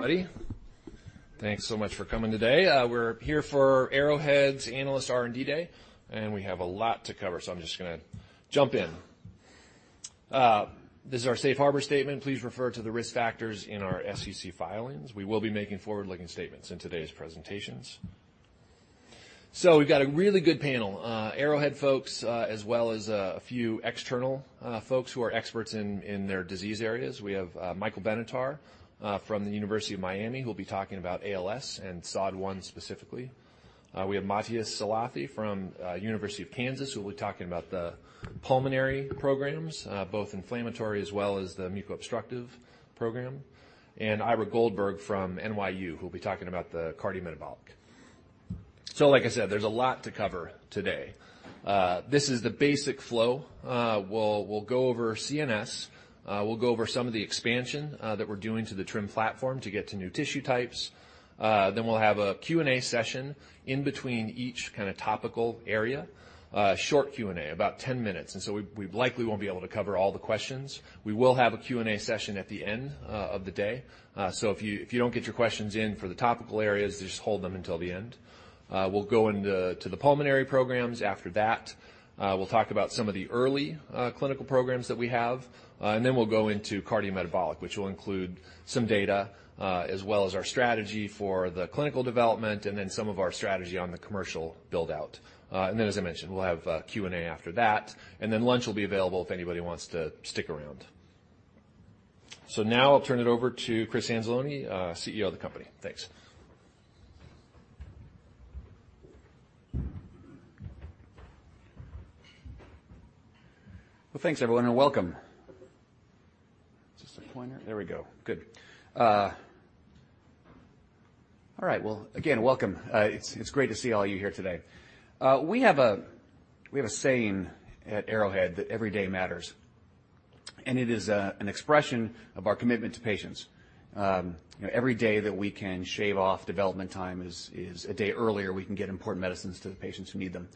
Buddy. Thanks so much for coming today. We're here for Arrowhead's Analyst R&D Day, and we have a lot to cover. I'm just gonna jump in. This is our safe harbor statement. Please refer to the risk factors in our SEC filings. We will be making forward-looking statements in today's presentations. We've got a really good panel, Arrowhead folks, as well as a few external folks who are experts in their disease areas. We have Michael Benatar from the University of Miami, who'll be talking about ALS and SOD1 specifically. We have Matthias Salathe from University of Kansas, who will be talking about the pulmonary programs, both inflammatory as well as the muco-obstructive program, and Ira Goldberg from NYU, who will be talking about the cardiometabolic. Like I said, there's a lot to cover today. This is the basic flow. We'll go over CNS. We'll go over some of the expansion that we're doing to the TRiM platform to get to new tissue types. We'll have a Q&A session in between each kind of topical area, short Q&A, about 10 minutes. We likely won't be able to cover all the questions. We will have a Q&A session at the end of the day. If you don't get your questions in for the topical areas, just hold them until the end. We'll go into the pulmonary programs. After that, we'll talk about some of the early clinical programs that we have, and then we'll go into cardiometabolic, which will include some data, as well as our strategy for the clinical development and then some of our strategy on the commercial build-out. Then, as I mentioned, we'll have Q&A after that, and then lunch will be available if anybody wants to stick around. Now I'll turn it over to Chris Anzalone, CEO of the company. Thanks. Well, thanks, everyone, and welcome. Just a pointer. There we go. Good. All right. Well, again, welcome. It's great to see all of you here today. We have a saying at Arrowhead that every day matters, and it is an expression of our commitment to patients. You know, every day that we can shave off development time is a day earlier, we can get important medicines to the patients who need them.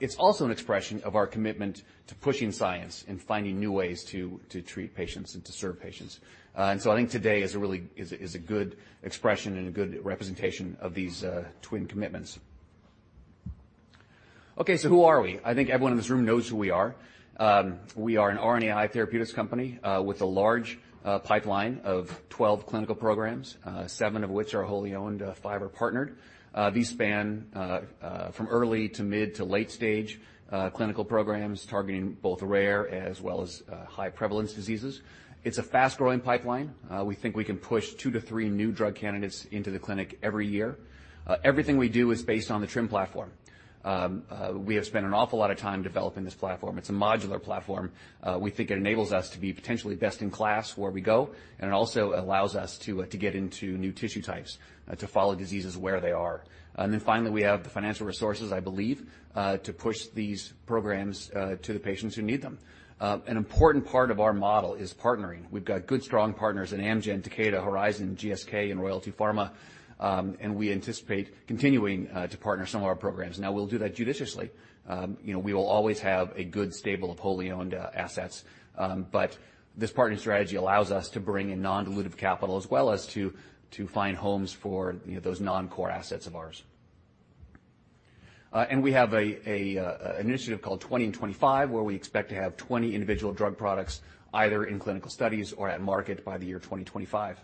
It's also an expression of our commitment to pushing science and finding new ways to treat patients and to serve patients. I think today is a really good expression and a good representation of these twin commitments. Who are we? I think everyone in this room knows who we are. We are an RNAi therapeutics company with a large pipeline of 12 clinical programs, seven of which are wholly owned, five are partnered. These span from early to mid to late stage clinical programs targeting both rare as well as high prevalence diseases. It's a fast-growing pipeline. We think we can push two to three new drug candidates into the clinic every year. Everything we do is based on the TRiM platform. We have spent an awful lot of time developing this platform. It's a modular platform. We think it enables us to be potentially best in class where we go, and it also allows us to get into new tissue types to follow diseases where they are. Finally, we have the financial resources, I believe, to push these programs to the patients who need them. An important part of our model is partnering. We've got good, strong partners in Amgen, Takeda, Horizon, GSK, and Royalty Pharma, and we anticipate continuing to partner some of our programs. We'll do that judiciously. You know, we will always have a good stable of wholly owned assets. This partnering strategy allows us to bring in non-dilutive capital, as well as to find homes for, you know, those non-core assets of ours. We have a initiative called 20 and 25, where we expect to have 20 individual drug products, either in clinical studies or at market by the year 2025.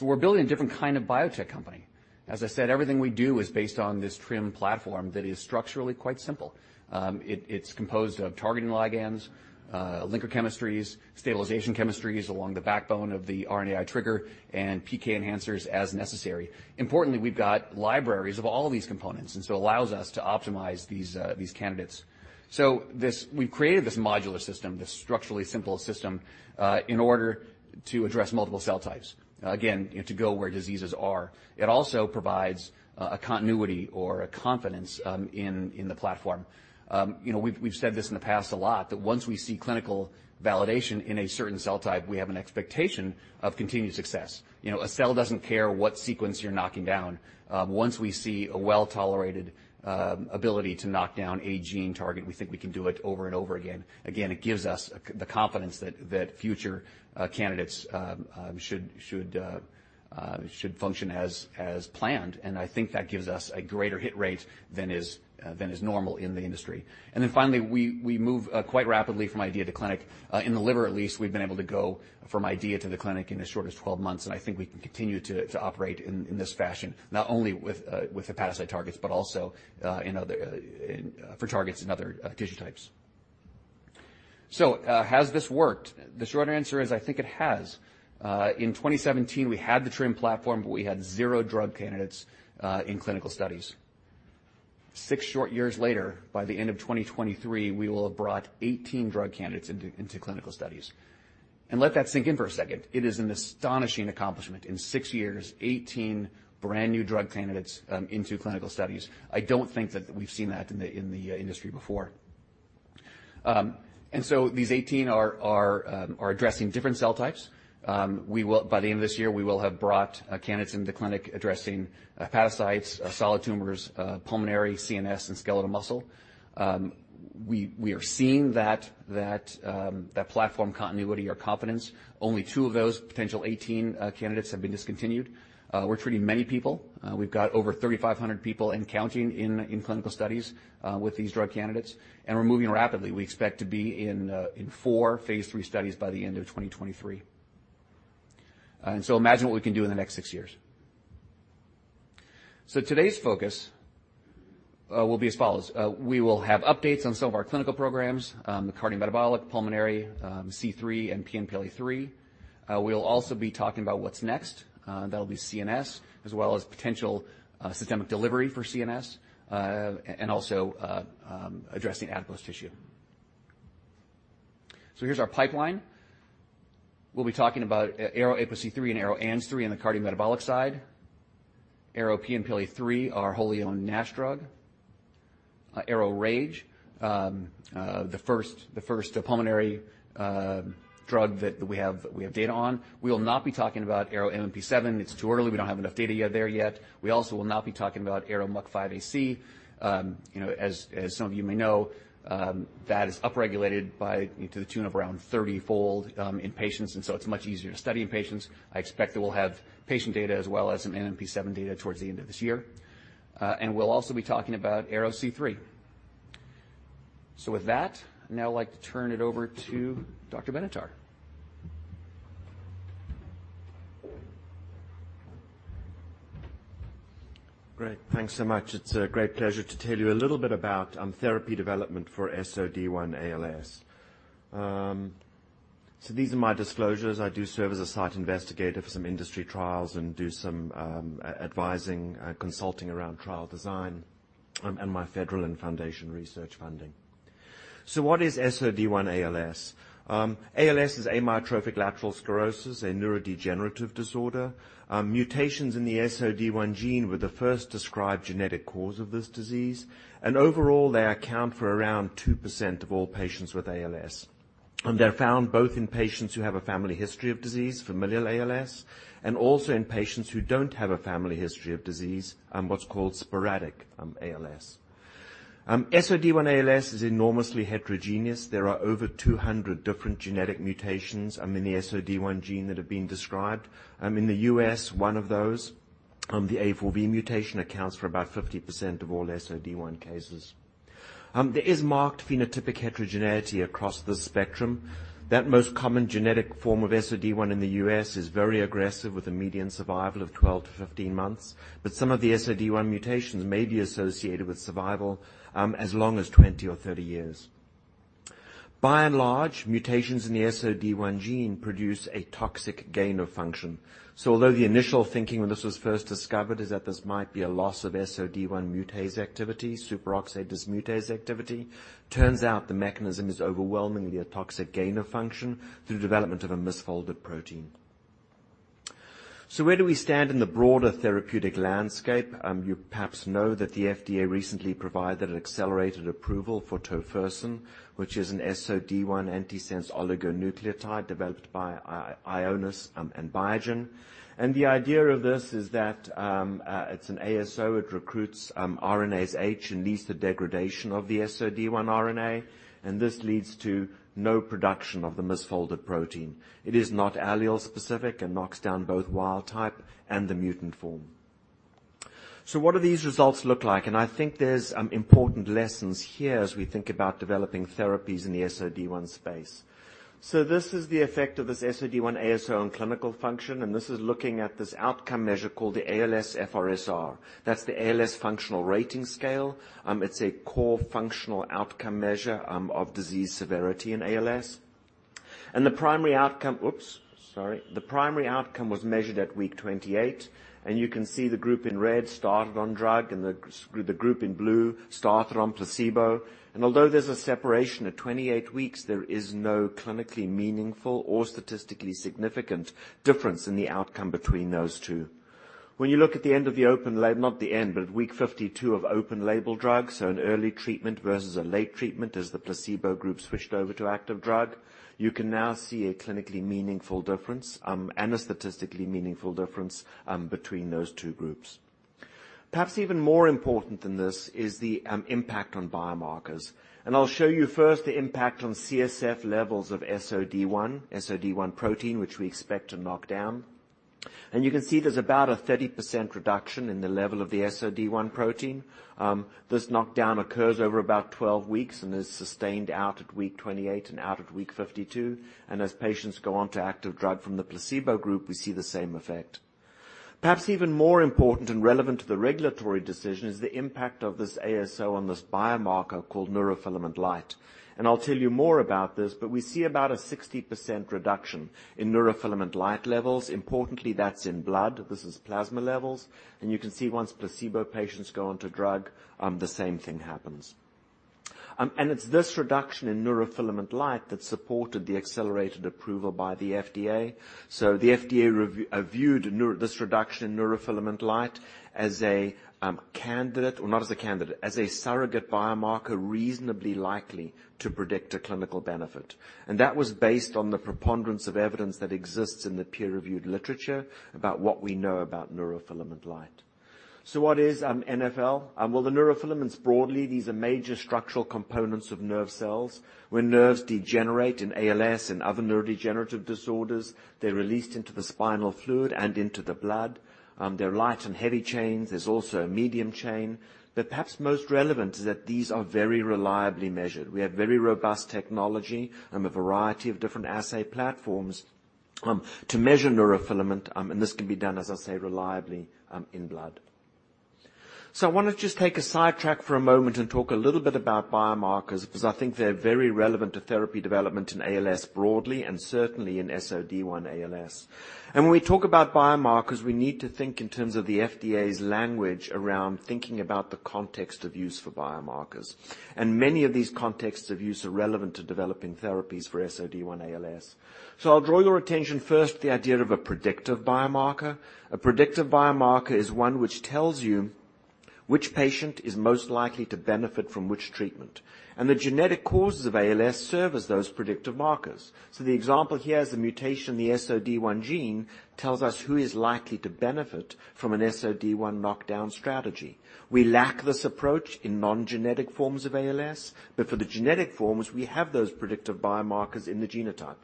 We're building a different kind of biotech company. As I said, everything we do is based on this TRiM platform that is structurally quite simple. It's composed of targeting ligands, linker chemistries, stabilization chemistries along the backbone of the RNAi trigger, and PK enhancers as necessary. Importantly, we've got libraries of all of these components. It allows us to optimize these candidates. We've created this modular system, this structurally simple system, in order to address multiple cell types, again, to go where diseases are. It also provides a continuity or a confidence in the platform. You know, we've said this in the past a lot, that once we see clinical validation in a certain cell type, we have an expectation of continued success. You know, a cell doesn't care what sequence you're knocking down. Once we see a well-tolerated ability to knock down a gene target, we think we can do it over and over again. Again, it gives us the confidence that future candidates should function as planned, and I think that gives us a greater hit rate than is normal in the industry. Finally, we move quite rapidly from idea to clinic. In the liver, at least, we've been able to go from idea to the clinic in as short as 12 months, and I think we can continue to operate in this fashion, not only with the hepatocyte targets, but also for targets in other tissue types. Has this worked? The short answer is, I think it has. In 2017, we had the TRiM platform, but we had zero drug candidates in clinical studies. Six short years later, by the end of 2023, we will have brought 18 drug candidates into clinical studies. Let that sink in for a second. It is an astonishing accomplishment. In six years, 18 brand-new drug candidates into clinical studies. I don't think that we've seen that in the industry before. These 18 are addressing different cell types. By the end of this year, we will have brought candidates into the clinic addressing hepatocytes, solid tumors, pulmonary, CNS, and skeletal muscle. We are seeing that platform continuity or confidence. Only two of those potential 18 candidates have been discontinued. We're treating many people. We've got over 3,500 people and counting in clinical studies with these drug candidates, and we're moving rapidly. We expect to phase III studies by the end of 2023. Imagine what we can do in the next six years. Today's focus will be as follows. We will have updates on some of our clinical programs, the cardiometabolic, pulmonary, C3, and PNPLA3. We'll also be talking about what's next. That'll be CNS, as well as potential systemic delivery for CNS, and also addressing adipose tissue. Here's our pipeline. We'll be talking about ARO-APOC3 and ARO-ANG3 on the cardiometabolic side. ARO-PNPLA3, our wholly owned NASH drug. ARO-RAGE, the first pulmonary drug that we have data on. We will not be talking about ARO-MMP7. It's too early. We don't have enough data yet there yet. We also will not be talking about ARO-MUC5AC. You know, as some of you may know, that is upregulated by to the tune of around 30-fold in patients, and so it's much easier to study in patients. I expect that we'll have patient data as well as some MMP7 data towards the end of this year. And we'll also be talking about ARO-C3. With that, I'd now like to turn it over to Dr. Benatar. Great. Thanks so much. It's a great pleasure to tell you a little bit about therapy development for SOD1-ALS. These are my disclosures. I do serve as a site investigator for some industry trials and do some advising, consulting around trial design, and my federal and foundation research funding. What is SOD1-ALS? ALS is amyotrophic lateral sclerosis, a neurodegenerative disorder. Mutations in the SOD1 gene were the first described genetic cause of this disease, and overall, they account for around 2% of all patients with ALS. They're found both in patients who have a family history of disease, familial ALS, and also in patients who don't have a family history of disease, what's called sporadic ALS. SOD1-ALS is enormously heterogeneous. There are over 200 different genetic mutations in the SOD1 gene that have been described. In the U.S., one of those, the A4V mutation, accounts for about 50% of all SOD1 cases. There is marked phenotypic heterogeneity across the spectrum. That most common genetic form of SOD1 in the U.S. is very aggressive, with a median survival of 12-15 months, but some of the SOD1 mutations may be associated with survival as long as 20 or 30 years. By and large, mutations in the SOD1 gene produce a toxic gain of function. Although the initial thinking when this was first discovered is that this might be a loss of SOD1 mutase activity, superoxide dismutase activity, turns out the mechanism is overwhelmingly a toxic gain of function through development of a misfolded protein. Where do we stand in the broader therapeutic landscape? You perhaps know that the FDA recently provided an accelerated approval for tofersen, which is an SOD1 antisense oligonucleotide developed by Ionis and Biogen. The idea of this is that it's an ASO. It recruits RNase H and leads to degradation of the SOD1 RNA, and this leads to no production of the misfolded protein. It is not allele specific and knocks down both wild type and the mutant form. What do these results look like? I think there's important lessons here as we think about developing therapies in the SOD1 space. This is the effect of this SOD1 ASO on clinical function, and this is looking at this outcome measure called the ALSFRS-R. That's the ALS Functional Rating Scale. It's a core functional outcome measure of disease severity in ALS. The primary outcome was measured at week 28, and you can see the group in red started on drug, and the group in blue started on placebo. Although there's a separation at 28 weeks, there is no clinically meaningful or statistically significant difference in the outcome between those two. When you look at the end of the open-label, not the end, but at week 52 of open-label drugs, so an early treatment versus a late treatment, as the placebo group switched over to active drug, you can now see a clinically meaningful difference, and a statistically meaningful difference between those two groups. Perhaps even more important than this is the impact on biomarkers. I'll show you first the impact on CSF levels of SOD1 protein, which we expect to knock down. You can see there's about a 30% reduction in the level of the SOD1 protein. This knockdown occurs over about 12 weeks and is sustained out at week 28 and out at week 52, and as patients go on to active drug from the placebo group, we see the same effect. Perhaps even more important and relevant to the regulatory decision is the impact of this ASO on this biomarker called neurofilament light, and I'll tell you more about this, but we see about a 60% reduction in neurofilament light levels. Importantly, that's in blood. This is plasma levels, and you can see once placebo patients go onto drug, the same thing happens. It's this reduction in neurofilament light that supported the accelerated approval by the FDA. The FDA viewed this reduction in neurofilament light as a candidate, or not as a candidate, as a surrogate biomarker reasonably likely to predict a clinical benefit. That was based on the preponderance of evidence that exists in the peer-reviewed literature about what we know about neurofilament light. What is NfL? Well, the neurofilaments, broadly, these are major structural components of nerve cells. When nerves degenerate in ALS and other neurodegenerative disorders, they're released into the spinal fluid and into the blood. They're light and heavy chains. There's also a medium chain. Perhaps most relevant is that these are very reliably measured. We have very robust technology and a variety of different assay platforms, to measure neurofilament, and this can be done, as I say, reliably, in blood. I want to just take a sidetrack for a moment and talk a little bit about biomarkers, because I think they're very relevant to therapy development in ALS broadly, and certainly in SOD1-ALS. When we talk about biomarkers, we need to think in terms of the FDA's language around thinking about the context of use for biomarkers. Many of these contexts of use are relevant to developing therapies for SOD1-ALS. I'll draw your attention first to the idea of a predictive biomarker. A predictive biomarker is one which tells you which patient is most likely to benefit from which treatment, and the genetic causes of ALS serve as those predictive markers. The example here is the mutation, the SOD1 gene, tells us who is likely to benefit from an SOD1 knockdown strategy. We lack this approach in non-genetic forms of ALS, but for the genetic forms, we have those predictive biomarkers in the genotype.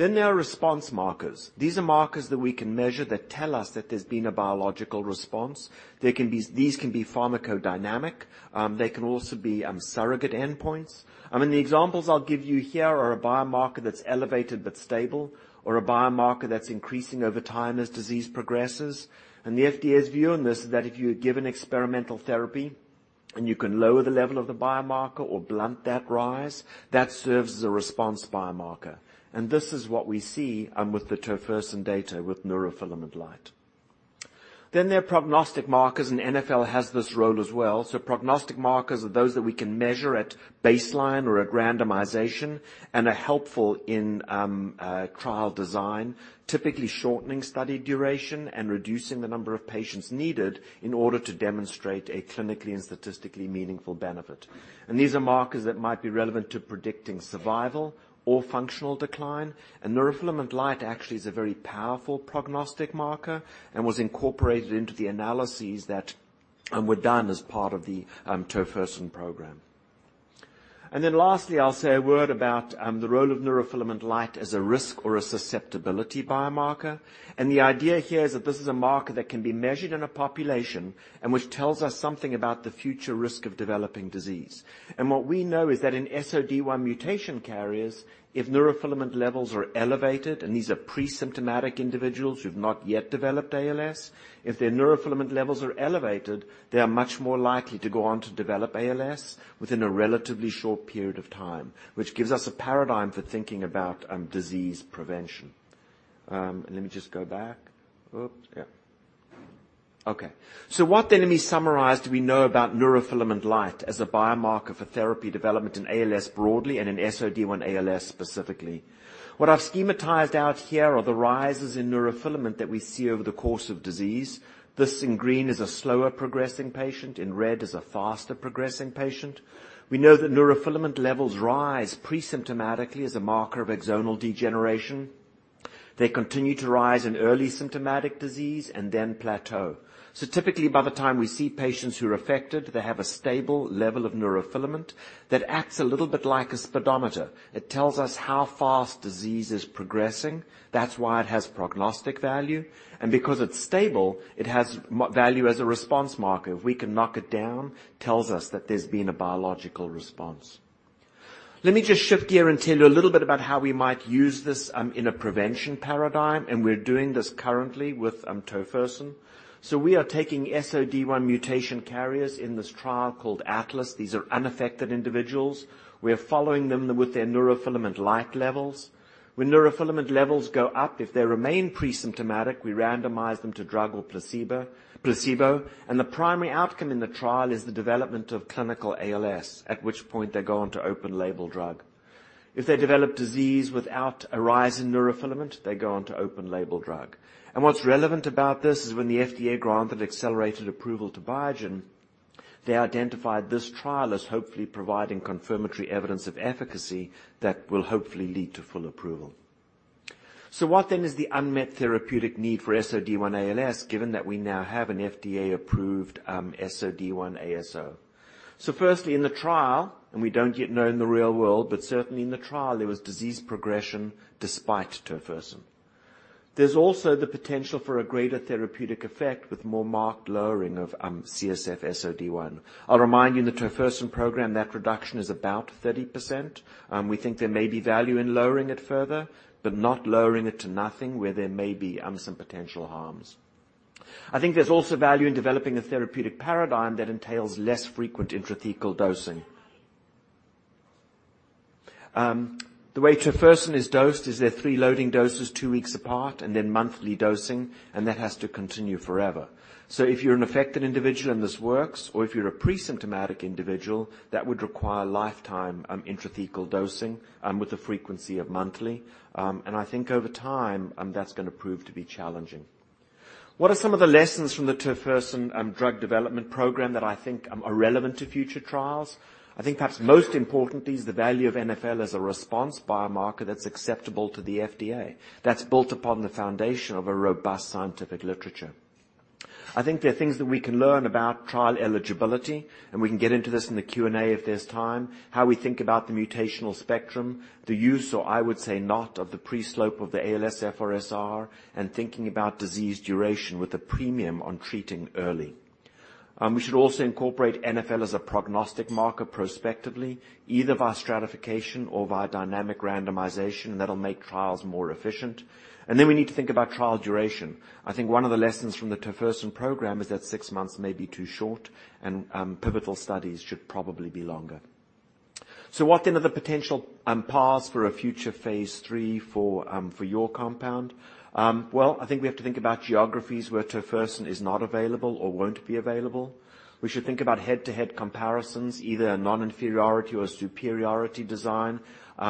There are response markers. These can be pharmacodynamic, they can also be surrogate endpoints. I mean, the examples I'll give you here are a biomarker that's elevated but stable, or a biomarker that's increasing over time as disease progresses. The FDA's view on this is that if you are given experimental therapy and you can lower the level of the biomarker or blunt that rise, that serves as a response biomarker. This is what we see with the tofersen data with neurofilament light. There are prognostic markers, and NfL has this role as well. Prognostic markers are those that we can measure at baseline or at randomization and are helpful in trial design, typically shortening study duration and reducing the number of patients needed in order to demonstrate a clinically and statistically meaningful benefit. These are markers that might be relevant to predicting survival or functional decline. Neurofilament light actually is a very powerful prognostic marker and was incorporated into the analyses that were done as part of the tofersen program. Lastly, I'll say a word about the role of neurofilament light as a risk or a susceptibility biomarker. The idea here is that this is a marker that can be measured in a population and which tells us something about the future risk of developing disease. What we know is that in SOD1 mutation carriers, if neurofilament levels are elevated, and these are pre-symptomatic individuals who've not yet developed ALS, if their neurofilament levels are elevated, they are much more likely to go on to develop ALS within a relatively short period of time, which gives us a paradigm for thinking about disease prevention. Let me just go back. What then, let me summarize, do we know about neurofilament light as a biomarker for therapy development in ALS broadly and in SOD1-ALS specifically? What I've schematized out here are the rises in neurofilament that we see over the course of disease. This in green is a slower progressing patient, in red is a faster progressing patient. We know that neurofilament levels rise pre-symptomatically as a marker of axonal degeneration. They continue to rise in early symptomatic disease and then plateau. Typically, by the time we see patients who are affected, they have a stable level of neurofilament that acts a little bit like a speedometer. It tells us how fast disease is progressing. That's why it has prognostic value, and because it's stable, it has value as a response marker. If we can knock it down, tells us that there's been a biological response. Let me just shift gear and tell you a little bit about how we might use this in a prevention paradigm, and we're doing this currently with tofersen. We are taking SOD1 mutation carriers in this trial called ATLAS. These are unaffected individuals. We are following them with their neurofilament light levels. When neurofilament levels go up, if they remain pre-symptomatic, we randomize them to drug or placebo, the primary outcome in the trial is the development of clinical ALS, at which point they go on to open label drug. If they develop disease without a rise in neurofilament, they go on to open label drug. What's relevant about this is when the FDA granted accelerated approval to Biogen, they identified this trial as hopefully providing confirmatory evidence of efficacy that will hopefully lead to full approval. What then is the unmet therapeutic need for SOD1-ALS, given that we now have an FDA-approved SOD1 ASO? Firstly, in the trial, and we don't yet know in the real world, but certainly in the trial, there was disease progression despite tofersen. There's also the potential for a greater therapeutic effect with more marked lowering of CSF SOD1. I'll remind you, in the tofersen program, that reduction is about 30%. We think there may be value in lowering it further, but not lowering it to nothing where there may be some potential harms. I think there's also value in developing a therapeutic paradigm that entails less frequent intrathecal dosing. The way tofersen is dosed is there are three loading doses, two weeks apart, and then monthly dosing, and that has to continue forever. If you're an affected individual and this works, or if you're a pre-symptomatic individual, that would require lifetime intrathecal dosing with a frequency of monthly. I think over time that's going to prove to be challenging. What are some of the lessons from the tofersen drug development program that I think are relevant to future trials? I think perhaps most importantly is the value of NfL as a response biomarker that's acceptable to the FDA. That's built upon the foundation of a robust scientific literature. I think there are things that we can learn about trial eligibility, and we can get into this in the Q&A if there's time. How we think about the mutational spectrum, the use, or I would say not, of the pre-slope of the ALSFRS-R, and thinking about disease duration with a premium on treating early. We should also incorporate NfL as a prognostic marker prospectively, either via stratification or via dynamic randomization, that'll make trials more efficient. Then we need to think about trial duration. I think one of the lessons from the tofersen program is that six months may be too short, pivotal studies should probably be longer. What then are the potential paths phase III for your compound? Well, I think we have to think about geographies where tofersen is not available or won't be available. We should think about head-to-head comparisons, either a non-inferiority or a superiority design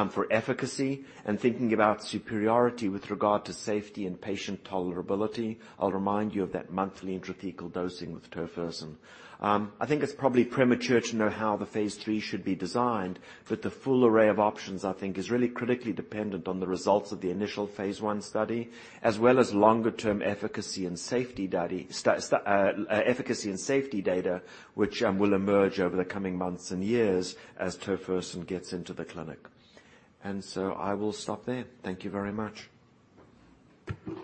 for efficacy, and thinking about superiority with regard to safety and patient tolerability. I'll remind you of that monthly intrathecal dosing with tofersen. I think it's probably premature to phase III should be designed, but the full array of options, I think, is really critically dependent on the results of the phase I study, as well as longer term efficacy and safety data, which will emerge over the coming months and years as tofersen gets into the clinic. I will stop there. Thank you very much. Thank you,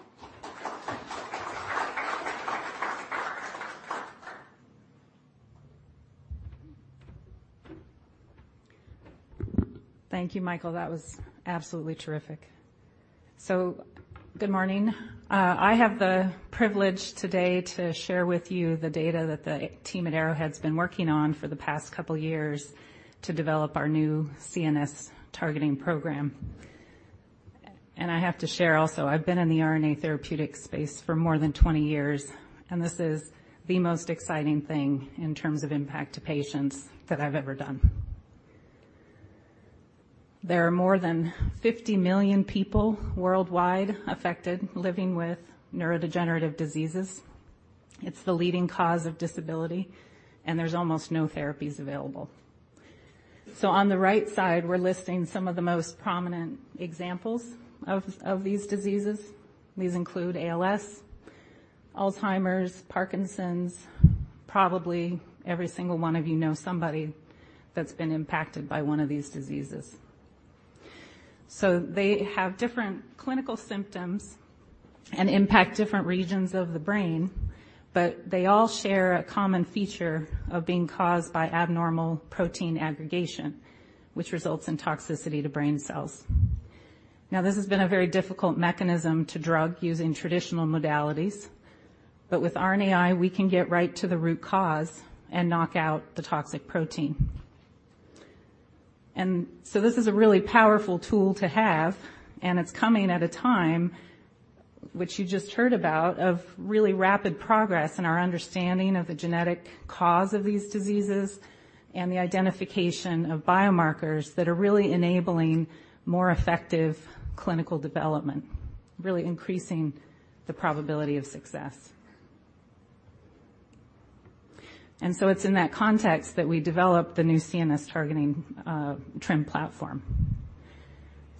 Michael. That was absolutely terrific. Good morning. I have the privilege today to share with you the data that the team at Arrowhead has been working on for the past couple years to develop our new CNS targeting program. I have to share also, I've been in the RNA therapeutic space for more than 20 years, and this is the most exciting thing in terms of impact to patients that I've ever done. There are more than 50 million people worldwide affected, living with neurodegenerative diseases. It's the leading cause of disability, and there's almost no therapies available. On the right side, we're listing some of the most prominent examples of these diseases. These include ALS, Alzheimer's, Parkinson's. Probably every single one of you know somebody that's been impacted by one of these diseases. They have different clinical symptoms and impact different regions of the brain, but they all share a common feature of being caused by abnormal protein aggregation, which results in toxicity to brain cells. Now, this has been a very difficult mechanism to drug using traditional modalities, but with RNAi, we can get right to the root cause and knock out the toxic protein. This is a really powerful tool to have, and it's coming at a time, which you just heard about, of really rapid progress in our understanding of the genetic cause of these diseases and the identification of biomarkers that are really enabling more effective clinical development, really increasing the probability of success. It's in that context that we developed the new CNS targeting TRiM platform.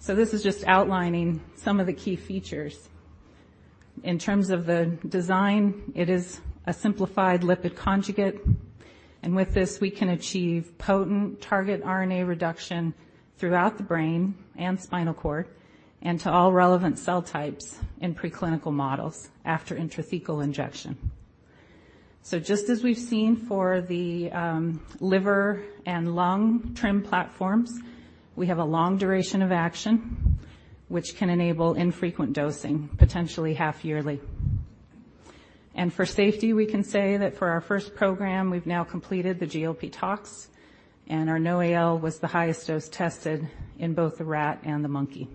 This is just outlining some of the key features. In terms of the design, it is a simplified lipid conjugate, and with this, we can achieve potent target RNA reduction throughout the brain and spinal cord and to all relevant cell types in preclinical models after intrathecal injection. Just as we've seen for the liver and lung TRiM platforms, we have a long duration of action, which can enable infrequent dosing, potentially half yearly. For safety, we can say that for our first program, we've now completed the GLP tox, and our NOAEL was the highest dose tested in both the rat and the monkey.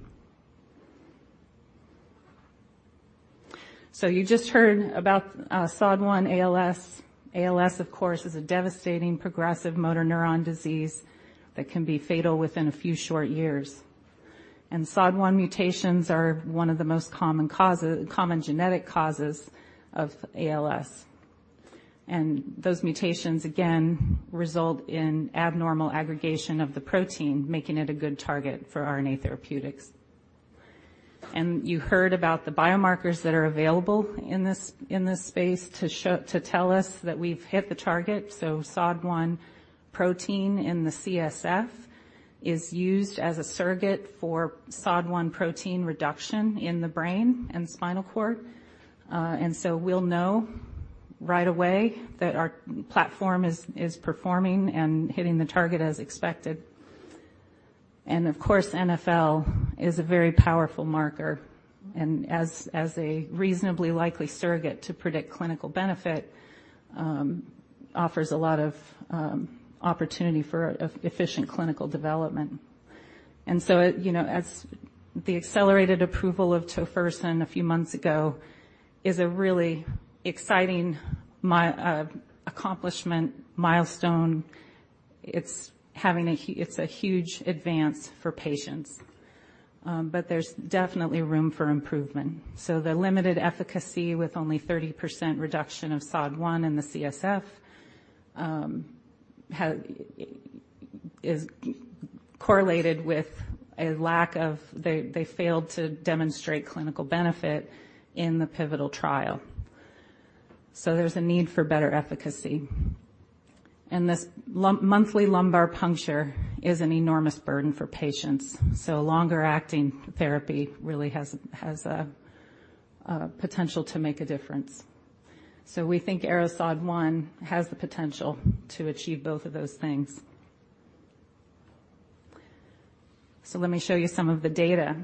You just heard about SOD1-ALS. ALS, of course, is a devastating progressive motor neuron disease that can be fatal within a few short years. SOD1 mutations are one of the most common genetic causes of ALS. Those mutations, again, result in abnormal aggregation of the protein, making it a good target for RNA therapeutics. You heard about the biomarkers that are available in this space to tell us that we've hit the target. SOD1 protein in the CSF is used as a surrogate for SOD1 protein reduction in the brain and spinal cord. We'll know right away that our platform is performing and hitting the target as expected. Of course, NfL is a very powerful marker, and as a reasonably likely surrogate to predict clinical benefit, offers a lot of opportunity for efficient clinical development. You know, as the accelerated approval of Tofersen a few months ago is a really exciting milestone. It's a huge advance for patients. There's definitely room for improvement. The limited efficacy with only 30% reduction of SOD1 in the CSF is correlated with a lack of... They failed to demonstrate clinical benefit in the pivotal trial. There's a need for better efficacy, and this monthly lumbar puncture is an enormous burden for patients, so a longer-acting therapy really has a potential to make a difference. We thinkARO-SOD1 has the potential to achieve both of those things. Let me show you some of the data.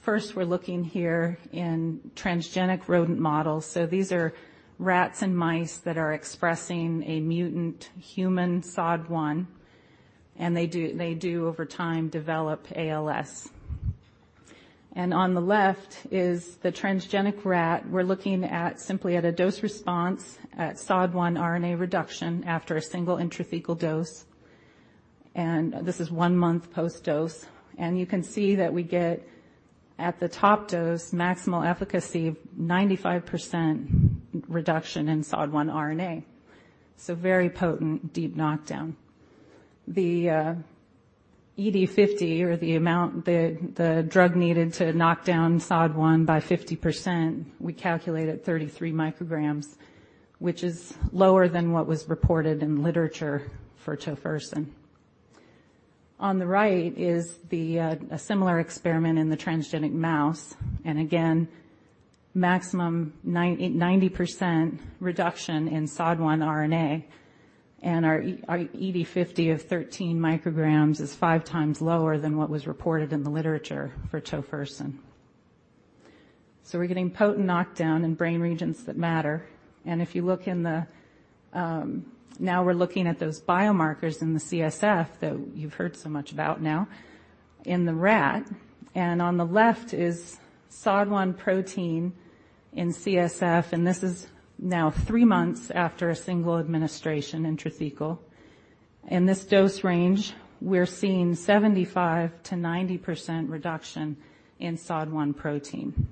First, we're looking here in transgenic rodent models. These are rats and mice that are expressing a mutant human SOD1, and they do, over time, develop ALS. On the left is the transgenic rat. We're looking at, simply at a dose response, at SOD1 RNA reduction after a single intrathecal dose, this is one month post-dose. You can see that we get, at the top dose, maximal efficacy of 95% reduction in SOD1 RNA. Very potent, deep knockdown. The ED50 or the amount the drug needed to knock down SOD1 by 50%, we calculated 33 µg, which is lower than what was reported in literature for tofersen. On the right is a similar experiment in the transgenic mouse, again, maximum 90% reduction in SOD1 RNA, and our ED50 of 13 µg is five times lower than what was reported in the literature for tofersen. We're getting potent knockdown in brain regions that matter, and if you look in the... We're looking at those biomarkers in the CSF that you've heard so much about now in the rat. On the left is SOD1 protein in CSF, and this is now three months after a single administration intrathecal. In this dose range, we're seeing 75%-90% reduction in SOD1 protein.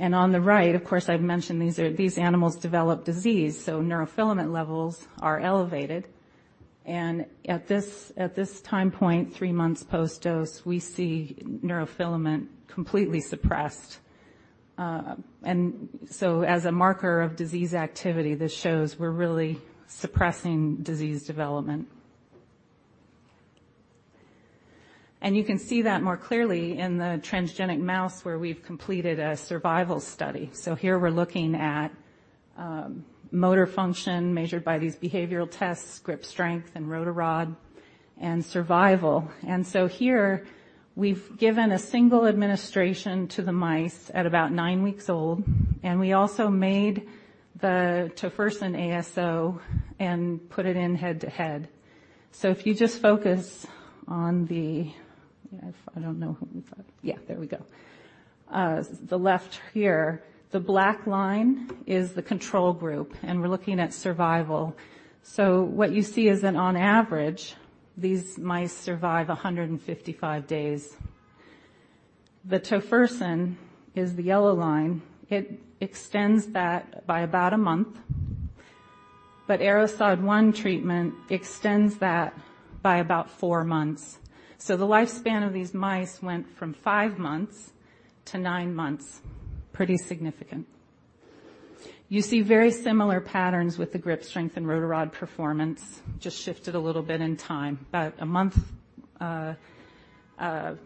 On the right, of course, I've mentioned these animals develop disease, so neurofilament levels are elevated. At this time point, three months post-dose, we see neurofilament completely suppressed. As a marker of disease activity, this shows we're really suppressing disease development. You can see that more clearly in the transgenic mouse, where we've completed a survival study. Here we're looking at motor function measured by these behavioral tests, grip strength, and rotarod, and survival. Here, we've given a single administration to the mice at about nine weeks old, and we also made the tofersen ASO and put it in head-to-head. If you just focus on the left here, the black line is the control group, and we're looking at survival. What you see is that on average, these mice survive 155 days. The tofersen is the yellow line. It extends that by about a month, ARO-SOD1 treatment extends that by about four months. The lifespan of these mice went from five months to nine months. Pretty significant. You see very similar patterns with the grip strength and rotarod performance. Just shifted a little bit in time, about a month,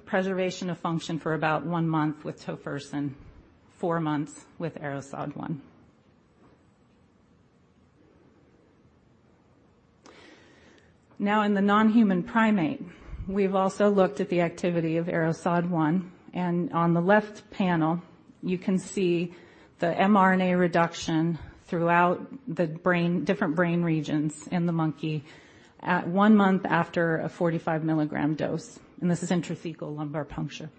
preservation of function for about one month with tofersen, four months with ARO-SOD1. In the non-human primate, we've also looked at the activity of ARO-SOD1, and on the left panel, you can see the mRNA reduction throughout the brain, different brain regions in the monkey at one month after a 45 mg dose, and this is intrathecal lumbar puncture.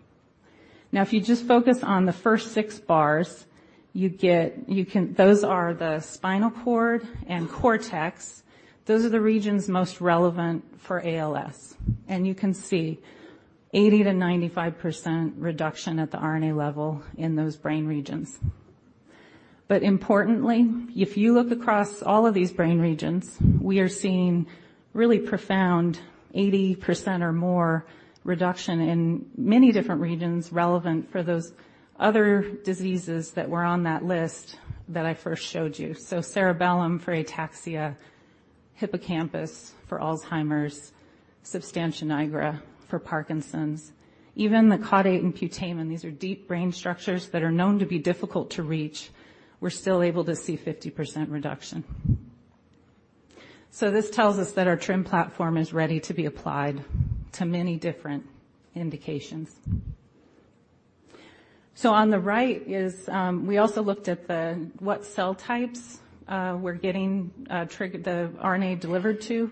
If you just focus on the first six bars, those are the spinal cord and cortex. Those are the regions most relevant for ALS, and you can see 80%-95% reduction at the RNA level in those brain regions. Importantly, if you look across all of these brain regions, we are seeing really profound, 80% or more, reduction in many different regions relevant for those other diseases that were on that list that I first showed you. Cerebellum for ataxia, hippocampus for Alzheimer's, substantia nigra for Parkinson's, even the caudate and putamen. These are deep brain structures that are known to be difficult to reach. We're still able to see 50% reduction. This tells us that our TRiM platform is ready to be applied to many different indications. On the right is, we also looked at the, what cell types we're getting trigger the RNA delivered to,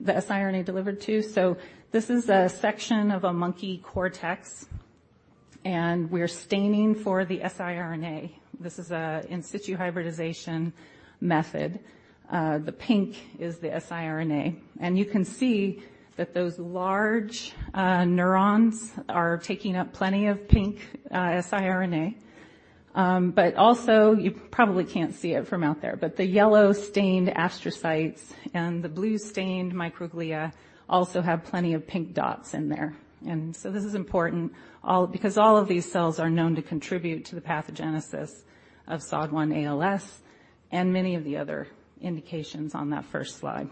the siRNA delivered to. This is a section of a monkey cortex, and we're staining for the siRNA. This is a in situ hybridization method. The pink is the siRNA, and you can see that those large neurons are taking up plenty of pink siRNA. You probably can't see it from out there, but the yellow-stained astrocytes and the blue-stained microglia also have plenty of pink dots in there. This is important because all of these cells are known to contribute to the pathogenesis of SOD1-ALS and many of the other indications on that first slide.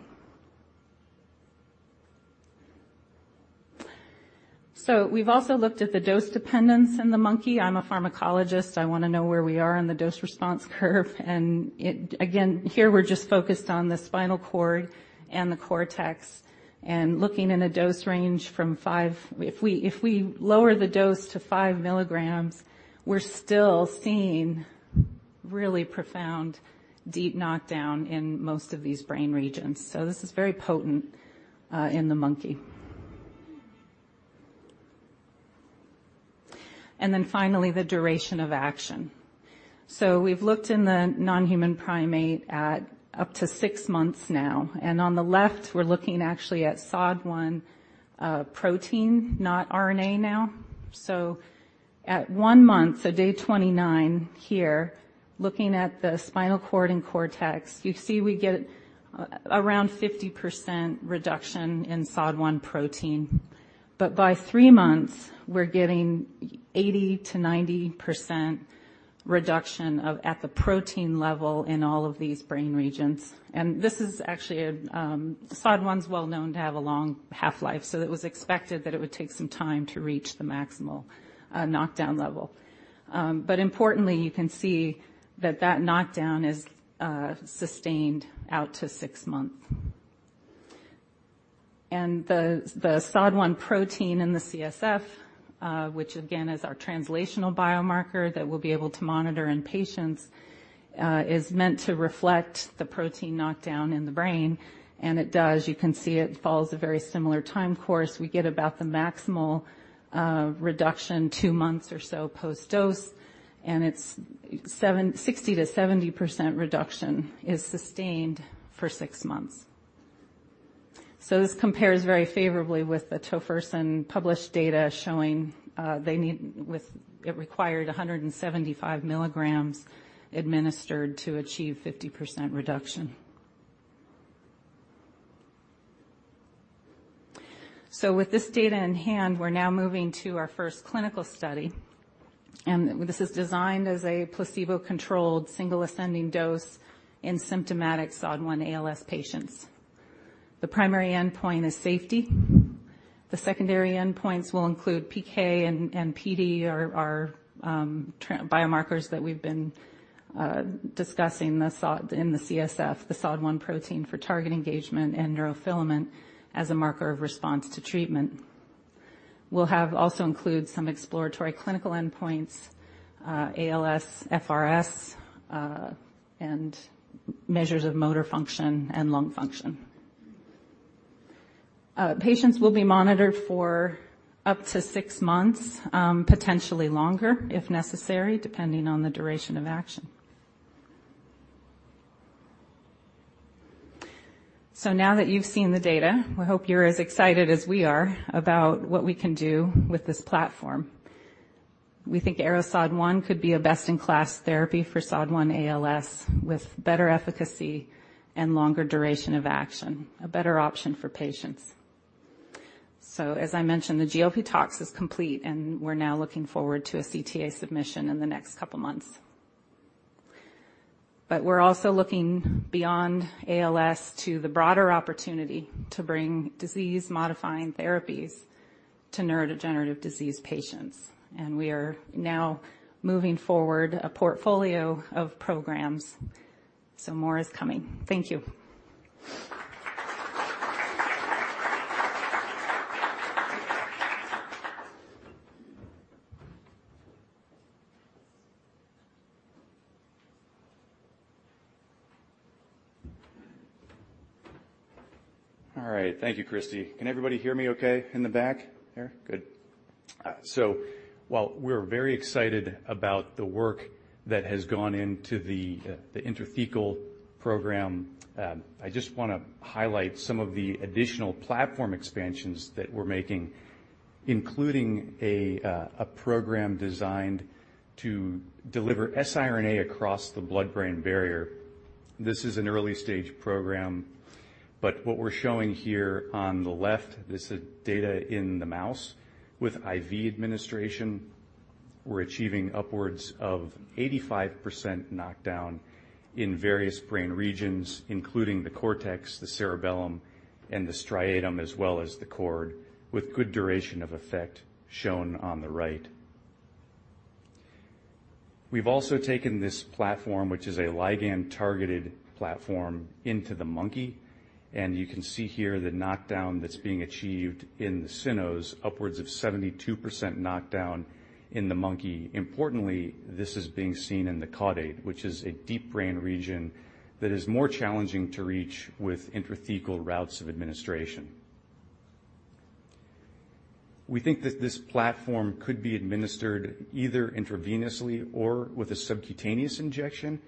We've also looked at the dose dependence in the monkey. I'm a pharmacologist. I wanna know where we are on the dose-response curve. Again, here, we're just focused on the spinal cord and the cortex and looking in a dose range from 5 mg. If we lower the dose to 5 mg, we're still seeing really profound, deep knockdown in most of these brain regions, so this is very potent in the monkey. Finally, the duration of action. We've looked in the non-human primate at up to six months now, and on the left, we're looking actually at SOD1 protein, not RNA now. At one month, day 29 here, looking at the spinal cord and cortex, you see we get around 50% reduction in SOD1 protein. By three months, we're getting 80%-90% reduction of, at the protein level in all of these brain regions. This is actually, SOD1's well known to have a long half-life, so it was expected that it would take some time to reach the maximal knockdown level. Importantly, you can see that that knockdown is sustained out to six months. The SOD1 protein in the CSF, which again, is our translational biomarker that we'll be able to monitor in patients, is meant to reflect the protein knockdown in the brain, and it does. You can see it follows a very similar time course. We get about the maximal reduction, two months or so post-dose. It's 60%-70% reduction is sustained for six months. This compares very favorably with the tofersen published data showing required 175 mg administered to achieve 50% reduction. With this data in hand, we're now moving to our first clinical study. This is designed as a placebo-controlled, single ascending dose in symptomatic SOD1-ALS patients. The primary endpoint is safety. The secondary endpoints will include PK and PD or biomarkers that we've been discussing, the SOD1 in the CSF, the SOD1 protein for target engagement and neurofilament as a marker of response to treatment. We'll have also include some exploratory clinical endpoints, ALSFRS-R, and measures of motor function and lung function. Patients will be monitored for up to six months, potentially longer, if necessary, depending on the duration of action. Now that you've seen the data, we hope you're as excited as we are about what we can do with this platform. We think ARO-SOD1 could be a best-in-class therapy for SOD1-ALS, with better efficacy and longer duration of action, a better option for patients. As I mentioned, the GLP tox is complete, and we're now looking forward to a CTA submission in the next two months. We're also looking beyond ALS to the broader opportunity to bring disease-modifying therapies to neurodegenerative disease patients, and we are now moving forward a portfolio of programs, more is coming. Thank you. All right. Thank you, Christy. Can everybody hear me okay in the back there? Good. While we're very excited about the work that has gone into the intrathecal program, I just wanna highlight some of the additional platform expansions that we're making, including a program designed to deliver siRNA across the blood-brain barrier. This is an early-stage program. What we're showing here on the left, this is data in the mouse with IV administration. We're achieving upwards of 85% knockdown in various brain regions, including the cortex, the cerebellum, and the striatum, as well as the cord, with good duration of effect shown on the right. We've also taken this platform, which is a ligand-targeted platform, into the monkey. You can see here the knockdown that's being achieved in the cynos, upwards of 72% knockdown in the monkey. Importantly, this is being seen in the caudate, which is a deep brain region that is more challenging to reach with intrathecal routes of administration. We think that this platform could be administered either intravenously or with a subcutaneous injection.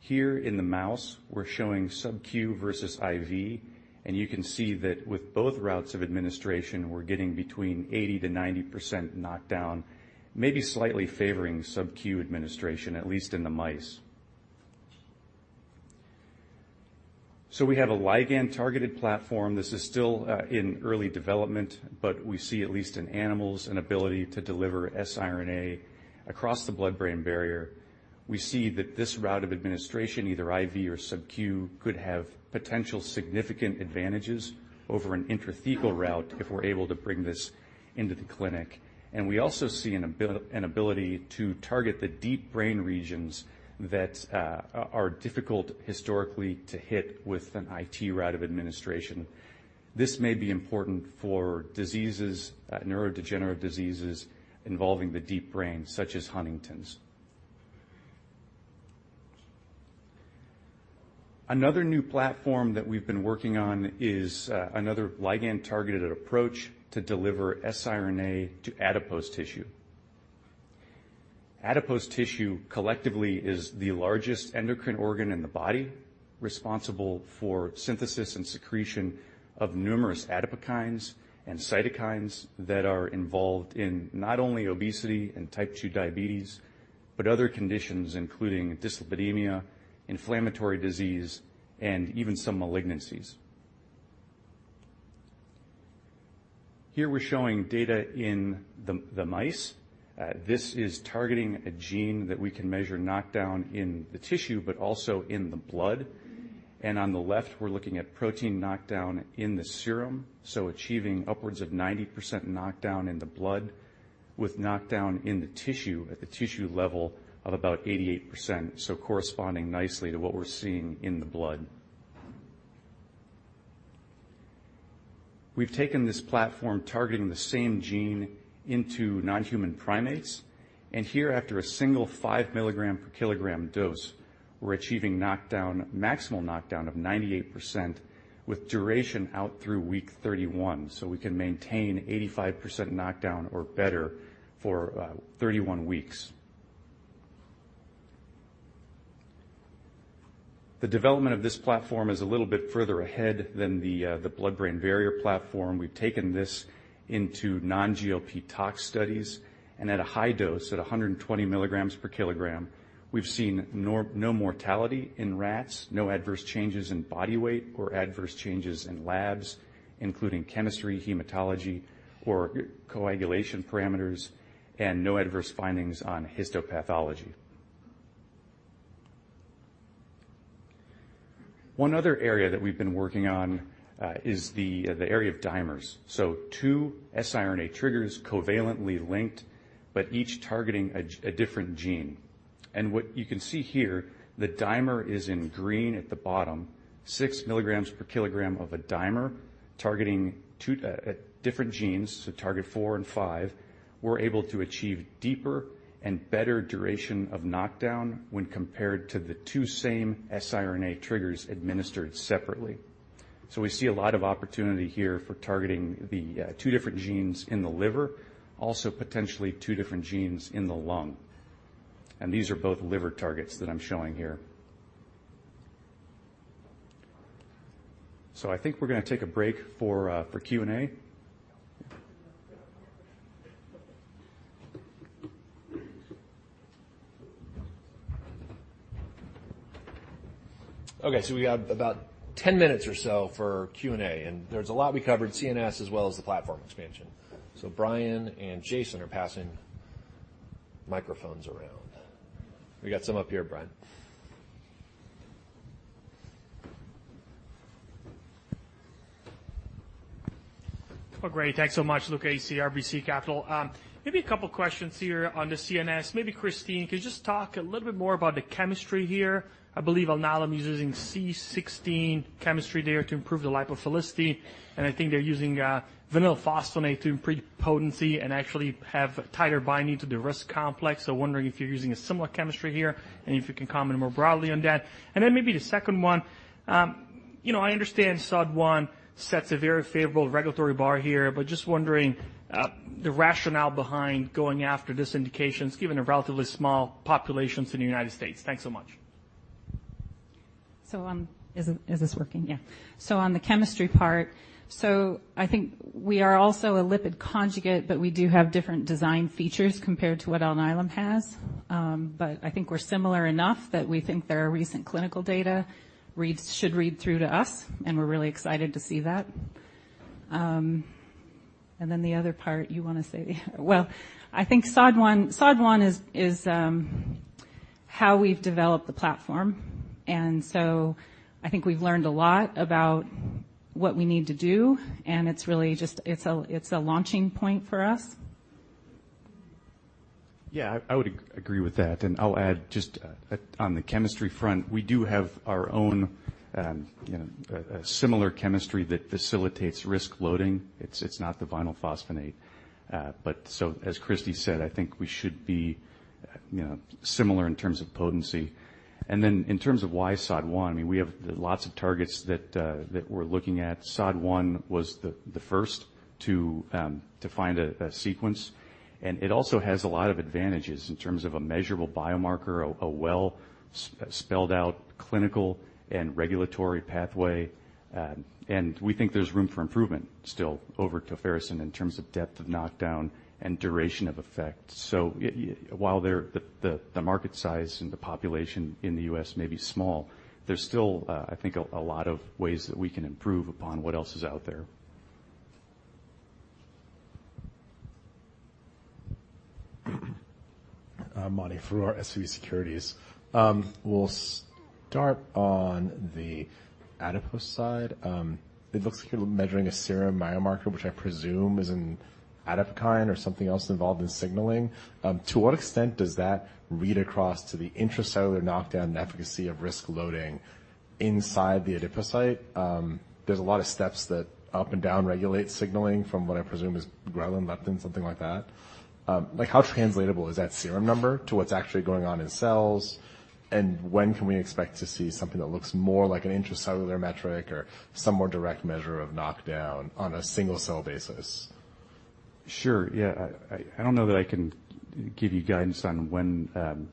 Here in the mouse, we're showing sub-Q versus IV, and you can see that with both routes of administration, we're getting between 80%-90% knockdown, maybe slightly favoring sub-Q administration, at least in the mice. We have a ligand-targeted platform. This is still in early development, but we see, at least in animals, an ability to deliver siRNA across the blood-brain barrier. We see that this route of administration, either IV or sub-Q, could have potential significant advantages over an intrathecal route if we're able to bring this into the clinic. We also see an ability to target the deep brain regions that are difficult historically to hit with an IT route of administration. This may be important for diseases, neurodegenerative diseases involving the deep brain, such as Huntington's. Another new platform that we've been working on is another ligand-targeted approach to deliver siRNA to adipose tissue. Adipose tissue collectively is the largest endocrine organ in the body, responsible for synthesis and secretion of numerous adipokines and cytokines that are involved in not only obesity and type two diabetes, but other conditions, including dyslipidemia, inflammatory disease, and even some malignancies. Here, we're showing data in the mice. This is targeting a gene that we can measure knockdown in the tissue, but also in the blood. On the left, we're looking at protein knockdown in the serum, so achieving upwards of 90% knockdown in the blood, with knockdown in the tissue at the tissue level of about 88%, so corresponding nicely to what we're seeing in the blood. We've taken this platform, targeting the same gene into non-human primates, and here, after a single 5 mg per kg dose, we're achieving maximal knockdown of 98% with duration out through week 31. We can maintain 85% knockdown or better for 31 weeks. The development of this platform is a little bit further ahead than the blood-brain barrier platform. We've taken this into non-GLP tox studies. At a high dose, at 120 mg per kg, we've seen no mortality in rats, no adverse changes in body weight or adverse changes in labs, including chemistry, hematology, or coagulation parameters, and no adverse findings on histopathology. One other area that we've been working on is the area of dimers. Two siRNA triggers covalently linked, but each targeting a different gene. What you can see here, the dimer is in green at the bottom, 6 mg per kg of a dimer, targeting two different genes, so target four and five, we're able to achieve deeper and better duration of knockdown when compared to the two same siRNA triggers administered separately. We see a lot of opportunity here for targeting the two different genes in the liver, also potentially two different genes in the lung. These are both liver targets that I'm showing here. I think we're going to take a break for Q&A. Okay, we got about ten minutes or so for Q&A, and there's a lot we covered, CNS, as well as the platform expansion. Brian and Jason are passing microphones around. We got some up here, Brian. Well, great. Thanks so much. Luca Issi, RBC Capital. Maybe a couple of questions here on the CNS. Maybe, Christy, could you just talk a little bit more about the chemistry here? I believe Alnylam is using C16 chemistry there to improve the lipophilicity, and I think they're using vinylphosphonate to improve potency and actually have tighter binding to the RISC complex. Wondering if you're using a similar chemistry here, and if you can comment more broadly on that. Maybe the second one, you know, I understand SOD1 sets a very favorable regulatory bar here, but just wondering the rationale behind going after this indications, given the relatively small populations in the United States. Thanks so much. Is this working? Yeah. On the chemistry part, I think we are also a lipid conjugate, but we do have different design features compared to what Alnylam has. I think we're similar enough that we think their recent clinical data should read through to us, and we're really excited to see that. The other part you want to say? Well, I think SOD1 is how we've developed the platform, and so I think we've learned a lot about what we need to do, and it's really just. It's a launching point for us. Yeah, I would agree with that, and I'll add just on the chemistry front, we do have our own, you know, a similar chemistry that facilitates RISC loading. It's not the vinyl phosphonate, but as Christy said, I think we should be, you know, similar in terms of potency. Then in terms of why SOD1, I mean, we have lots of targets that we're looking at. SOD1 was the first to find a sequence, and it also has a lot of advantages in terms of a measurable biomarker, a well-spelled out clinical and regulatory pathway. And we think there's room for improvement still over tofersen in terms of depth of knockdown and duration of effect. While there, the market size and the population in the U.S. may be small, there's still, I think, a lot of ways that we can improve upon what else is out there. Mani Foroohar, SVB Securities. We'll start on the adipose side. It looks like you're measuring a serum biomarker, which I presume is an adipokine or something else involved in signaling. To what extent does that read across to the intracellular knockdown and efficacy of risk loading inside the adipocyte? There's a lot of steps that up and down regulate signaling from what I presume is ghrelin, leptin, something like that. How translatable is that serum number to what's actually going on in cells? When can we expect to see something that looks more like an intracellular metric or some more direct measure of knockdown on a single-cell basis? Sure. Yeah, I don't know that I can give you guidance on when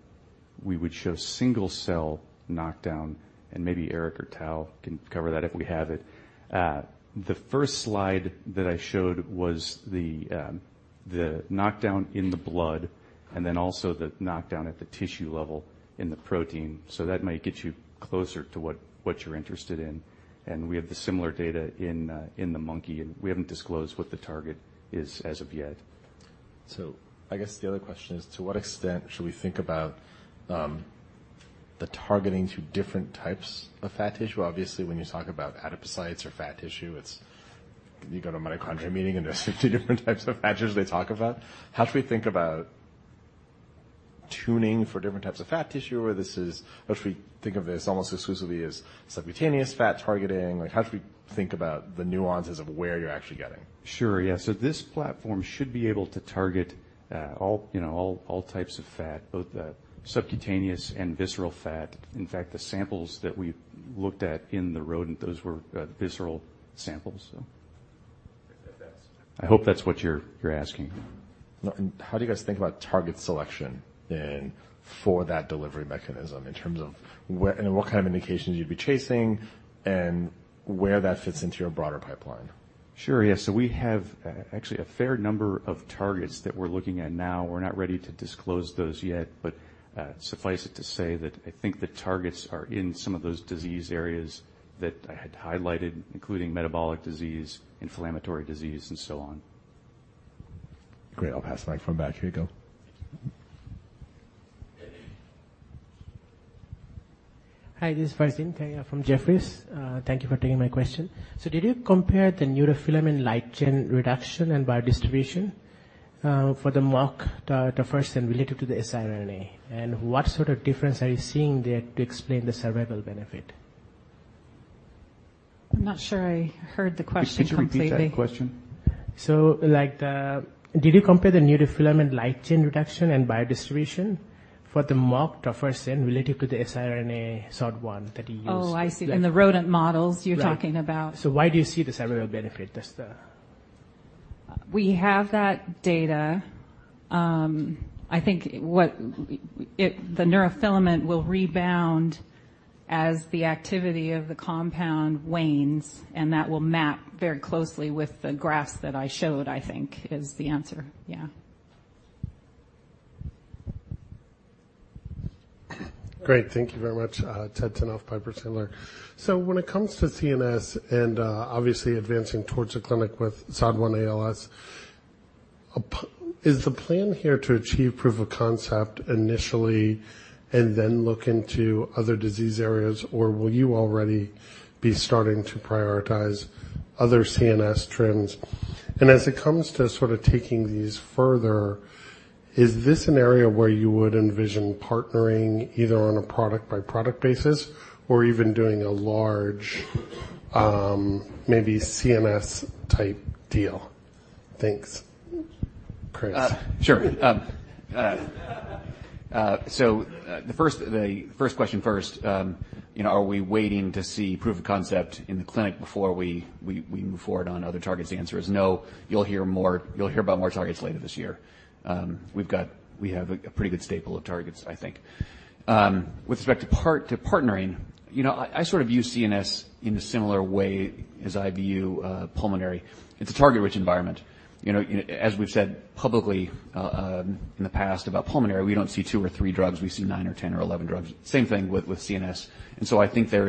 we would show single-cell knockdown, and maybe Erik or Tal can cover that if we have it. The first slide that I showed was the knockdown in the blood, and then also the knockdown at the tissue level in the protein. That might get you closer to what you're interested in. We have the similar data in the monkey, and we haven't disclosed what the target is as of yet. I guess the other question is, to what extent should we think about the targeting to different types of fat tissue? Obviously, when you talk about adipocytes or fat tissue, it's. You go to a mitochondria meeting, there's 50 different types of fat tissue they talk about. How should we think about tuning for different types of fat tissue, or how should we think of this almost exclusively as subcutaneous fat targeting? How should we think about the nuances of where you're actually getting? Sure. Yeah. This platform should be able to target, all, you know, all types of fat, both the subcutaneous and visceral fat. In fact, the samples that we looked at in the rodent, those were, visceral samples. That's- I hope that's what you're asking. How do you guys think about target selection then for that delivery mechanism in terms of where... and what kind of indications you'd be chasing and where that fits into your broader pipeline? Sure. Yeah. We have actually a fair number of targets that we're looking at now. We're not ready to disclose those yet, but suffice it to say that I think the targets are in some of those disease areas that I had highlighted, including metabolic disease, inflammatory disease, and so on. Great. I'll pass the mic from back. Here you go. Hi, this is Faisal Khurshid from Jefferies. Thank you for taking my question. Did you compare the neurofilament light chain reduction and biodistribution for the mock tofersen related to the siRNA? What sort of difference are you seeing there to explain the survival benefit? I'm not sure I heard the question completely. Could you repeat that question? Like, did you compare the neurofilament light chain reduction and biodistribution for the mock tofersen related to the siRNA SOD1 that you used? Oh, I see. In the rodent models, you're talking about? Right. why do you see the survival benefit? That's the- We have that data. I think the neurofilament will rebound as the activity of the compound wanes. That will map very closely with the graphs that I showed, I think, is the answer. Yeah. Great. Thank you very much. Edward Tenthoff, Piper Sandler. When it comes to CNS and obviously advancing towards the clinic with SOD1-ALS, is the plan here to achieve proof of concept initially and then look into other disease areas, or will you already be starting to prioritize other CNS trends? As it comes to sort of taking these further, is this an area where you would envision partnering either on a product-by-product basis or even doing a large, maybe CMS-type deal? Thanks. Chris. Sure. The first, the first question first, you know, are we waiting to see proof of concept in the clinic before we move forward on other targets? The answer is no. You'll hear about more targets later this year. We have a pretty good staple of targets, I think. With respect to partnering, you know, I sort of view CNS in a similar way as I view pulmonary. It's a target-rich environment. You know, as we've said publicly, in the past about pulmonary, we don't see two or three drugs, we see nine or 10 or 11 drugs. Same thing with CNS. I think there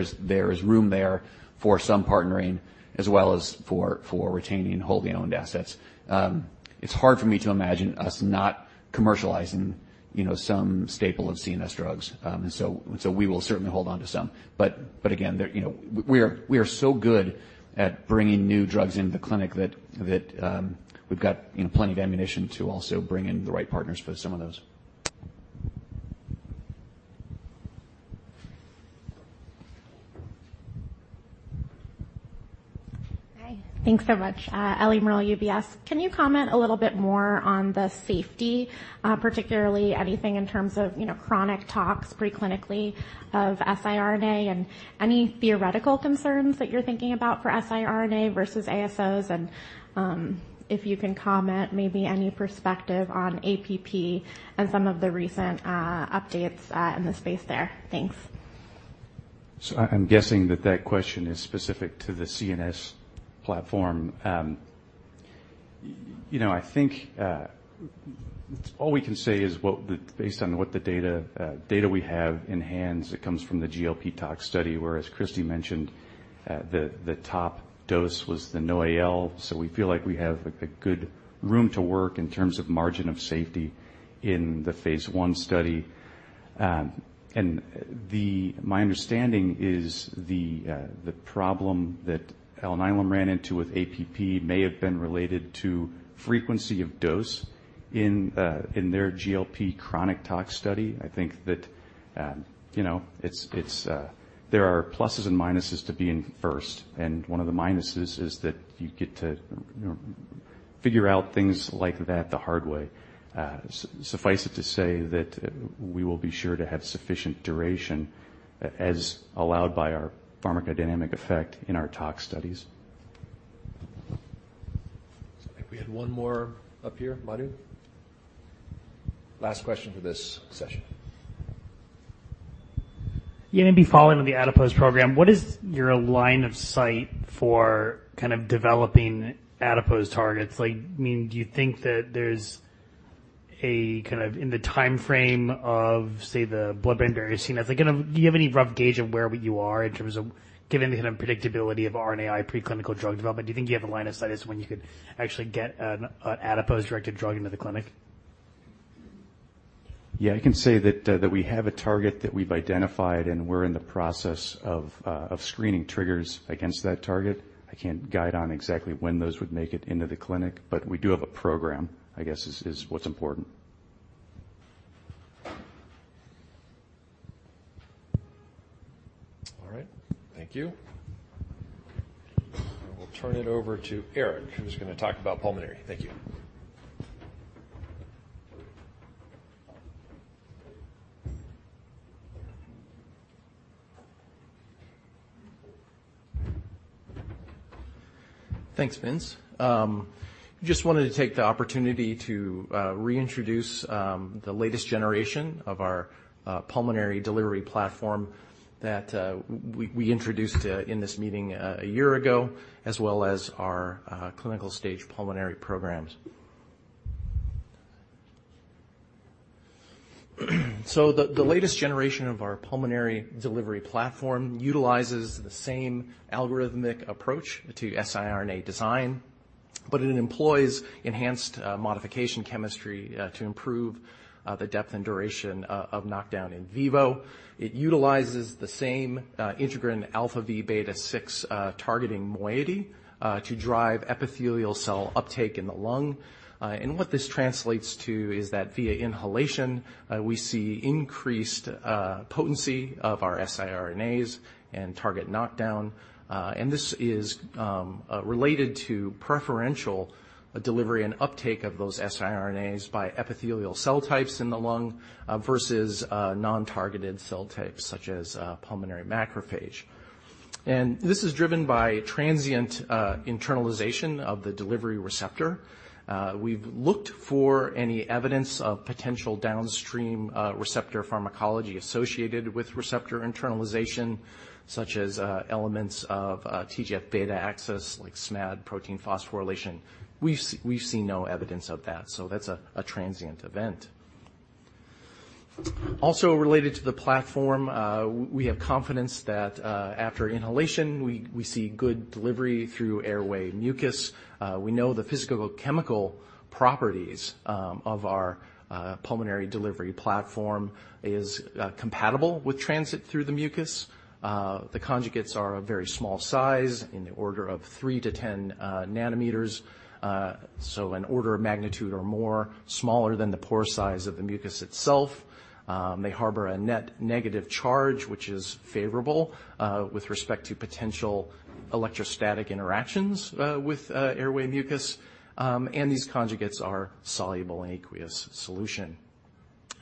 is room there for some partnering, as well as for retaining and holding owned assets. It's hard for me to imagine us not commercializing, you know, some staple of CNS drugs. We will certainly hold on to some. Again, there, you know, we are so good at bringing new drugs into the clinic that, we've got, you know, plenty of ammunition to also bring in the right partners for some of those. Hi. Thanks so much. Ellie Merle, UBS. Can you comment a little bit more on the safety, particularly anything in terms of, you know, chronic tox preclinically of siRNA and any theoretical concerns that you're thinking about for siRNA versus ASOs? If you can comment, maybe any perspective on APP and some of the recent updates in the space there. Thanks. I'm guessing that that question is specific to the CNS platform. You know, I think all we can say is based on what the data we have in hands that comes from the GLP tox study, where, as Christy mentioned, the top dose was the NOAEL. We feel like we have a good room to work in terms of margin of safety in the phase I study. My understanding is the problem that Alnylam ran into with APP may have been related to frequency of dose in their GLP chronic tox study. I think that, you know, it's, there are pluses and minuses to being first, and one of the minuses is that you get to, you know, figure out things like that the hard way. Suffice it to say that we will be sure to have sufficient duration as allowed by our pharmacodynamic effect in our tox studies. I think we had one more up here. Madhu? Last question for this session. Yeah, maybe following on the adipose program, what is your line of sight for kind of developing adipose targets? Like, I mean, do you think that there's in the time frame of, say, the blood-brain barrier scene? I think, do you have any rough gauge of where you are in terms of giving the unpredictability of RNAi preclinical drug development? Do you think you have a line of sight as when you could actually get an adipose-directed drug into the clinic? Yeah, I can say that we have a target that we've identified, and we're in the process of screening triggers against that target. I can't guide on exactly when those would make it into the clinic, but we do have a program, I guess, is what's important. All right. Thank you. I will turn it over to Erik, who's gonna talk about pulmonary. Thank you. Thanks, Vince. Just wanted to take the opportunity to reintroduce the latest generation of our pulmonary delivery platform that we introduced in this meeting o year ago, as well as our clinical-stage pulmonary programs. The latest generation of our pulmonary delivery platform utilizes the same algorithmic approach to siRNA design, but it employs enhanced modification chemistry to improve the depth and duration of knockdown in vivo. It utilizes the same integrin αvβ6 targeting moiety to drive epithelial cell uptake in the lung. What this translates to is that via inhalation, we see increased potency of our siRNAs and target knockdown. This is related to preferential delivery and uptake of those siRNAs by epithelial cell types in the lung versus non-targeted cell types, such as pulmonary macrophage. This is driven by transient internalization of the delivery receptor. We've looked for any evidence of potential downstream receptor pharmacology associated with receptor internalization, such as elements of TGF‑β axis like SMAD protein phosphorylation. We've seen no evidence of that, so that's a transient event. Also related to the platform, we have confidence that after inhalation, we see good delivery through airway mucus. We know the physicochemical properties of our pulmonary delivery platform is compatible with transit through the mucus. The conjugates are a very small size in the order of 3 nm-10 nm, so an order of one magnitude or more smaller than the pore size of the mucus itself. They harbor a net negative charge, which is favorable with respect to potential electrostatic interactions with airway mucus. These conjugates are soluble in aqueous solution.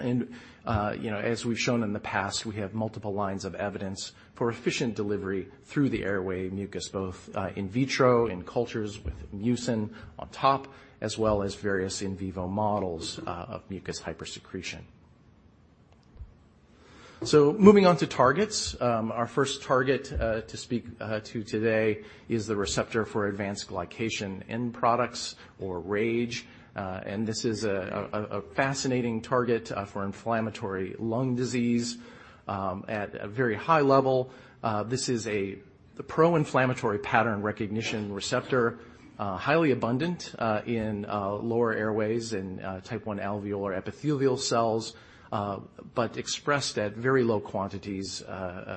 You know, as we've shown in the past, we have multiple lines of evidence for efficient delivery through the airway mucus, both in vitro, in cultures with mucin on top, as well as various in vivo models of mucus hypersecretion. Moving on to targets. Our first target to speak to today is the receptor for advanced glycation end products or RAGE. This is a fascinating target for inflammatory lung disease. At a very high level, this is the pro-inflammatory pattern recognition receptor, highly abundant in lower airways in type one alveolar epithelial cells, but expressed at very low quantities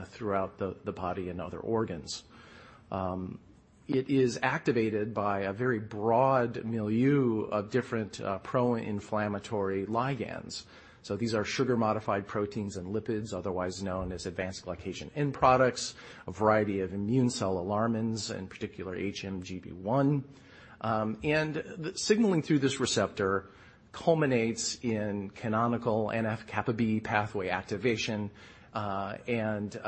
throughout the body and other organs. It is activated by a very broad milieu of different pro-inflammatory ligands. These are sugar-modified proteins and lipids, otherwise known as advanced glycation end products, a variety of immune cell alarmins, in particular HMGB1. The signaling through this receptor culminates in canonical NF-κB pathway activation and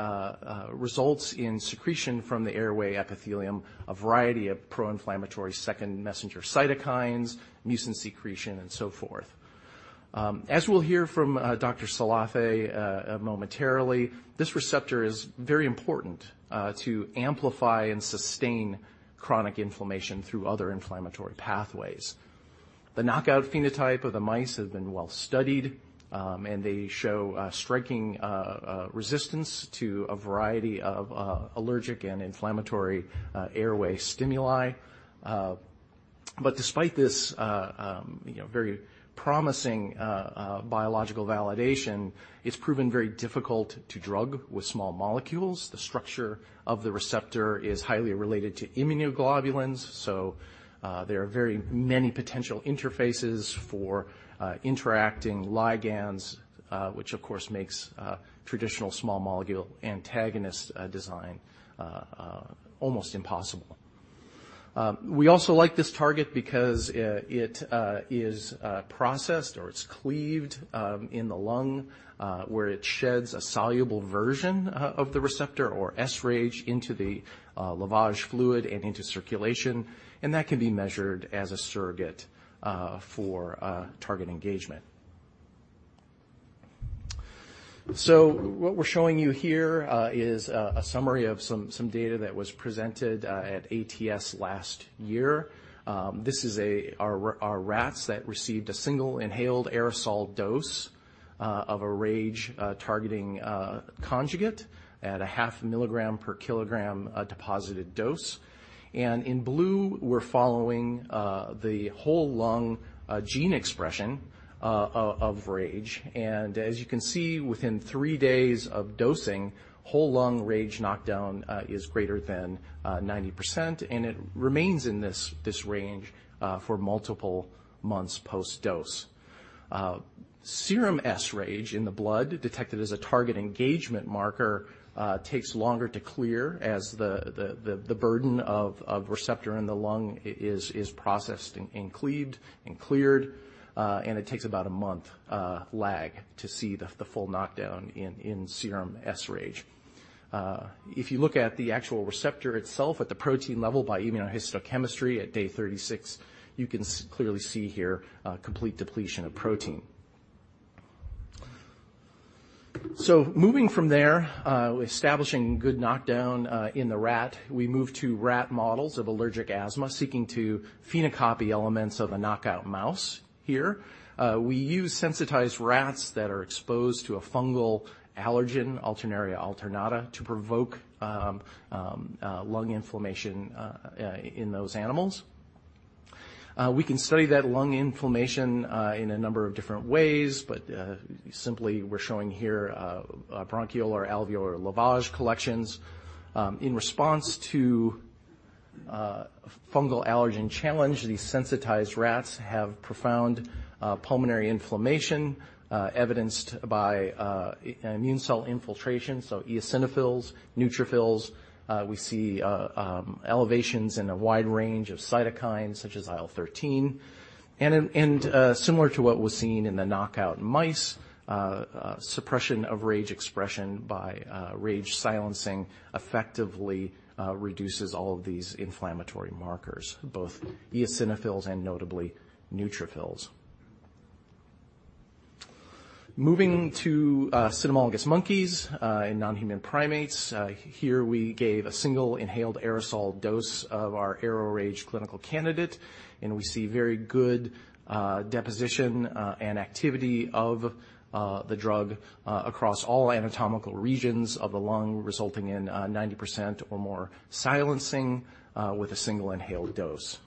results in secretion from the airway epithelium, a variety of pro-inflammatory second messenger cytokines, mucin secretion, and so forth. As we'll hear from Dr. Salathe momentarily, this receptor is very important to amplify and sustain chronic inflammation through other inflammatory pathways. The knockout phenotype of the mice have been well studied, and they show a striking resistance to a variety of allergic and inflammatory airway stimuli. Despite this, you know, very promising biological validation, it's proven very difficult to drug with small molecules. The structure of the receptor is highly related to immunoglobulins, so there are very many potential interfaces for interacting ligands, which of course makes traditional small molecule antagonist design almost impossible. We also like this target because it is processed or it's cleaved in the lung, where it sheds a soluble version of the receptor, or sRAGE, into the lavage fluid and into circulation, and that can be measured as a surrogate for target engagement. What we're showing you here is a summary of some data that was presented at ATS last year. This is rats that received a single inhaled aerosol dose of a RAGE targeting conjugate at a half mg per kg deposited dose. In blue, we're following the whole lung gene expression of RAGE. As you can see, within three days of dosing, whole lung RAGE knockdown is greater than 90%, and it remains in this range for multiple months post-dose. Serum sRAGE in the blood, detected as a target engagement marker, takes longer to clear as the burden of receptor in the lung is processed and cleaved and cleared, and it takes about a month lag to see the full knockdown in serum sRAGE. If you look at the actual receptor itself at the protein level by immunohistochemistry at day 36, you can clearly see here, complete depletion of protein. Moving from there, establishing good knockdown in the rat, we move to rat models of allergic asthma, seeking to phenocopy elements of a knockout mouse here. We use sensitized rats that are exposed to a fungal allergen, Alternaria alternata, to provoke lung inflammation in those animals. We can study that lung inflammation in a number of different ways, but simply we're showing here bronchial or alveolar lavage collections. In response to fungal allergen challenge, these sensitized rats have profound pulmonary inflammation, evidenced by an immune cell infiltration, so eosinophils, neutrophils. We see elevations in a wide range of cytokines, such as IL-13. Similar to what was seen in the knockout mice, suppression of RAGE expression by RAGE silencing effectively reduces all of these inflammatory markers, both eosinophils and notably neutrophils. Moving to cynomolgus monkeys in non-human primates, here we gave a single inhaled aerosol dose of our ARO-RAGE clinical candidate, and we see very good deposition and activity of the drug across all anatomical regions of the lung, resulting in 90% or more silencing with a single inhaled dose.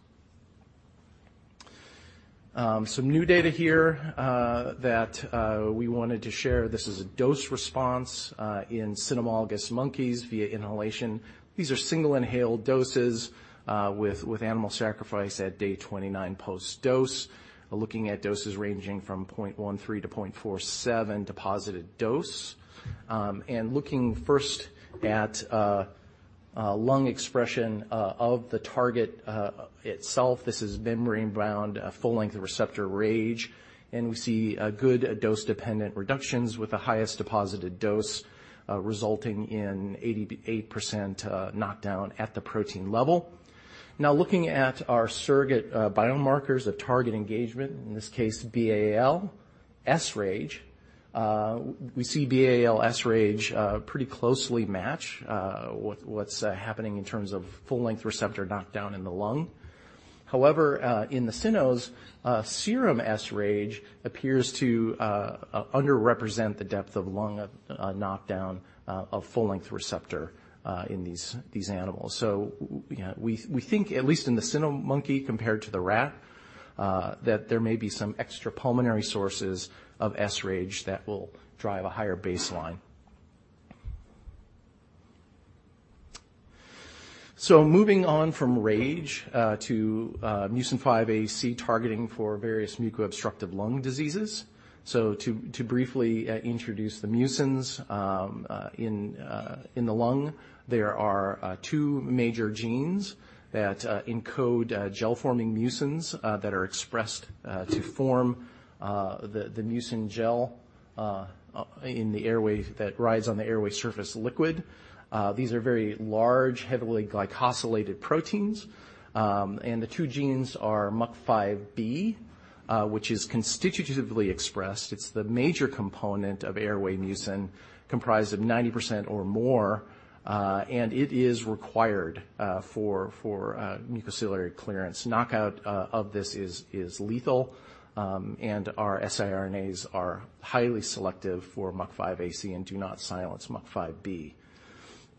Some new data here that we wanted to share. This is a dose response in cynomolgus monkeys via inhalation. These are single inhaled doses with animal sacrifice at day 29 post-dose. We're looking at doses ranging from 0.13 to 0.47 deposited dose. Looking first at lung expression of the target itself, this is membrane-bound, full-length receptor RAGE, and we see a good dose-dependent reductions, with the highest deposited dose resulting in 88% knockdown at the protein level. Looking at our surrogate biomarkers of target engagement, in this case, BAL sRAGE, we see BAL sRAGE pretty closely match with what's happening in terms of full-length receptor knockdown in the lung. However, in the cynos, serum sRAGE appears to underrepresent the depth of lung knockdown of full-length receptor in these animals. We, we think, at least in the cyno monkey, compared to the rat, that there may be some extra pulmonary sources of sRAGE that will drive a higher baseline. Moving on from RAGE, to MUC5AC targeting for various muco-obstructive lung diseases. To briefly introduce the mucins, in the lung, there are two major genes that encode gel-forming mucins that are expressed to form the mucin gel in the airway that rides on the airway surface liquid. These are very large, heavily glycosylated proteins, and the two genes are MUC5B, which is constitutively expressed. It's the major component of airway mucin, comprised of 90% or more-... and it is required for mucociliary clearance. Knockout of this is lethal, and our siRNAs are highly selective for MUC5AC and do not silence MUC5B.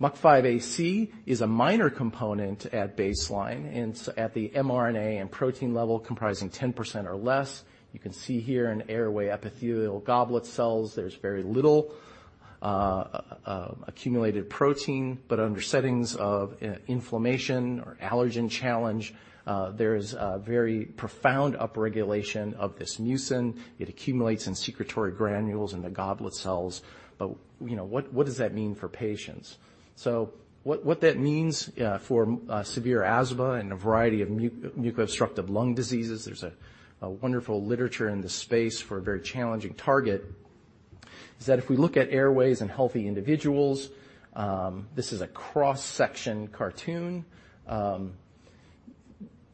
MUC5AC is a minor component at baseline and at the mRNA and protein level, comprising 10% or less. You can see here in airway epithelial goblet cells, there's very little accumulated protein, but under settings of inflammation or allergen challenge, there is a very profound upregulation of this mucin. It accumulates in secretory granules in the goblet cells. You know, what does that mean for patients? What that means for severe asthma and a variety of muco-obstructive lung diseases, there's a wonderful literature in this space for a very challenging target, is that if we look at airways in healthy individuals, this is a cross-section cartoon.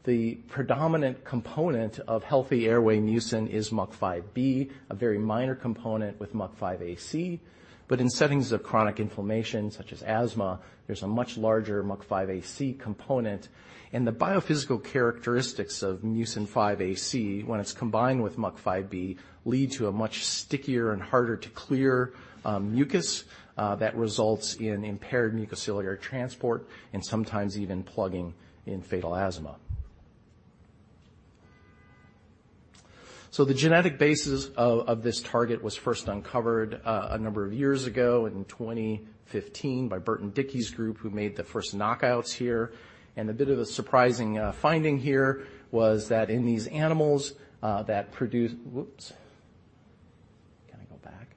The predominant component of healthy airway mucin is MUC5B, a very minor component with MUC5AC. In settings of chronic inflammation, such as asthma, there's a much larger MUC5AC component, and the biophysical characteristics of MUC5AC when it's combined with MUC5B, lead to a much stickier and harder to clear, mucus, that results in impaired mucociliary transport and sometimes even plugging in fatal asthma. The genetic basis of this target was first uncovered, a number of years ago in 2015 by Burton Dickey's group, who made the first knockouts here. A bit of a surprising finding here was that in these animals, that Whoops! Can I go back?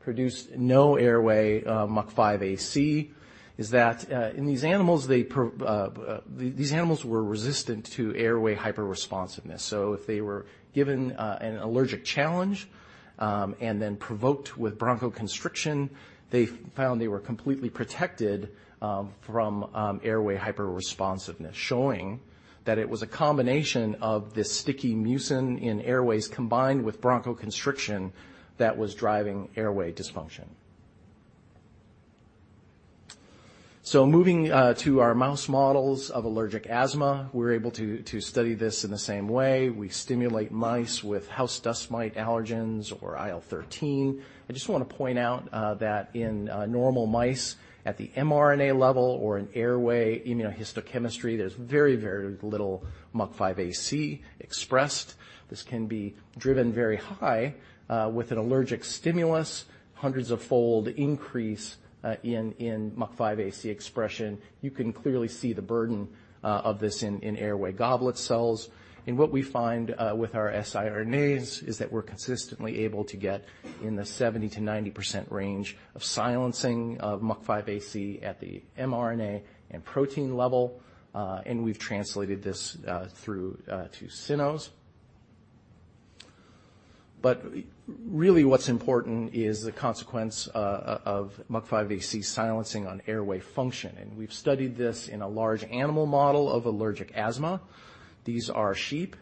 Produced no airway MUC5AC, is that, in these animals, these animals were resistant to airway hyperresponsiveness. If they were given an allergic challenge and then provoked with bronchoconstriction, they found they were completely protected from airway hyperresponsiveness, showing that it was a combination of this sticky mucin in airways, combined with bronchoconstriction that was driving airway dysfunction. Moving to our mouse models of allergic asthma, we're able to study this in the same way. We stimulate mice with house dust mite allergens or IL-13. I just want to point out that in normal mice at the mRNA level or in airway immunohistochemistry, there's very, very little MUC5AC expressed. This can be driven very high with an allergic stimulus, hundreds of fold increase in MUC5AC expression. You can clearly see the burden of this in airway goblet cells. What we find with our siRNAs is that we're consistently able to get in the 70%-90% range of silencing of MUC5AC at the mRNA and protein level, and we've translated this through to cynos. Really, what's important is the consequence of MUC5AC silencing on airway function, and we've studied this in a large animal model of allergic asthma. These are sheep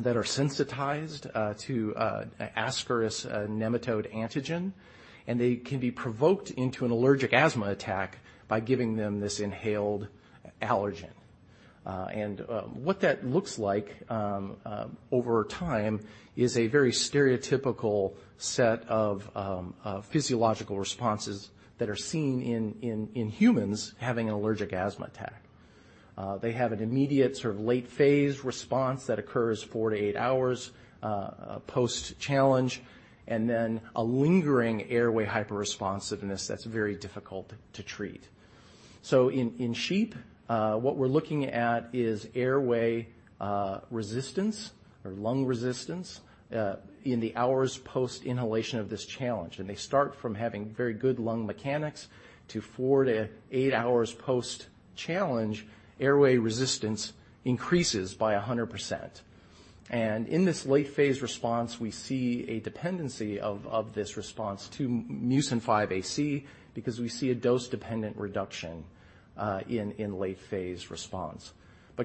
that are sensitized to Ascaris nematode antigen, and they can be provoked into an allergic asthma attack by giving them this inhaled allergen. What that looks like over time is a very stereotypical set of physiological responses that are seen in humans having an allergic asthma attack. They have an immediate sort of late-phase response that occurs four to eight hours post-challenge, and then a lingering airway hyperresponsiveness that's very difficult to treat. In sheep, what we're looking at is airway resistance or lung resistance in the hours post inhalation of this challenge. They start from having very good lung mechanics to four to eight hours post-challenge, airway resistance increases by 100%. In this late-phase response, we see a dependency of this response to MUC5AC, because we see a dose-dependent reduction in late-phase response.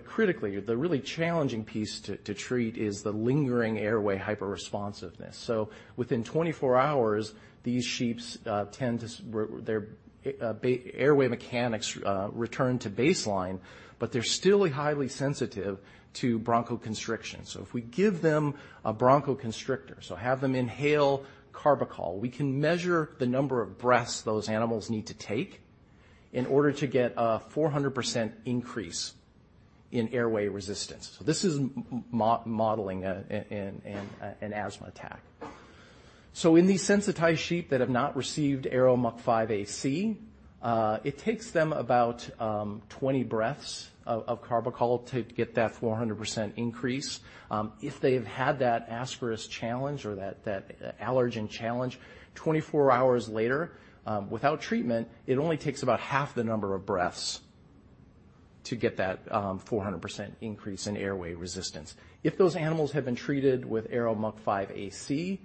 Critically, the really challenging piece to treat is the lingering airway hyperresponsiveness. Within 24 hours, these sheeps tend to their airway mechanics return to baseline, but they're still highly sensitive to bronchoconstriction. If we give them a bronchoconstrictor, have them inhale carbachol, we can measure the number of breaths those animals need to take in order to get a 400% increase in airway resistance. This is modeling an asthma attack. In these sensitized sheep that have not received ARO-MUC5AC, it takes them about 20 breaths of carbachol to get that 400% increase. If they've had that ascaris challenge or that allergen challenge, 24 hours later, without treatment, it only takes about half the number of breaths to get that 400% increase in airway resistance. If those animals had been treated with ARO-MUC5AC,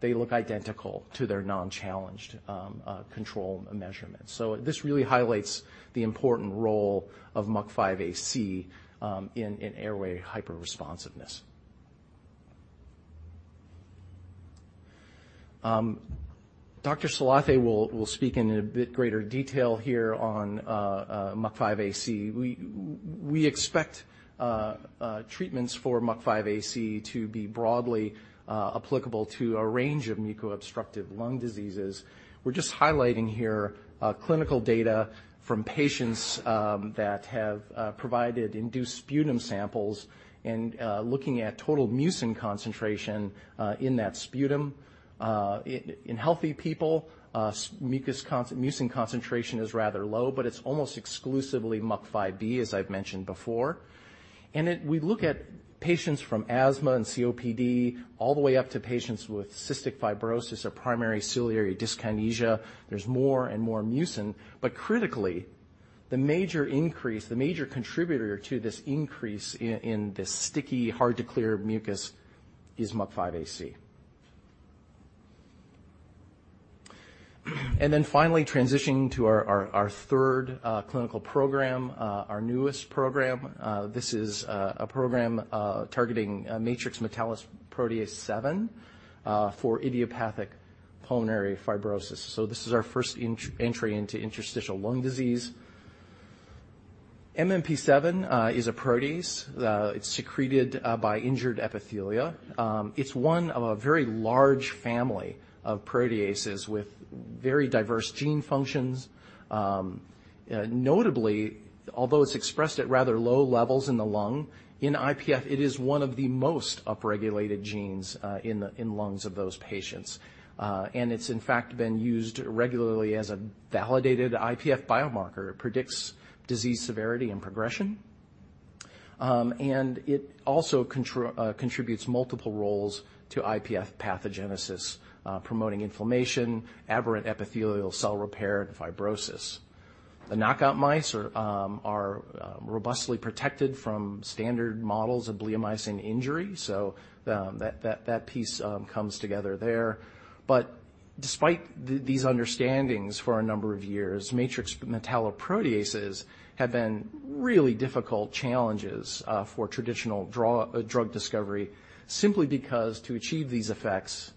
they look identical to their non-challenged control measurement. This really highlights the important role of MUC5AC in airway hyperresponsiveness. Dr. Salathe will speak in a bit greater detail here on MUC5AC. We expect treatments for MUC5AC to be broadly applicable to a range of muco-obstructive lung diseases. We're just highlighting here clinical data from patients that have provided induced sputum samples and looking at total mucin concentration in that sputum. In healthy people, mucin concentration is rather low, but it's almost exclusively MUC5B, as I've mentioned before. We look at patients from asthma and COPD all the way up to patients with cystic fibrosis or primary ciliary dyskinesia. There's more and more mucin, but critically, the major increase, the major contributor to this increase in this sticky, hard-to-clear mucus is MUC5AC. Finally, transitioning to our third clinical program, our newest program. This is a program targeting matrix metalloproteinase-7 for idiopathic pulmonary fibrosis. This is our first entry into interstitial lung disease. MMP-7 is a protease. It's secreted by injured epithelia. It's one of a very large family of proteases with very diverse gene functions. Notably, although it's expressed at rather low levels in the lung, in IPF, it is one of the most upregulated genes in lungs of those patients. It's in fact been used regularly as a validated IPF biomarker. It predicts disease severity and progression. It also contributes multiple roles to IPF pathogenesis, promoting inflammation, aberrant epithelial cell repair, and fibrosis. The knockout mice are robustly protected from standard models of bleomycin injury, that piece comes together there. Despite these understandings for a number of years, matrix metalloproteases have been really difficult challenges for traditional drug discovery, simply because to achieve these effects,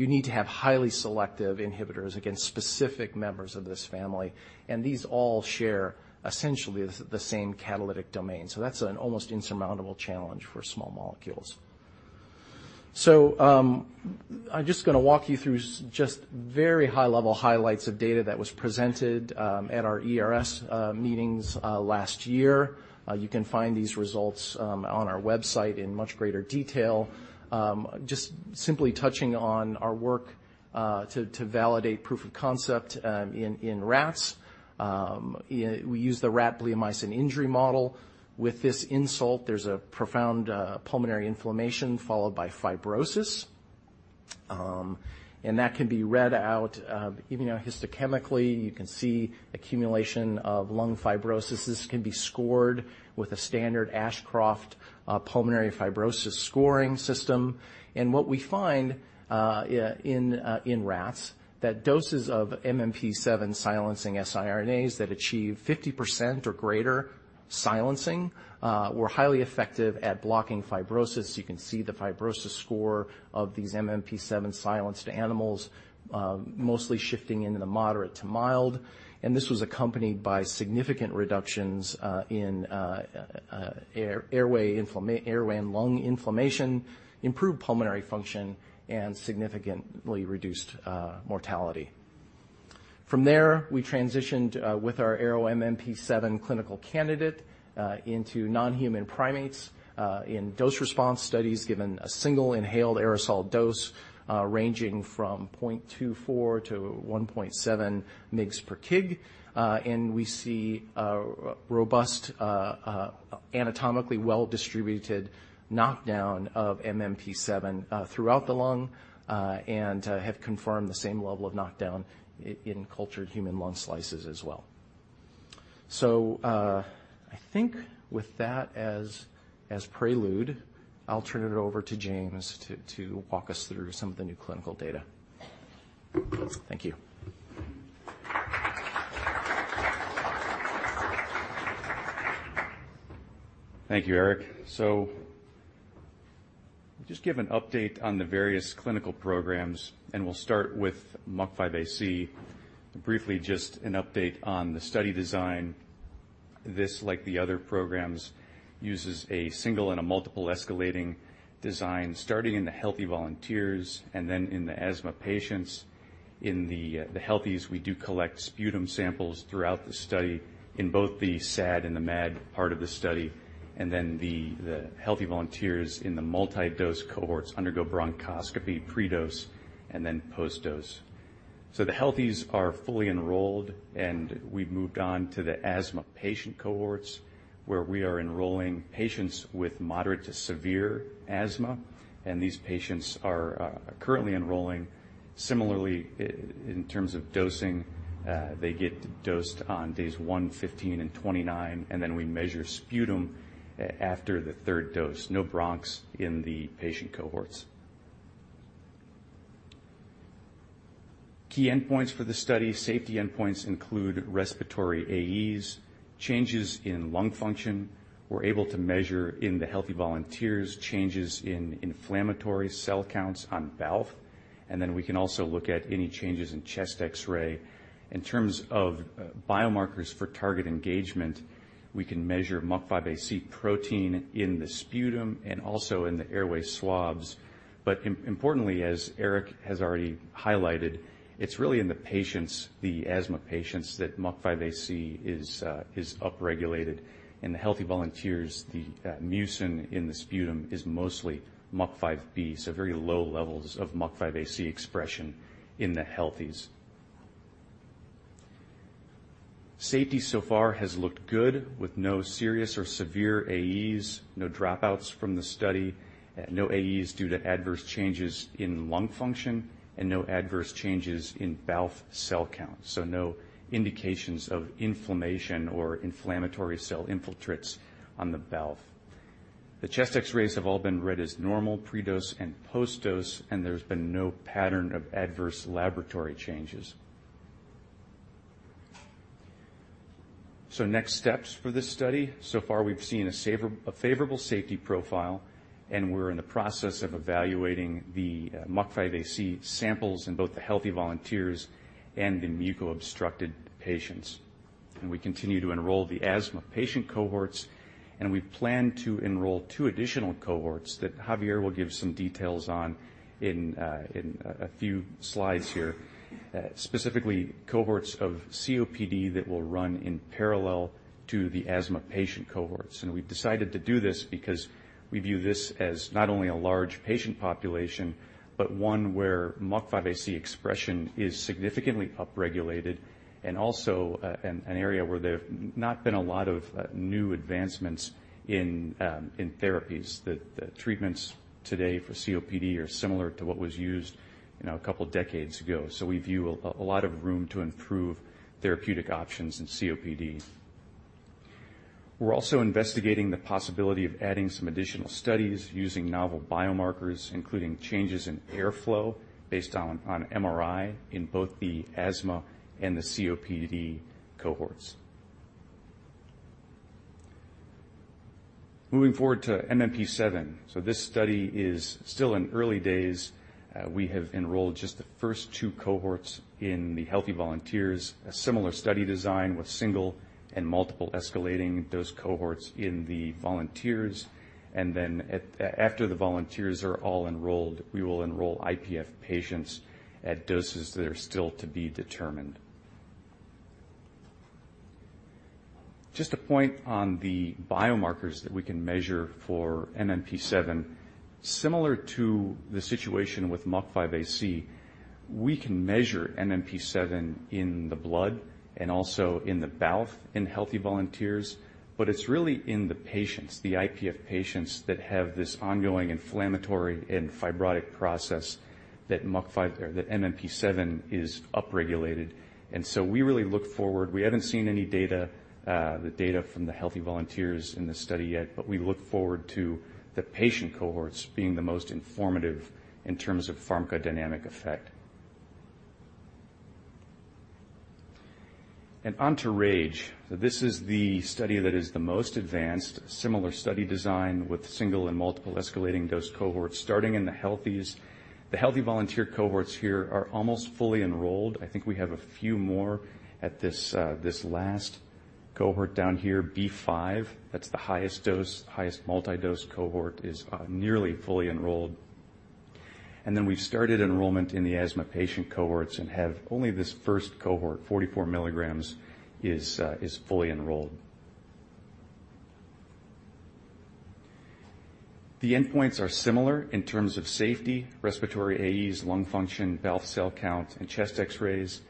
you need to have highly selective inhibitors against specific members of this family, and these all share essentially the same catalytic domain. That's an almost insurmountable challenge for small molecules. I'm just gonna walk you through just very high-level highlights of data that was presented at our ERS meetings last year. You can find these results on our website in much greater detail. Just simply touching on our work to validate proof of concept in rats. Yeah, we use the rat bleomycin injury model. With this insult, there's a profound pulmonary inflammation followed by fibrosis. That can be read out, even, you know, histochemically, you can see accumulation of lung fibrosis. This can be scored with a standard Ashcroft pulmonary fibrosis scoring system. What we find in rats, that doses of MMP-7 silencing siRNAs that achieve 50% or greater silencing were highly effective at blocking fibrosis. You can see the fibrosis score of these MMP-7 silenced animals mostly shifting into the moderate to mild, and this was accompanied by significant reductions in airway and lung inflammation, improved pulmonary function, and significantly reduced mortality. From there, we transitioned with our ARO-MMP7 clinical candidate into non-human primates in dose-response studies, given a single inhaled aerosol dose ranging from 0.24 to 1.7 mg per kg. We see a robust, anatomically well-distributed knockdown of MMP-7 throughout the lung, and have confirmed the same level of knockdown in cultured human lung slices as well. I think with that as prelude, I'll turn it over to James to walk us through some of the new clinical data. Thank you. Thank you, Erik. Just give an update on the various clinical programs, and we'll start with MUC5AC. Briefly, just an update on the study design. This, like the other programs, uses a single and a multiple escalating design, starting in the healthy volunteers and then in the asthma patients. In the healthies, we do collect sputum samples throughout the study in both the SAD and the MAD part of the study, and then the healthy volunteers in the multi-dose cohorts undergo bronchoscopy pre-dose and then post-dose. The healthies are fully enrolled, and we've moved on to the asthma patient cohorts, where we are enrolling patients with moderate to severe asthma, and these patients are currently enrolling. Similarly, in terms of dosing, they get dosed on days one, 15, and 29, and then we measure sputum after the third dose. No broncs in the patient cohorts. Key endpoints for the study, safety endpoints include respiratory AEs, changes in lung function. We're able to measure in the healthy volunteers, changes in inflammatory cell counts on BALF, then we can also look at any changes in chest X-ray. In terms of biomarkers for target engagement, we can measure MUC5AC protein in the sputum and also in the airway swabs. Importantly, as Erik has already highlighted, it's really in the patients, the asthma patients, that MUC5AC is upregulated. In the healthy volunteers, the mucin in the sputum is mostly MUC5B, very low levels of MUC5AC expression in the healthies. Safety so far has looked good, with no serious or severe AEs, no dropouts from the study, no AEs due to adverse changes in lung function, and no adverse changes in BALF cell count, so no indications of inflammation or inflammatory cell infiltrates on the BALF. The chest X-rays have all been read as normal, pre-dose and post-dose, and there's been no pattern of adverse laboratory changes. Next steps for this study. So far, we've seen a favorable safety profile, and we're in the process of evaluating the MUC5AC samples in both the healthy volunteers and the muco-obstructed patients. We continue to enroll the asthma patient cohorts, and we plan to enroll two additional cohorts that Javier will give some details on in a few slides here. Specifically, cohorts of COPD that will run in parallel to the asthma patient cohorts. We've decided to do this because we view this as not only a large patient population, but one where MUC5AC expression is significantly upregulated and also an area where there have not been a lot of new advancements in therapies. The treatments today for COPD are similar to what was used, you know, a couple of decades ago. We view a lot of room to improve therapeutic options in COPD. We're also investigating the possibility of adding some additional studies using novel biomarkers, including changes in airflow based on MRI in both the asthma and the COPD cohorts. Moving forward to MMP7. This study is still in early days. We have enrolled just the first two cohorts in the healthy volunteers, a similar study design with single and multiple escalating dose cohorts in the volunteers. Then at, after the volunteers are all enrolled, we will enroll IPF patients at doses that are still to be determined. Just a point on the biomarkers that we can measure for MMP7. Similar to the situation with MUC5AC, we can measure MMP7 in the blood and also in the BALF in healthy volunteers, but it's really in the patients, the IPF patients, that have this ongoing inflammatory and fibrotic process that MMP7 is upregulated. So we really look forward. We haven't seen any data, the data from the healthy volunteers in this study yet, but we look forward to the patient cohorts being the most informative in terms of pharmacodynamic effect. On to RAGE. This is the study that is the most advanced, similar study design with single and multiple escalating dose cohorts starting in the healthies. The healthy volunteer cohorts here are almost fully enrolled. I think we have a few more at this last cohort down here, B5. That's the highest dose. Highest multi-dose cohort is nearly fully enrolled. We've started enrollment in the asthma patient cohorts and have only this first cohort, 44 mg, is fully enrolled. The endpoints are similar in terms of safety, respiratory AEs, lung function, BALF cell count, and chest X-rays.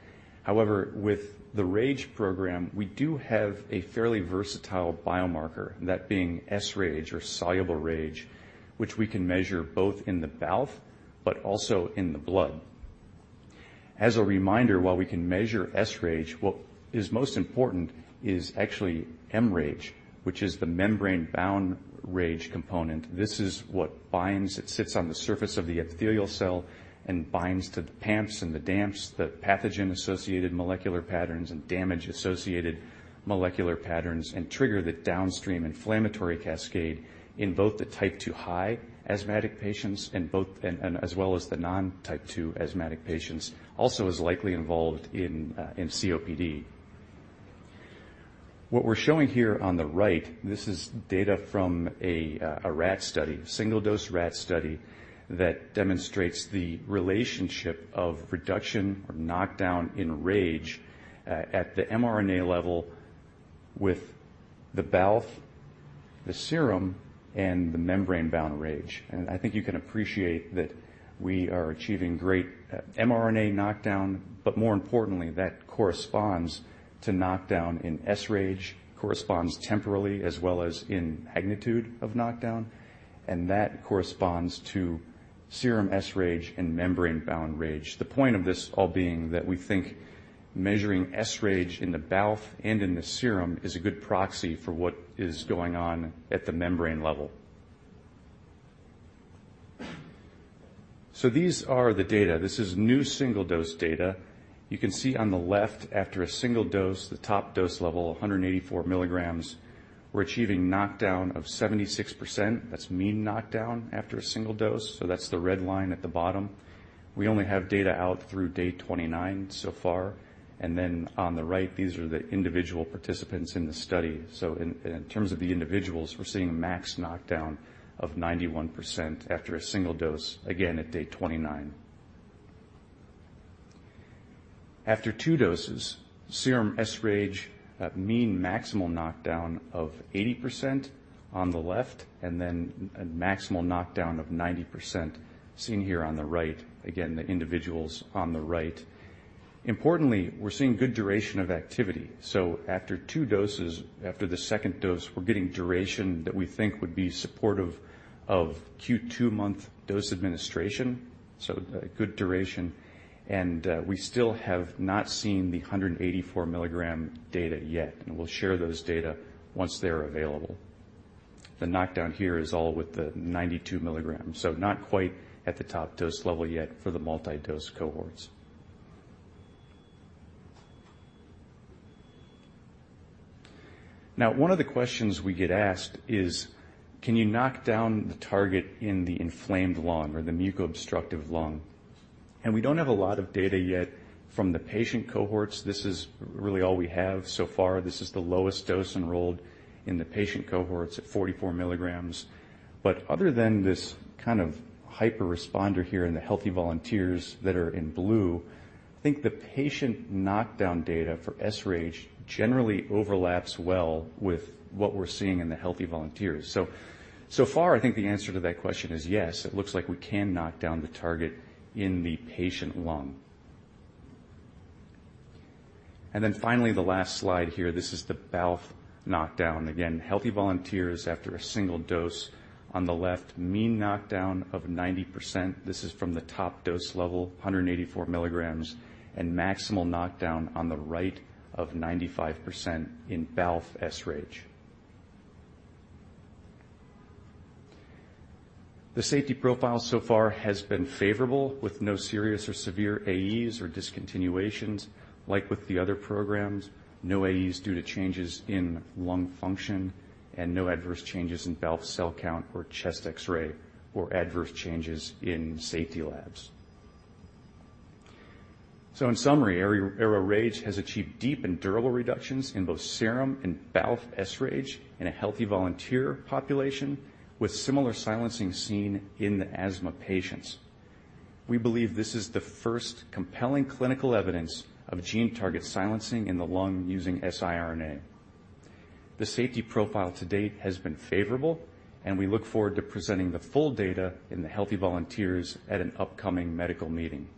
However, with the RAGE program, we do have a fairly versatile biomarker, that being sRAGE or soluble RAGE, which we can measure both in the BALF but also in the blood. As a reminder, while we can measure sRAGE, what is most important is actually mRAGE, which is the membrane-bound RAGE component. This is what binds. It sits on the surface of the epithelial cell and binds to the PAMPs and the DAMPs, the pathogen-associated molecular patterns and damage-associated molecular patterns, and trigger the downstream inflammatory cascade in both the T2-high asthmatic patients and as well as the non-T2 asthmatic patients, also is likely involved in COPD. What we're showing here on the right, this is data from a rat study, single-dose rat study, that demonstrates the relationship of reduction or knockdown in RAGE at the mRNA level with the BALF, the serum, and the membrane-bound RAGE. I think you can appreciate that we are achieving great mRNA knockdown, but more importantly, that corresponds to knockdown in sRAGE, corresponds temporally as well as in magnitude of knockdown, and that corresponds to serum sRAGE and membrane-bound RAGE. The point of this all being that we think measuring sRAGE in the BALF and in the serum is a good proxy for what is going on at the membrane level. These are the data. This is new single-dose data. You can see on the left, after a single dose, the top dose level, 184 mg, we're achieving knockdown of 76%. That's mean knockdown after a single dose, so that's the red line at the bottom. We only have data out through day 29 so far, on the right, these are the individual participants in the study. In terms of the individuals, we're seeing a max knockdown of 91% after a single dose, again, at day 29. After two doses, serum sRAGE, a mean maximal knockdown of 80% on the left, and then a maximal knockdown of 90% seen here on the right. Again, the individuals on the right. Importantly, we're seeing good duration of activity. After two doses, after the second dose, we're getting duration that we think would be supportive of two-month dose administration, good duration, and we still have not seen the 184 mg data yet, and we'll share those data once they're available. The knockdown here is all with the 92 mg, not quite at the top dose level yet for the multi-dose cohorts. One of the questions we get asked is, "Can you knock down the target in the inflamed lung or the muco-obstructive lung?" We don't have a lot of data yet from the patient cohorts. This is really all we have so far. This is the lowest dose enrolled in the patient cohorts at 44 mg. Other than this kind of hyper-responder here in the healthy volunteers that are in blue, I think the patient knockdown data for sRAGE generally overlaps well with what we're seeing in the healthy volunteers. So far, I think the answer to that question is yes, it looks like we can knock down the target in the patient lung. Finally, the last slide here, this is the BALF knockdown. Again, healthy volunteers after a single dose. On the left, mean knockdown of 90%. This is from the top dose level, 184 mg, maximal knockdown on the right of 95% in BALF sRAGE. The safety profile so far has been favorable, with no serious or severe AEs or discontinuations. Like with the other programs, no AEs due to changes in lung function and no adverse changes in BALF cell count or chest X-ray, or adverse changes in safety labs. In summary, ARO-RAGE has achieved deep and durable reductions in both serum and BALF sRAGE in a healthy volunteer population, with similar silencing seen in the asthma patients. We believe this is the first compelling clinical evidence of gene target silencing in the lung using siRNA. The safety profile to date has been favorable, we look forward to presenting the full data in the healthy volunteers at an upcoming medical meeting.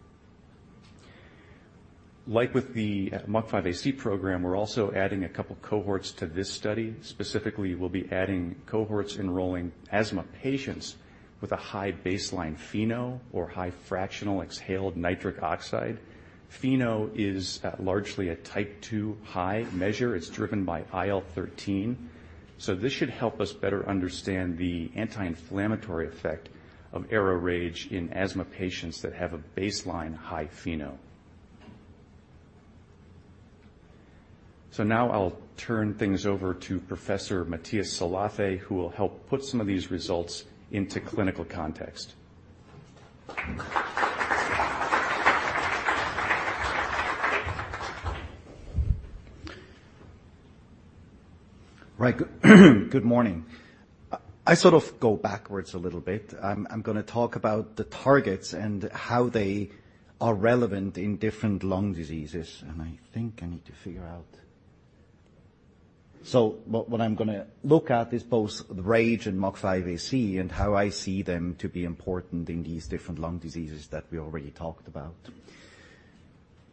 Like with the MUC5AC program, we're also adding a couple cohorts to this study. Specifically, we'll be adding cohorts enrolling asthma patients with a high baseline FeNO or high fractional exhaled nitric oxide. FeNO is largely a type two high measure. It's driven by IL-13, this should help us better understand the anti-inflammatory effect of ARO-RAGE in asthma patients that have a baseline high FeNO. Now I'll turn things over to Professor Matthias Salathe, who will help put some of these results into clinical context. Right. Good morning. I'm gonna talk about the targets and how they are relevant in different lung diseases. I think I need to figure out... What I'm gonna look at is both the RAGE and MUC5AC, and how I see them to be important in these different lung diseases that we already talked about.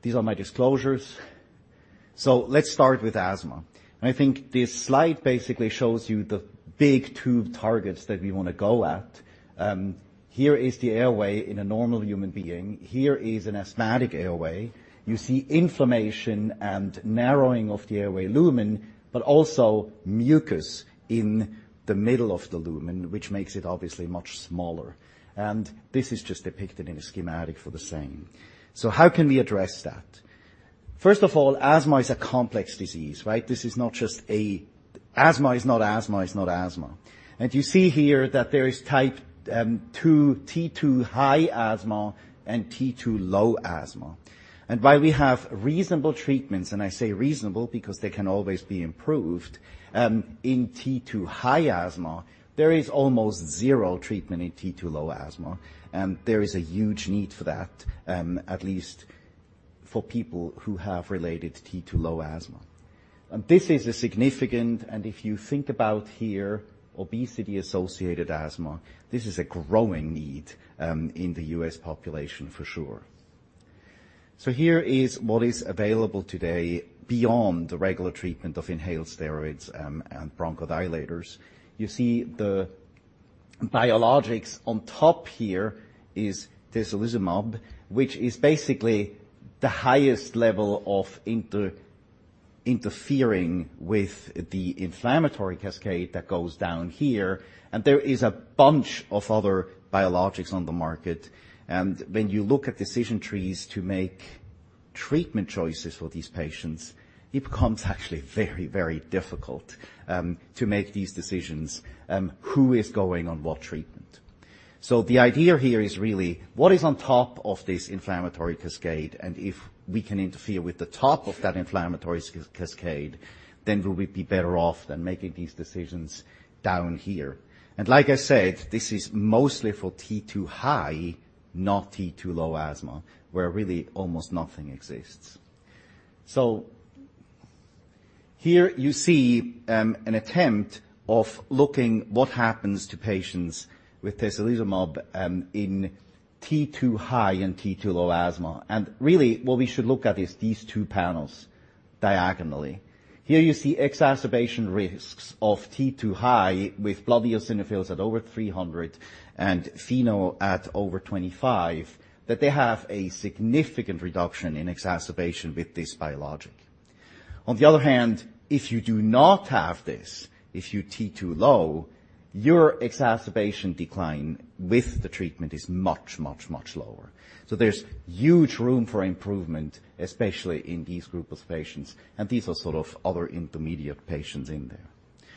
These are my disclosures. Let's start with asthma. I think this slide basically shows you the big two targets that we want to go at. Here is the airway in a normal human being. Here is an asthmatic airway. You see inflammation and narrowing of the airway lumen, but also mucus in the middle of the lumen, which makes it obviously much smaller. This is just depicted in a schematic for the same. How can we address that? First of all, asthma is a complex disease, right? This is not just asthma is not asthma, is not asthma. You see here that there is T2-high asthma and T2-low asthma. While we have reasonable treatments, and I say reasonable because they can always be improved, in T2-high asthma, there is almost zero treatment in T2-low asthma, and there is a huge need for that, at least for people who have related T2-low asthma. This is a significant. If you think about here, obesity-associated asthma, this is a growing need, in the U.S. population for sure. Here is what is available today beyond the regular treatment of inhaled steroids, and bronchodilators. You see the biologics. On top here is tezepelumab, which is basically the highest level of interfering with the inflammatory cascade that goes down here, and there is a bunch of other biologics on the market. When you look at decision trees to make treatment choices for these patients, it becomes actually very, very difficult to make these decisions, who is going on what treatment. The idea here is really what is on top of this inflammatory cascade, and if we can interfere with the top of that inflammatory cascade, then will we be better off than making these decisions down here? Like I said, this is mostly for T2-high, not T2-low asthma, where really almost nothing exists. Here you see an attempt of looking what happens to patients with tezepelumab in T2-high and T2-low asthma. Really what we should look at is these two panels diagonally. Here you see exacerbation risks of T2-high with blood eosinophils at over 300 and FeNO at over 25, that they have a significant reduction in exacerbation with this biologic. On the other hand, if you do not have this, if you're T2-low, your exacerbation decline with the treatment is much, much, much lower. There's huge room for improvement, especially in these group of patients, and these are sort of other intermediate patients in there.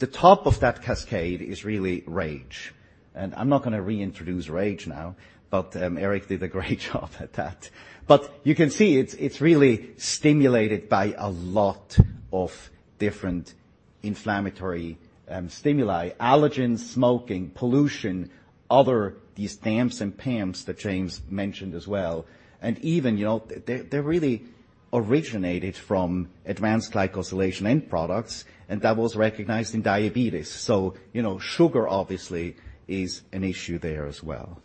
The top of that cascade is really RAGE, and I'm not gonna reintroduce RAGE now, but Erik did a great job at that. You can see it's really stimulated by a lot of different inflammatory stimuli, allergens, smoking, pollution, other these DAMPs and PAMPs that James mentioned as well. Even, you know, they really originated from advanced glycation end products, and that was recognized in diabetes. You know, sugar obviously is an issue there as well.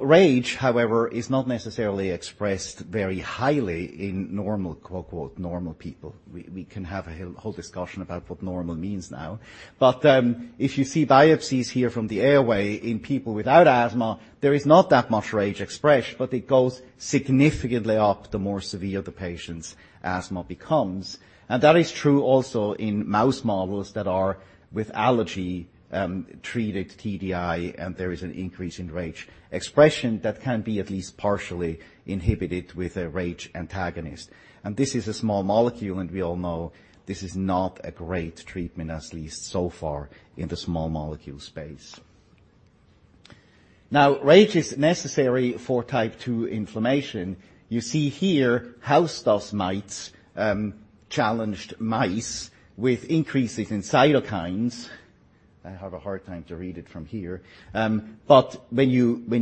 RAGE, however, is not necessarily expressed very highly in normal, quote, "normal people." We can have a whole discussion about what normal means now. If you see biopsies here from the airway in people without asthma, there is not that much RAGE expressed, but it goes significantly up the more severe the patient's asthma becomes. That is true also in mouse models that are with allergy, treated TDI, and there is an increase in RAGE expression that can be at least partially inhibited with a RAGE antagonist. This is a small molecule, and we all know this is not a great treatment, at least so far in the small molecule space. RAGE is necessary for T2 inflammation. You see here, house dust mites, challenged mice with increases in cytokines. I have a hard time to read it from here. When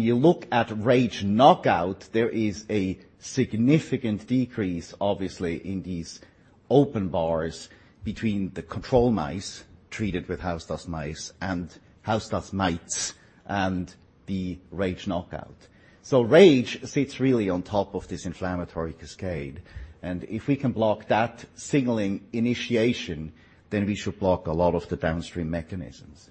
you look at RAGE knockout, there is a significant decrease, obviously, in these open bars between the control mice treated with house dust mice and house dust mites and the RAGE knockout. RAGE sits really on top of this inflammatory cascade, and if we can block that signaling initiation, then we should block a lot of the downstream mechanisms.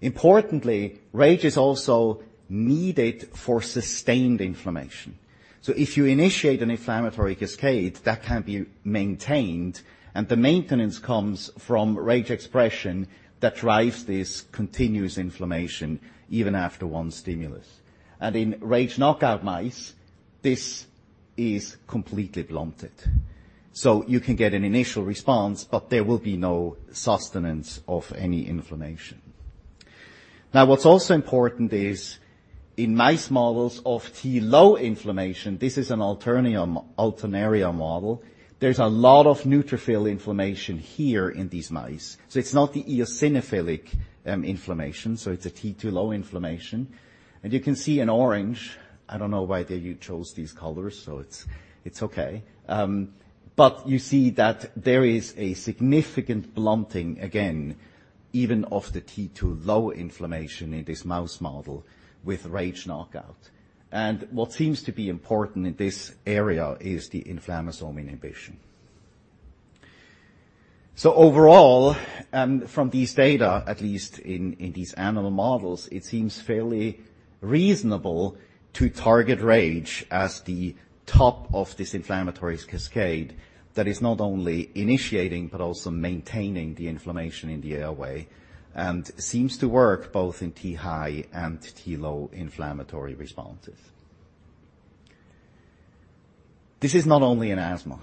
Importantly, RAGE is also needed for sustained inflammation. If you initiate an inflammatory cascade, that can be maintained, and the maintenance comes from RAGE expression that drives this continuous inflammation even after one stimulus. In RAGE knockout mice, this is completely blunted. You can get an initial response, but there will be no sustenance of any inflammation. What's also important is in mice models of T low inflammation, this is an Alternaria alternata model. There's a lot of neutrophil inflammation here in these mice, so it's not the eosinophilic inflammation, so it's a T2-low inflammation. You can see in orange, I don't know why they chose these colors, so it's okay. You see that there is a significant blunting, again, even of the T2-low inflammation in this mouse model with RAGE knockout. What seems to be important in this area is the inflammasome inhibition. Overall, from these data, at least in these animal models, it seems fairly reasonable to target RAGE as the top of this inflammatory cascade that is not only initiating but also maintaining the inflammation in the airway, and seems to work both in T-high and T-low inflammatory responses. This is not only in asthma.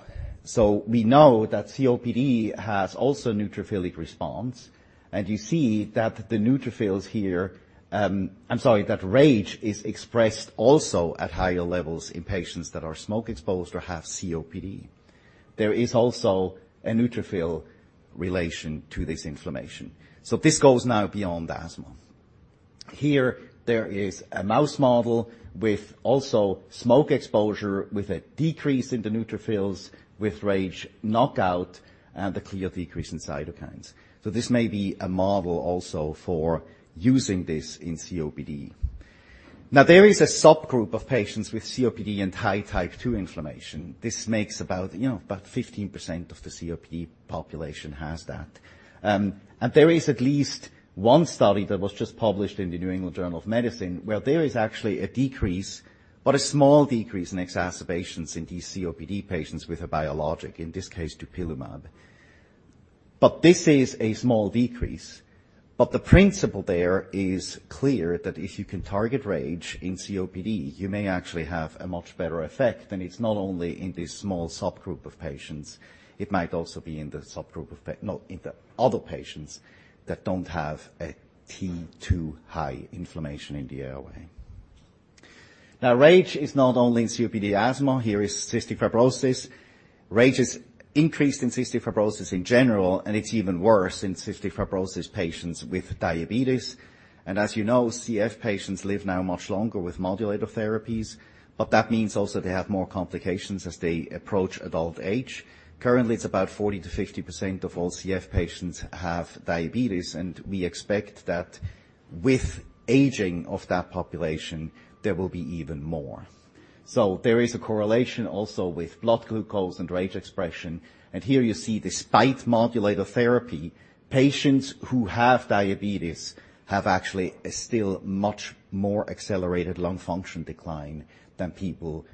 We know that COPD has also neutrophilic response, and you see that the neutrophils here, that RAGE is expressed also at higher levels in patients that are smoke exposed or have COPD. There is also a neutrophil relation to this inflammation, this goes now beyond asthma. Here, there is a mouse model with also smoke exposure, with a decrease in the neutrophils, with RAGE knockout, and a clear decrease in cytokines. This may be a model also for using this in COPD. There is a subgroup of patients with COPD and high type 2 inflammation. This makes about, you know, about 15% of the COPD population has that. There is at least one study that was just published in the New England Journal of Medicine, where there is actually a decrease, but a small decrease in exacerbations in these COPD patients with a biologic, in this case, dupilumab. This is a small decrease, but the principle there is clear that if you can target RAGE in COPD, you may actually have a much better effect, and it's not only in this small subgroup of patients, it might also be in the other patients that don't have a T2-high inflammation in the airway. RAGE is not only in COPD asthma, here is cystic fibrosis. RAGE is increased in cystic fibrosis in general, and it's even worse in cystic fibrosis patients with diabetes. As you know, CF patients live now much longer with modulator therapies, but that means also they have more complications as they approach adult age. Currently, it's about 40%-50% of all CF patients have diabetes, and we expect that with aging of that population, there will be even more. There is a correlation also with blood glucose and RAGE expression, and here you see despite modulator therapy, patients who have diabetes have actually a still much more accelerated lung function decline than people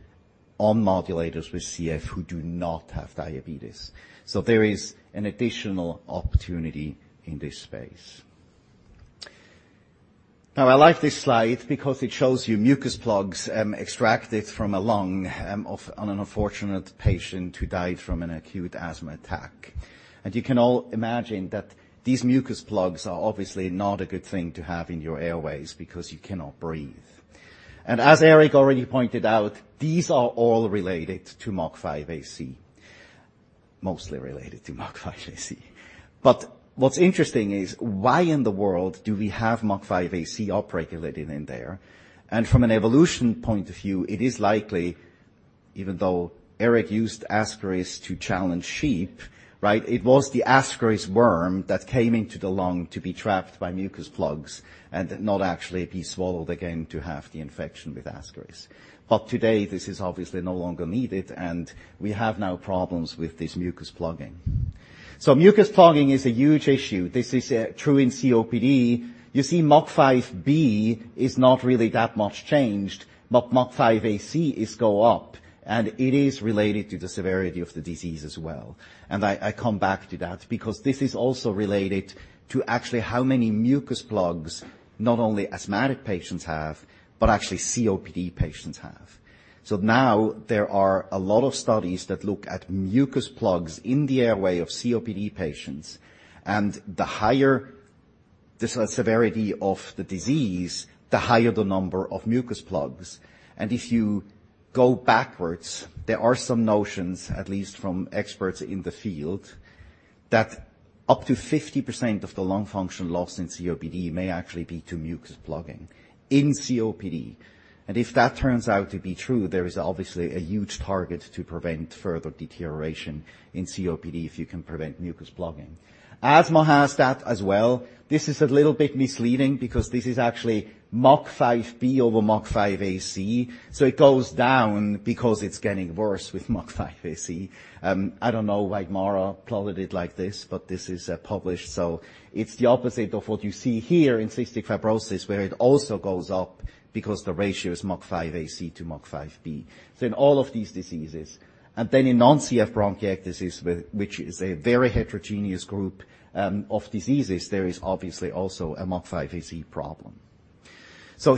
on modulators with CF who do not have diabetes. There is an additional opportunity in this space. Now, I like this slide because it shows you mucus plugs, extracted from a lung, of an unfortunate patient who died from an acute asthma attack. You can all imagine that these mucus plugs are obviously not a good thing to have in your airways because you cannot breathe. As Erik already pointed out, these are all related to MUC5AC. Mostly related to MUC5AC. What's interesting is, why in the world do we have MUC5AC upregulated in there? From an evolution point of view, it is likely, even though Erik used Ascaris to challenge sheep, right? It was the Ascaris worm that came into the lung to be trapped by mucus plugs and not actually be swallowed again to have the infection with Ascaris. Today, this is obviously no longer needed, and we have now problems with this mucus plugging. Mucus plugging is a huge issue. This is true in COPD. You see MUC5B is not really that much changed, but MUC5AC is go up, and it is related to the severity of the disease as well. I come back to that because this is also related to actually how many mucus plugs, not only asthmatic patients have, but actually COPD patients have. Now there are a lot of studies that look at mucus plugs in the airway of COPD patients, and the higher the severity of the disease, the higher the number of mucus plugs. If you go backwards, there are some notions, at least from experts in the field, that up to 50% of the lung function loss in COPD may actually be to mucus plugging in COPD. If that turns out to be true, there is obviously a huge target to prevent further deterioration in COPD if you can prevent mucus plugging. Asthma has that as well. This is a little bit misleading because this is actually MUC5B over MUC5AC, so it goes down because it's getting worse with MUC5AC. I don't know why Mara plotted it like this, but this is published, so it's the opposite of what you see here in cystic fibrosis, where it also goes up because the ratio is MUC5AC to MUC5B. In all of these diseases, and then in non-CF bronchiectasis, which is a very heterogeneous group of diseases, there is obviously also a MUC5AC problem.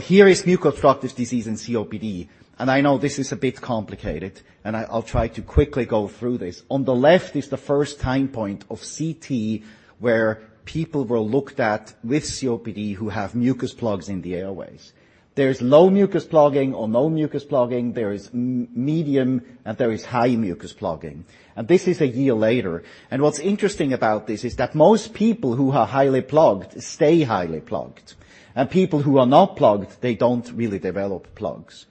Here is mucus obstructive disease in COPD, and I know this is a bit complicated, and I'll try to quickly go through this. On the left is the first time point of CT, where people were looked at with COPD who have mucus plugs in the airways. There's low mucus plugging or no mucus plugging, there is medium, there is high mucus plugging. This is one year later. What's interesting about this is that most people who are highly plugged stay highly plugged. People who are not plugged, they don't really develop plugs.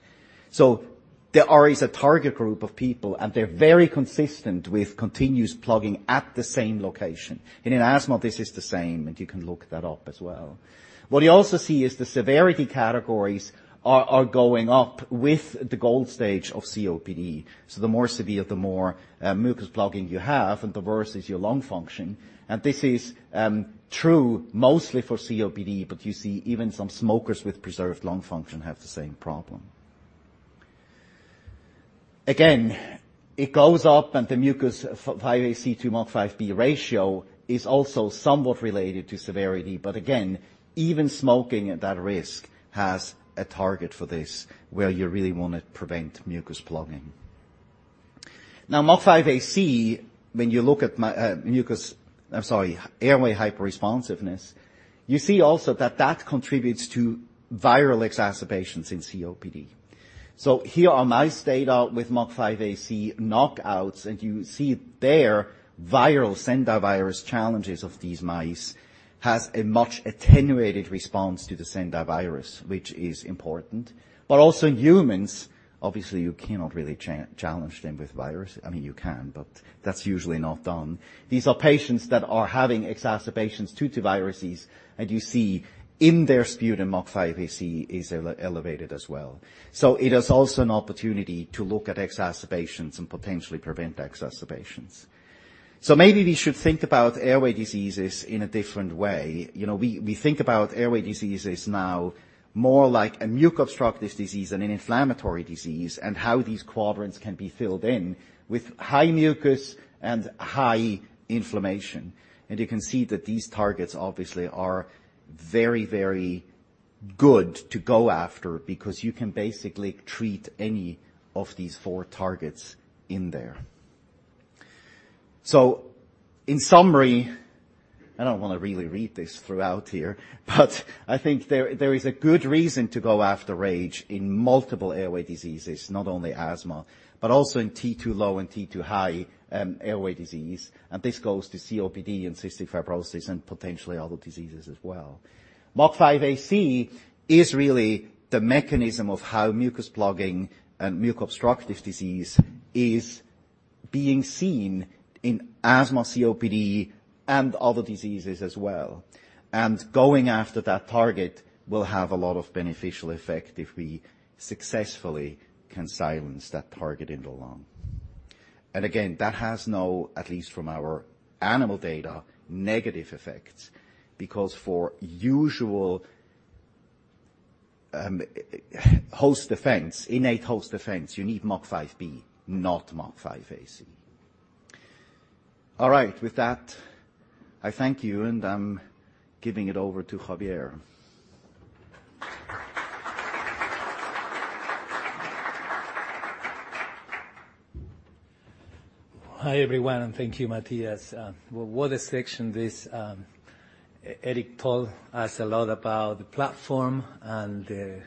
There is a target group of people. They're very consistent with continuous plugging at the same location. In asthma, this is the same. You can look that up as well. What you also see is the severity categories are going up with the GOLD stage of COPD. The more severe, the more mucus plugging you have. The worse is your lung function. This is true mostly for COPD, but you see even some smokers with preserved lung function have the same problem. Again, it goes up, and the MUC5AC to MUC5B ratio is also somewhat related to severity. Again, even smoking at that risk has a target for this, where you really want to prevent mucus plugging. MUC5AC, when you look at mucus, I'm sorry, airway hyperresponsiveness, you see also that that contributes to viral exacerbations in COPD. Here are mouse data with MUC5AC knockouts, and you see there viral Sendai virus challenges of these mice has a much attenuated response to the Sendai virus, which is important. Also in humans, obviously, you cannot really challenge them with virus. I mean, you can, but that's usually not done. These are patients that are having exacerbations due to viruses. You see in their sputum MUC5AC is elevated as well. It is also an opportunity to look at exacerbations and potentially prevent exacerbations. Maybe we should think about airway diseases in a different way. You know, we think about airway diseases now more like a mucus obstructive disease and an inflammatory disease, and how these quadrants can be filled in with high mucus and high inflammation. You can see that these targets obviously are very good to go after because you can basically treat any of these four targets in there. In summary, I don't want to really read this throughout here, but I think there is a good reason to go after RAGE in multiple airway diseases, not only asthma, but also in T2-low and T2-high airway disease. This goes to COPD and cystic fibrosis and potentially other diseases as well. MUC5AC is really the mechanism of how mucus plugging and mucus obstructive disease is being seen in asthma, COPD, and other diseases as well. Going after that target will have a lot of beneficial effect if we successfully can silence that target in the lung. Again, that has no, at least from our animal data, negative effects, because for usual host defense, innate host defense, you need MUC5B, not MUC5AC. All right. With that, I thank you, and I'm giving it over to Javier. Hi, everyone. Thank you, Matthias. Well, what a section this, Erik told us a lot about the platform and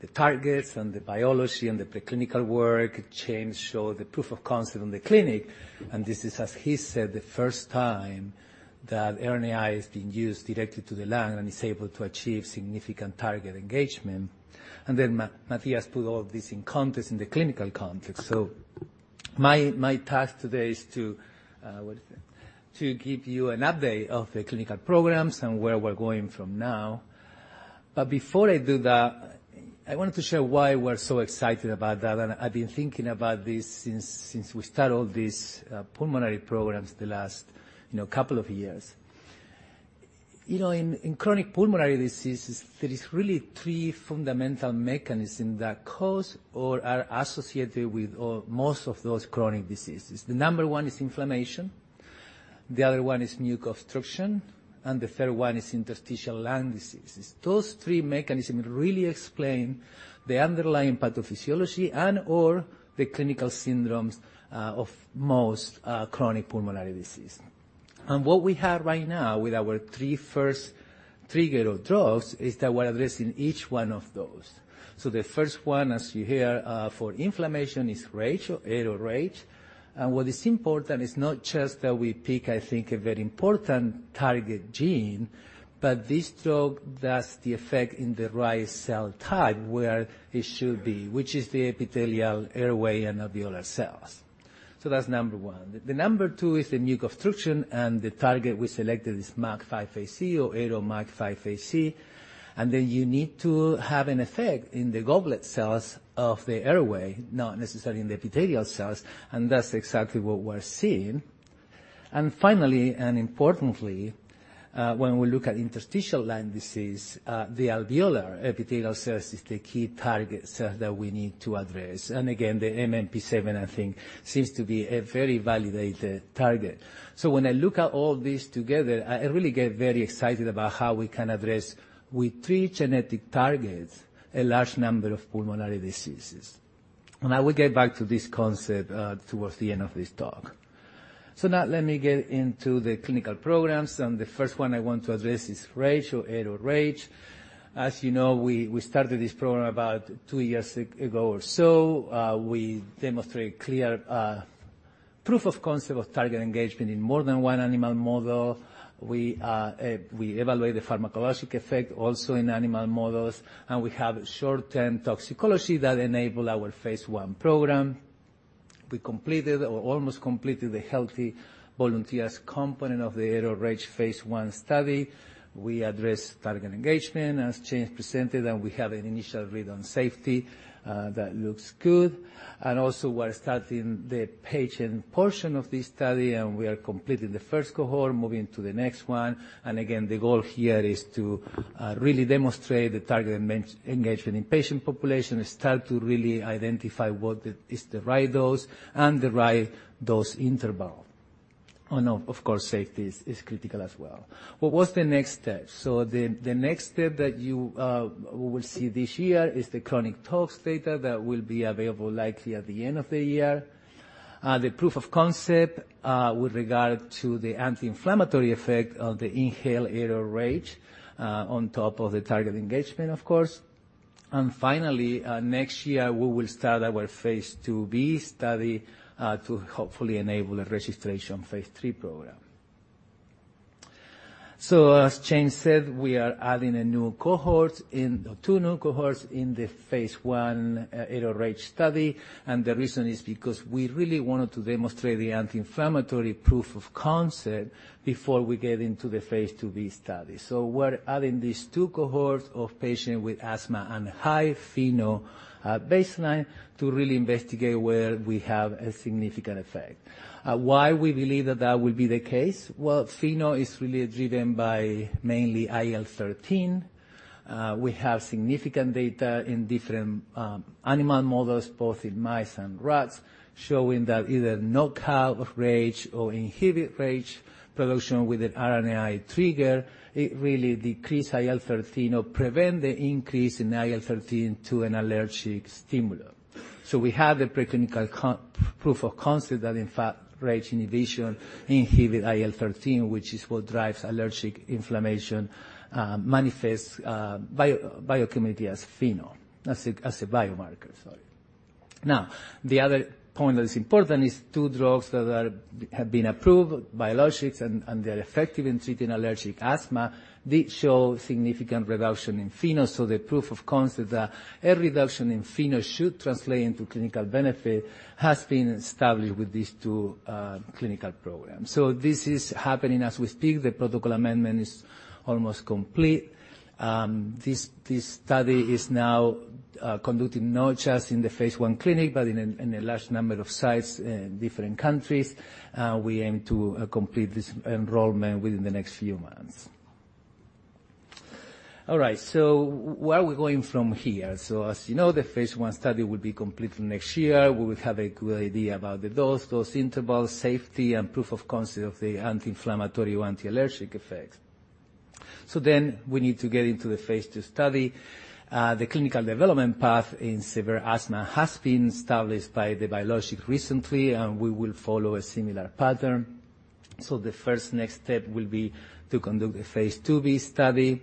the targets and the biology and the preclinical work. James showed the proof of concept in the clinic. This is, as he said, the first time that RNAi has been used directly to the lung and is able to achieve significant target engagement. Matthias put all this in context in the clinical context. My, my task today is to give you an update of the clinical programs and where we're going from now. Before I do that, I wanted to share why we're so excited about that, and I've been thinking about this since we started these pulmonary programs the last, you know, couple of years. You know, in chronic pulmonary diseases, there is really three fundamental mechanisms that cause or are associated with most of those chronic diseases. The number one is inflammation, the other one is mucus obstruction, and the third one is interstitial lung diseases. Those three mechanisms really explain the underlying pathophysiology and or the clinical syndromes of most chronic pulmonary disease. What we have right now with our three first trigger of drugs is that we're addressing each one of those. The first one, as you hear, for inflammation, is RAGE, ARO-RAGE. What is important is not just that we pick, I think, a very important target gene, but this drug does the effect in the right cell type, where it should be, which is the epithelial airway and alveolar cells. That's number one. The number two is the mucus obstruction. The target we selected is MUC5AC or ARO-MUC5AC. You need to have an effect in the goblet cells of the airway, not necessarily in the epithelial cells, and that's exactly what we're seeing. Finally, and importantly, when we look at interstitial lung disease, the alveolar epithelial cells is the key targets that we need to address. Again, the MMP-7, I think, seems to be a very validated target. When I look at all this together, I really get very excited about how we can address, with three genetic targets, a large number of pulmonary diseases. I will get back to this concept towards the end of this talk. Now let me get into the clinical programs. The first one I want to address is RAGE or ARO-RAGE. As you know, we started this program about two years ago or so. We demonstrate clear proof of concept of target engagement in more than one animal model. We evaluate the pharmacologic effect also in animal models, and we have short-term toxicology that enable our phase I program. We completed or almost completed the healthy volunteers component of the ARO-RAGE phase I study. We addressed target engagement, as James presented, and we have an initial read on safety that looks good. Also, we're starting the patient portion of this study, and we are completing the first cohort, moving to the next one Again, the goal here is to really demonstrate the target engagement in patient population and start to really identify what is the right dose and the right dose interval. Of course, safety is critical as well. What's the next step? The next step that you will see this year is the chronic tox data that will be available likely at the end of the year. The proof of concept with regard to the anti-inflammatory effect of the inhaled ARO-RAGE on top of the target engagement, of course. Finally, next year, we will start our phase II-B study to hopefully phase III program. as james said, we are adding two new cohorts in phase I aro-rage study, and the reason is because we really wanted to demonstrate the anti-inflammatory proof of concept before we gave into the phase II-B study. we're adding these two cohorts of patients with asthma and high FeNO baseline to really investigate where we have a significant effect. Why we believe that that will be the case? Well, FeNO is really driven by mainly IL-13. We have significant data in different animal models, both in mice and rats, showing that either knockout RAGE or inhibit RAGE production with an RNAi trigger, it really decrease IL-13 or prevent the increase in IL-13 to an allergic stimulator. We have the preclinical proof of concept that, in fact, RAGE inhibition inhibit IL-13, which is what drives allergic inflammation, manifests biochemically as FeNO, as a biomarker. The other point that is important is two drugs that have been approved, biologics, and they are effective in treating allergic asthma, did show significant reduction in FeNO. The proof of concept that a reduction in FeNO should translate into clinical benefit has been established with these two clinical programs. This is happening as we speak. The protocol amendment is almost complete. This study is now conducted not just in phase I clinic, but in a large number of sites in different countries. We aim to complete this enrollment within the next few months. Where are we going from here? As you know, phase I study will be completed next year. We will have a good idea about the dose interval, safety, and proof of concept of the anti-inflammatory or anti-allergic effects. We need to get phase II study. the clinical development path in severe asthma has been established by the biologic recently, and we will follow a similar pattern. The first next step will be to conduct phase II-B study.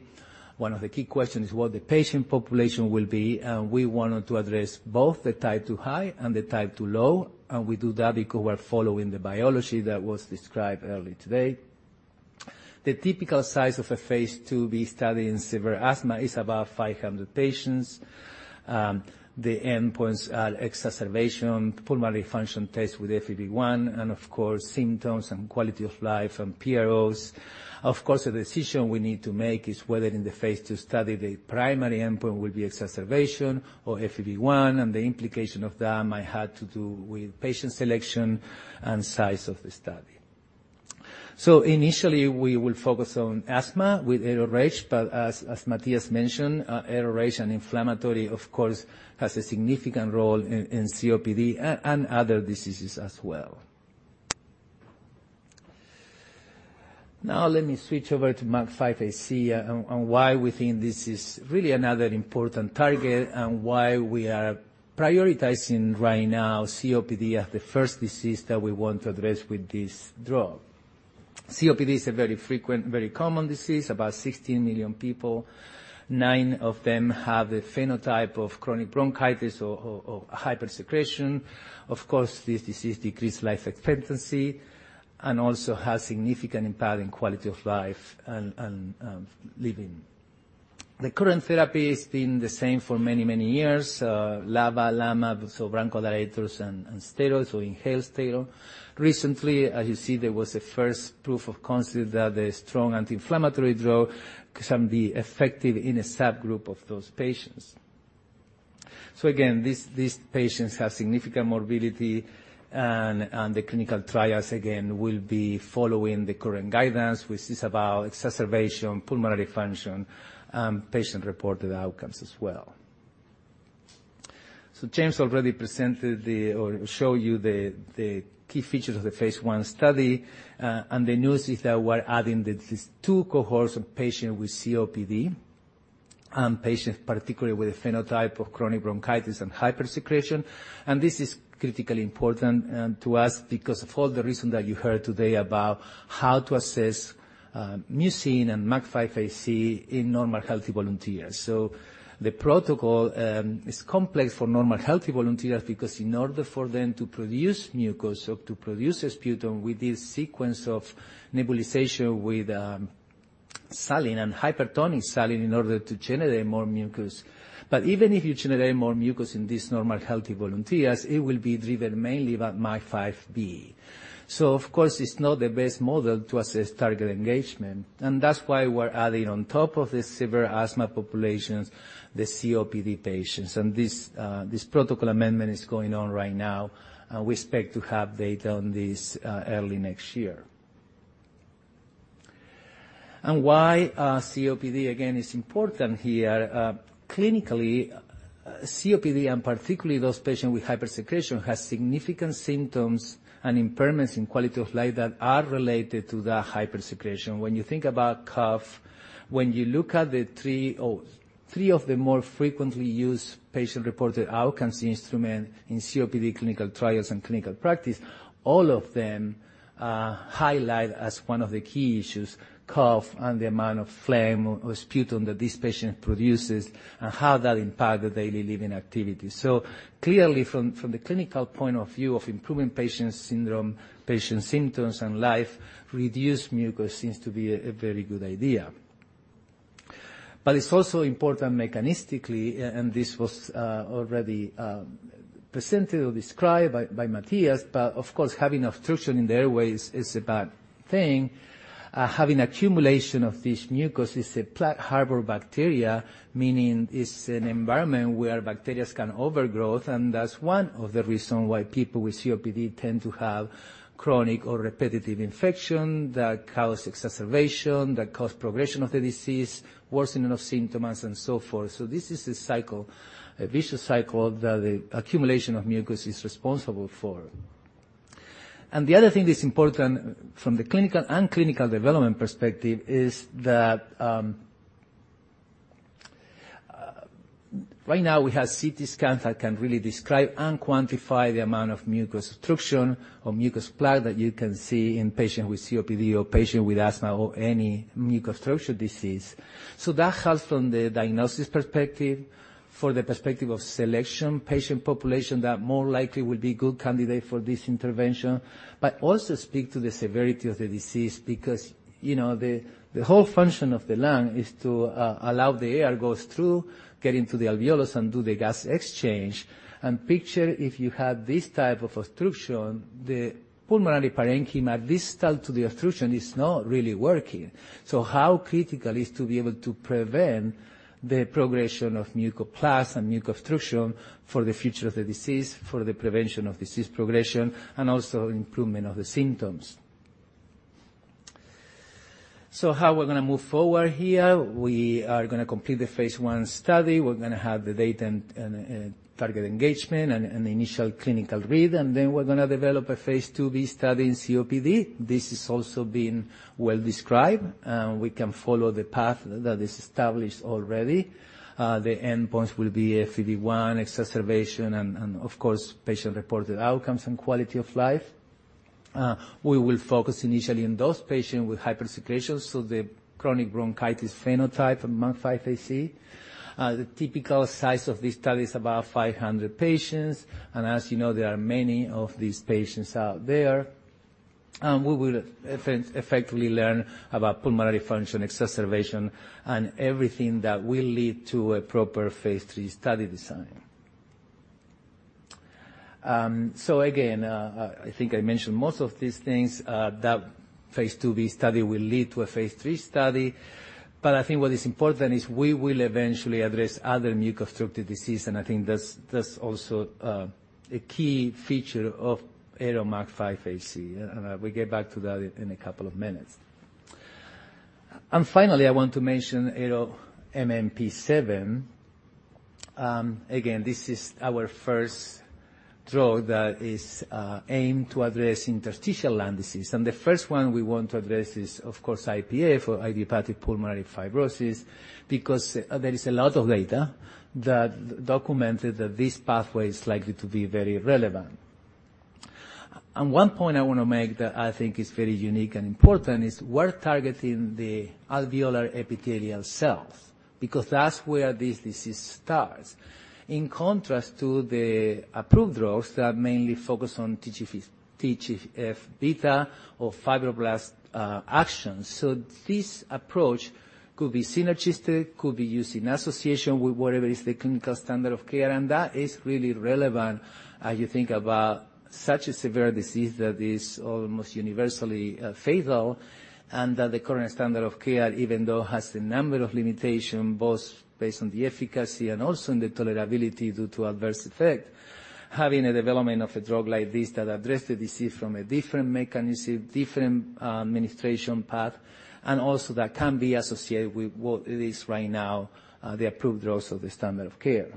One of the key questions is what the patient population will be. We wanted to address both the T2-high and the T2-low, and we do that because we're following the biology that was described earlier today. The phase II-B study in severe asthma is about 500 patients. The endpoints are exacerbation, pulmonary function test with FEV1, and of course, symptoms and quality of life and PROs. Of course, the decision we need to make is whether phase II study, the primary endpoint will be exacerbation or FEV1. The implication of that might have to do with patient selection and size of the study. Initially, we will focus on asthma with ARO-RAGE, but as Matthias mentioned, ARO-RAGE and inflammatory, of course, has a significant role in COPD and other diseases as well. Now, let me switch over to MUC5AC and why we think this is really another important target and why we are prioritizing right now COPD as the first disease that we want to address with this drug. COPD is a very frequent, very common disease, about 16 million people. Nine of them have a phenotype of chronic bronchitis or hypersecretion. Of course, this disease decreased life expectancy and also has significant impact in quality of life and living. The current therapy has been the same for many, many years, LABA, LAMA, so bronchodilators and steroids, so inhaled steroid. Recently, as you see, there was a first proof of concept that a strong anti-inflammatory drug can be effective in a subgroup of those patients. Again, these patients have significant morbidity and the clinical trials, again, will be following the current guidance, which is about exacerbation, pulmonary function, and patient-reported outcomes as well. James already presented or showed you the key features of phase I study, and the news is that we're adding these two cohorts of patients with COPD, and patients particularly with a phenotype of chronic bronchitis and hypersecretion. This is critically important to us because of all the reasons that you heard today about how to assess mucin and MUC5AC in normal healthy volunteers. The protocol is complex for normal healthy volunteers because in order for them to produce mucus or produce sputum with this sequence of nebulization with saline and hypertonic saline in order to generate more mucus. Even if you generate more mucus in these normal healthy volunteers, it will be driven mainly by MUC5B. Of course, it's not the best model to assess target engagement, and that's why we're adding on top of the severe asthma populations, the COPD patients. This, this protocol amendment is going on right now, and we expect to have data on this early next year. Why COPD again is important here, clinically, COPD, and particularly those patients with hypersecretion, has significant symptoms and impairments in quality of life that are related to the hypersecretion. When you think about cough, when you look at the three of the more frequently used patient-reported outcomes instrument in COPD clinical trials and clinical practice, all of them highlight as one of the key issues, cough and the amount of phlegm or sputum that this patient produces, and how that impact the daily living activity. Clearly from the clinical point of view of improving patient syndrome, patient symptoms, and life, reduced mucus seems to be a very good idea. It's also important mechanistically, and this was already presented or described by Matthias. Of course, having obstruction in the airways is a bad thing. Having accumulation of this mucus is a plaque harbor bacterias, meaning it's an environment where bacterias can overgrowth. That's one of the reasons why people with COPD tend to have chronic or repetitive infection that cause exacerbation, that cause progression of the disease, worsening of symptoms, and so forth. This is a cycle, a vicious cycle that the accumulation of mucus is responsible for. The other thing that's important from the clinical and clinical development perspective is that. Right now, we have CT scans that can really describe and quantify the amount of mucus obstruction or mucus plug that you can see in patients with COPD or patients with asthma or any mucus obstruction disease. That helps from the diagnosis perspective, for the perspective of selection, patient population that more likely will be a good candidate for this intervention, but also speak to the severity of the disease. Because, you know, the whole function of the lung is to allow the air goes through, get into the alveolus, and do the gas exchange. Picture if you have this type of obstruction, the pulmonary parenchyma, distal to the obstruction, is not really working. How critical is to be able to prevent the progression of mucus plugs and mucus obstruction for the future of the disease, for the prevention of disease progression and also improvement of the symptoms? How we're gonna move forward here? We are gonna complete the phase I study. We're gonna have the data and target engagement and the initial clinical read, and then phase II-B study in copd. this is also being well described, and we can follow the path that is established already. The endpoints will be FEV1, exacerbation, and of course, patient-reported outcomes and quality of life. We will focus initially on those patients with hypersecretion, so the chronic bronchitis phenotype of MUC5AC. The typical size of this study is about 500 patients, and as you know, there are many of these patients out there. We will effectively learn about pulmonary function, exacerbation, and everything that will lead phase III study design. so again, I think I mentioned most of lead to phase III study. I think what is important is we will eventually address other muco-obstructive disease, and I think that's also a key feature of ARO-MUC5AC, and we'll get back to that in a couple of minutes. Finally, I want to mention ARO-MMP7. Again, this is our first drug that is aimed to address interstitial lung disease. The first one we want to address is, of course, IPF for idiopathic pulmonary fibrosis, because there is a lot of data that documented that this pathway is likely to be very relevant. One point I want to make that I think is very unique and important is we're targeting the alveolar epithelial cells because that's where this disease starts. In contrast to the approved drugs that mainly focus on TGF-β or fibroblast actions. This approach could be synergistic, could be used in association with whatever is the clinical standard of care, and that is really relevant as you think about such a severe disease that is almost universally fatal and that the current standard of care, even though has a number of limitations, both based on the efficacy and also on the tolerability due to adverse effects. Having a development of a drug like this that address the disease from a different mechanism, different administration path, and also that can be associated with what it is right now, the approved drugs of the standard of care.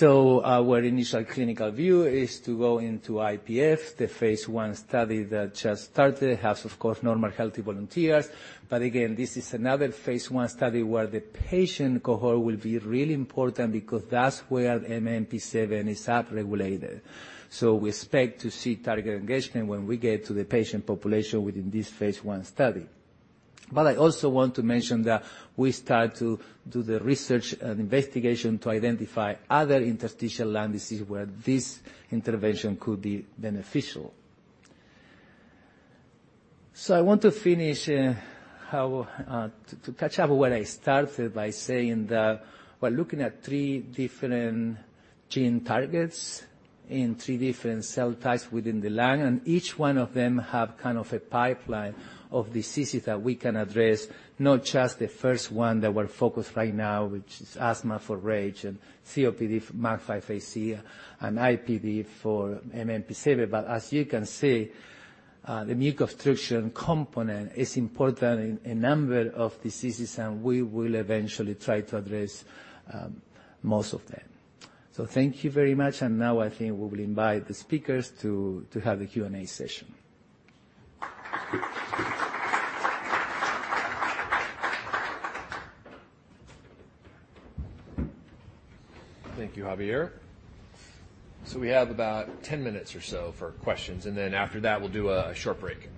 Our initial clinical view is to go into IPF. The phase I study that just started has, of course, normal, healthy volunteers. Again, this is phase I study where the patient cohort will be really important because that's where MMP7 is upregulated. We expect to see target engagement when we get to the patient population within phase I study. I also want to mention that we start to do the research and investigation to identify other interstitial lung disease where this intervention could be beneficial. I want to finish how to catch up where I started by saying that we're looking at three different gene targets in three different cell types within the lung, and each one of them have kind of a pipeline of diseases that we can address, not just the first one that we're focused right now, which is asthma for RAGE and COPD, MUC5AC, and IPF for MMP7. As you can see, the mucus obstruction component is important in a number of diseases, and we will eventually try to address most of them. Thank you very much, and now I think we will invite the speakers to have a Q&A session. Thank you, Javier. We have about 10 minutes or so for questions, after that, we'll do a short break.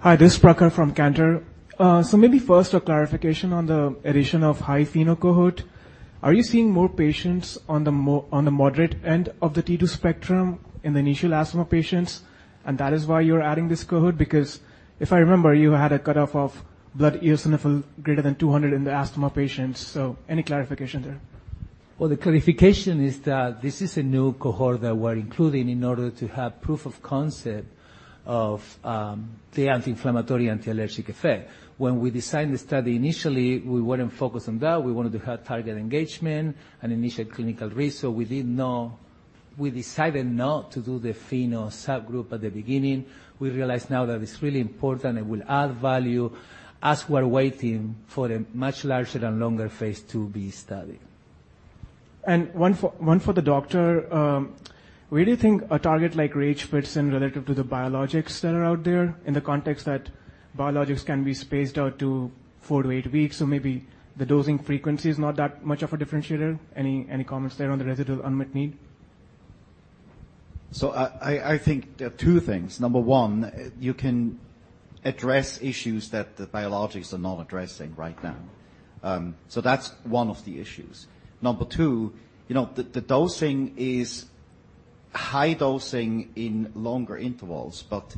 Hi, this is Prakhar from Cantor. Maybe first, a clarification on the addition of high FeNO cohort. Are you seeing more patients on the moderate end of the T2 spectrum in the initial asthma patients, and that is why you're adding this cohort? If I remember, you had a cutoff of blood eosinophil greater than 200 in the asthma patients. Any clarification there? The clarification is that this is a new cohort that we're including in order to have proof of concept of the anti-inflammatory, anti-allergic effect. When we designed the study, initially, we weren't focused on that. We wanted to have target engagement and initial clinical read, so we decided not to do the FeNO subgroup at the beginning. We realize now that it's really important and will add value as we're waiting for a much larger and phase II-B study. One for the doctor. Where do you think a target like RAGE fits in relative to the biologics that are out there, in the context that biologics can be spaced out to four to eight weeks, so maybe the dosing frequency is not that much of a differentiator? Any comments there on the residual unmet need? I think there are two things. Number one, you can address issues that the biologics are not addressing right now. That's one of the issues. Number two, you know, the dosing is high dosing in longer intervals, but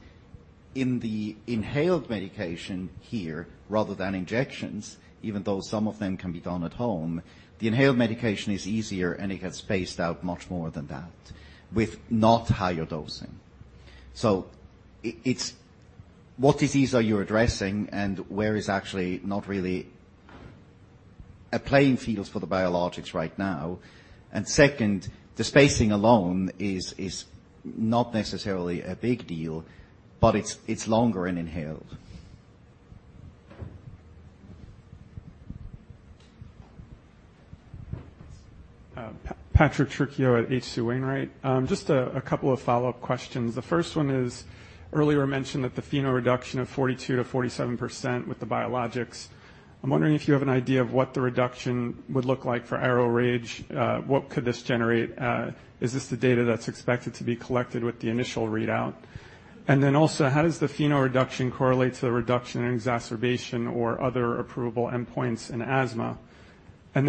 in the inhaled medication here, rather than injections, even though some of them can be done at home, the inhaled medication is easier, and it gets spaced out much more than that, with not higher dosing. It's what disease are you addressing and where is actually not really a playing field for the biologics right now. Second, the spacing alone is not necessarily a big deal, but it's longer in inhaled. Patrick Trucchio at H.C. Wainwright. Just a couple of follow-up questions. The first one is, earlier you mentioned that the FeNO reduction of 42%-47% with the biologics. I'm wondering if you have an idea of what the reduction would look like for ARO-RAGE. What could this generate? Is this the data that's expected to be collected with the initial readout? Also, how does the FeNO reduction correlate to the reduction in exacerbation or other approvable endpoints in asthma?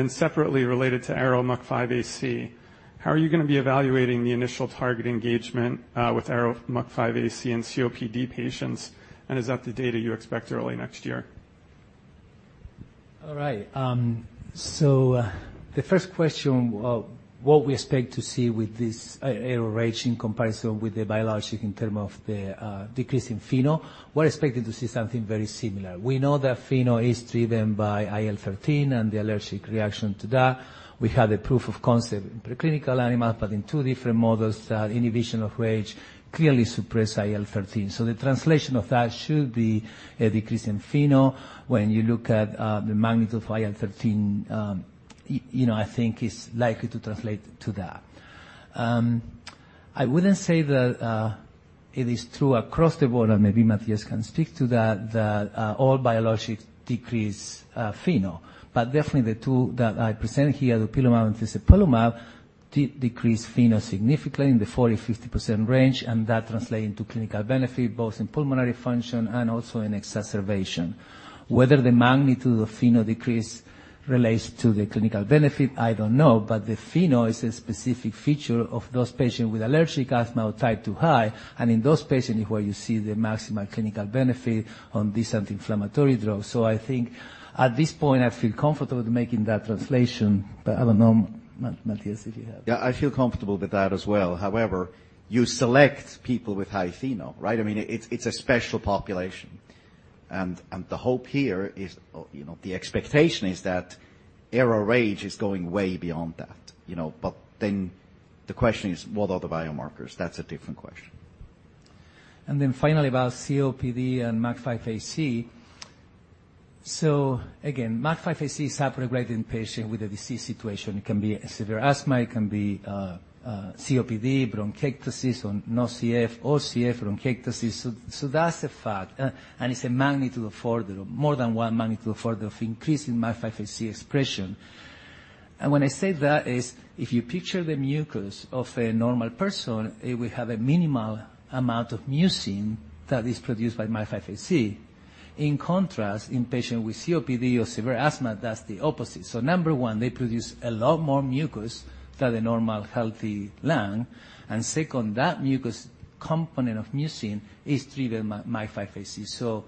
Separately, related to ARO-MUC5AC, how are you going to be evaluating the initial target engagement with ARO-MUC5AC in COPD patients, and is that the data you expect early next year? All right. The first question, what we expect to see with this ARO-RAGE in term of the decrease in FeNO, we're expecting to see something very similar. We know that FeNO is driven by IL-13 and the allergic reaction to that. We had a proof of concept in preclinical animal, but in two different models, the inhibition of RAGE clearly suppress IL-13. The translation of that should be a decrease in FeNO. When you look at, the magnitude of IL-13, you know, I think it's likely to translate to that. I wouldn't say that, it is true across the board, and maybe Matthias can speak to that, all biologics decrease, FeNO. Definitely the two that I presented here, dupilumab and tezepelumab, did decrease FeNO significantly in the 40%-50% range, and that translate into clinical benefit, both in pulmonary function and also in exacerbation. Whether the magnitude of FeNO decrease relates to the clinical benefit, I don't know, but the FeNO is a specific feature of those patients with allergic asthma or T2-high, and in those patients is where you see the maximal clinical benefit on these anti-inflammatory drugs. I think at this point, I feel comfortable with making that translation, but I don't know, Matthias, if you have. Yeah, I feel comfortable with that as well. You select people with high FeNO, right? I mean, it's a special population. The hope here is, you know, the expectation is that ARO-RAGE is going way beyond that, you know. The question is, what are the biomarkers? That's a different question. Then finally, about COPD and MUC5AC. Again, MUC5AC is upregulated in patients with a disease situation. It can be severe asthma, it can be COPD, bronchiectasis, or no CF, or CF bronchiectasis. That's a fact, and it's a magnitude of order, more than one magnitude of order of increase in MUC5AC expression. When I say that, is if you picture the mucus of a normal person, it will have a minimal amount of mucin that is produced by MUC5AC. In contrast, in patients with COPD or severe asthma, that's the opposite. Number one, they produce a lot more mucus than a normal, healthy lung. Second, that mucus component of mucin is driven MUC5AC.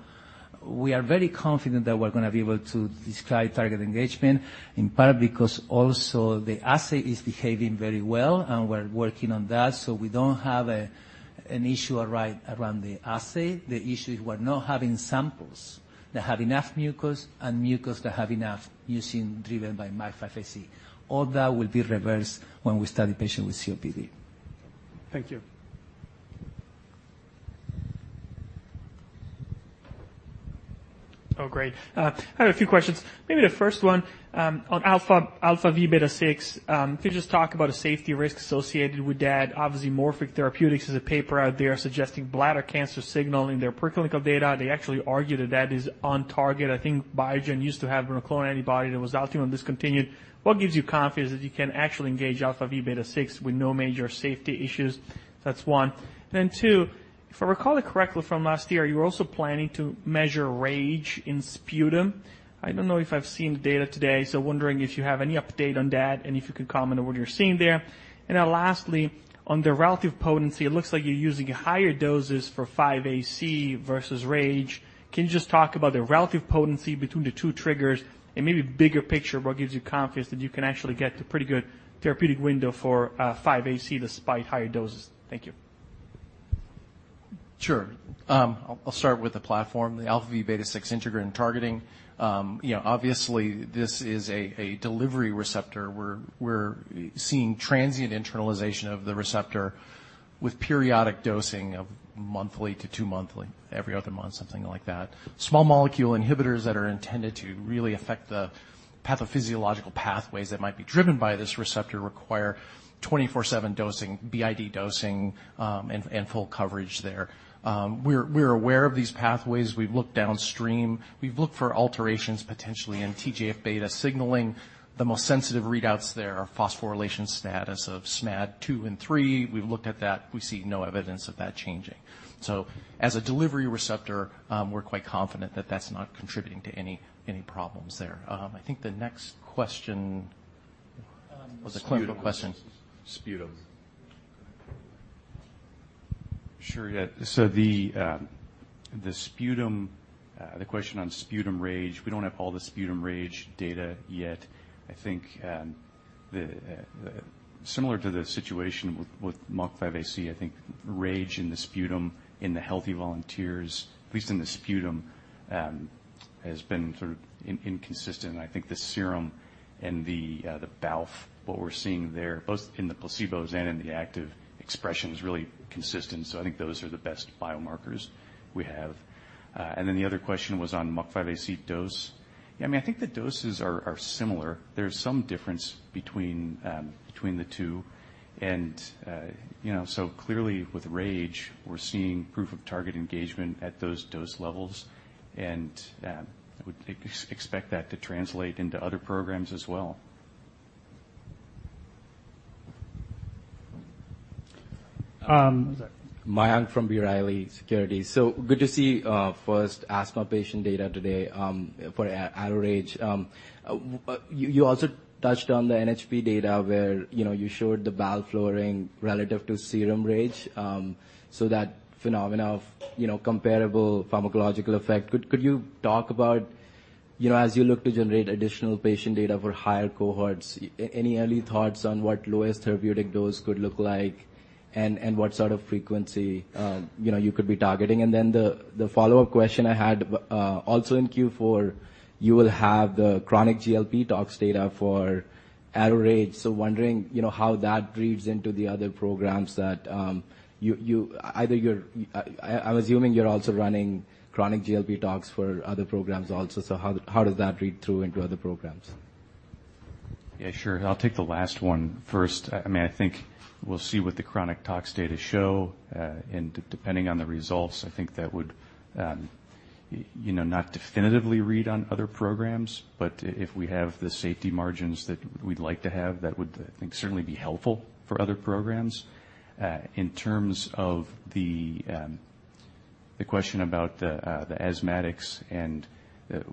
We are very confident that we're gonna be able to describe target engagement, in part because also the assay is behaving very well, and we're working on that. We don't have an issue right around the assay. The issue is we're not having samples that have enough mucus and mucus that have enough mucin driven by MUC5AC. All that will be reversed when we study patients with COPD. Thank you. Oh, great. I have a few questions. Maybe the first one, on αvβ6. Can you just talk about the safety risks associated with that? Obviously, Morphic Therapeutic has a paper out there suggesting bladder cancer signaling their preclinical data. They actually argue that that is on target. I think Biogen used to have monoclonal antibody that was ultimately discontinued. What gives you confidence that you can actually engage αvβ6 with no major safety issues? That's one. Two, if I recall it correctly from last year, you were also planning to measure RAGE in sputum. I don't know if I've seen the data today, so wondering if you have any update on that, and if you could comment on what you're seeing there. Lastly, on the relative potency, it looks like you're using higher doses for MUC5AC versus RAGE. Can you just talk about the relative potency between the two triggers and maybe bigger picture, what gives you confidence that you can actually get a pretty good therapeutic window for MUC5AC, despite higher doses? Thank you. Sure. I'll start with the platform, the αvβ6 integrin targeting. you know, obviously, this is a delivery receptor. We're seeing transient internalization of the receptor with periodic dosing of monthly to two monthly, every other month, something like that. Small molecule inhibitors that are intended to really affect the pathophysiological pathways that might be driven by this receptor require 24/7 dosing, BID dosing, and full coverage there. We're aware of these pathways. We've looked downstream. We've looked for alterations, potentially in TGF-β, signaling the most sensitive readouts there are phosphorylation status of Smad2 and Smad3. We've looked at that. We see no evidence of that changing. As a delivery receptor, we're quite confident that that's not contributing to any problems there. I think the next question was a clinical question. Sputum. Sure, yeah. The sputum, the question on sputum RAGE, we don't have all the sputum RAGE data yet. I think, similar to the situation with MUC5AC, I think RAGE in the sputum, in the healthy volunteers, at least in the sputum, has been sort of inconsistent. I think the serum and the BALF, what we're seeing there, both in the placebos and in the active expression, is really consistent. I think those are the best biomarkers we have. The other question was on MUC5AC dose. I mean, I think the doses are similar. There's some difference between between the two and, you know, clearly with RAGE, we're seeing proof of target engagement at those dose levels, I would expect that to translate into other programs as well. Mayank from B. Riley Securities. Good to see first asthma patient data today for ARO-RAGE. You also touched on the NHP data where, you know, you showed the BALF lowering relative to serum RAGE. That phenomenon of, you know, comparable pharmacological effect, could you talk about, you know, as you look to generate additional patient data for higher cohorts, any early thoughts on what lowest therapeutic dose could look like and what sort of frequency, you know, you could be targeting? The follow-up question I had also in Q4, you will have the chronic GLP tox data for ARO-RAGE. Wondering, you know, how that reads into the other programs that I'm assuming you're also running chronic GLP tox for other programs also. How does that read through into other programs? Yeah, sure. I'll take the last one first. I mean, I think we'll see what the chronic tox data show, and depending on the results, I think that would, you know, not definitively read on other programs. If we have the safety margins that we'd like to have, that would, I think, certainly be helpful for other programs. In terms of the question about the asthmatics and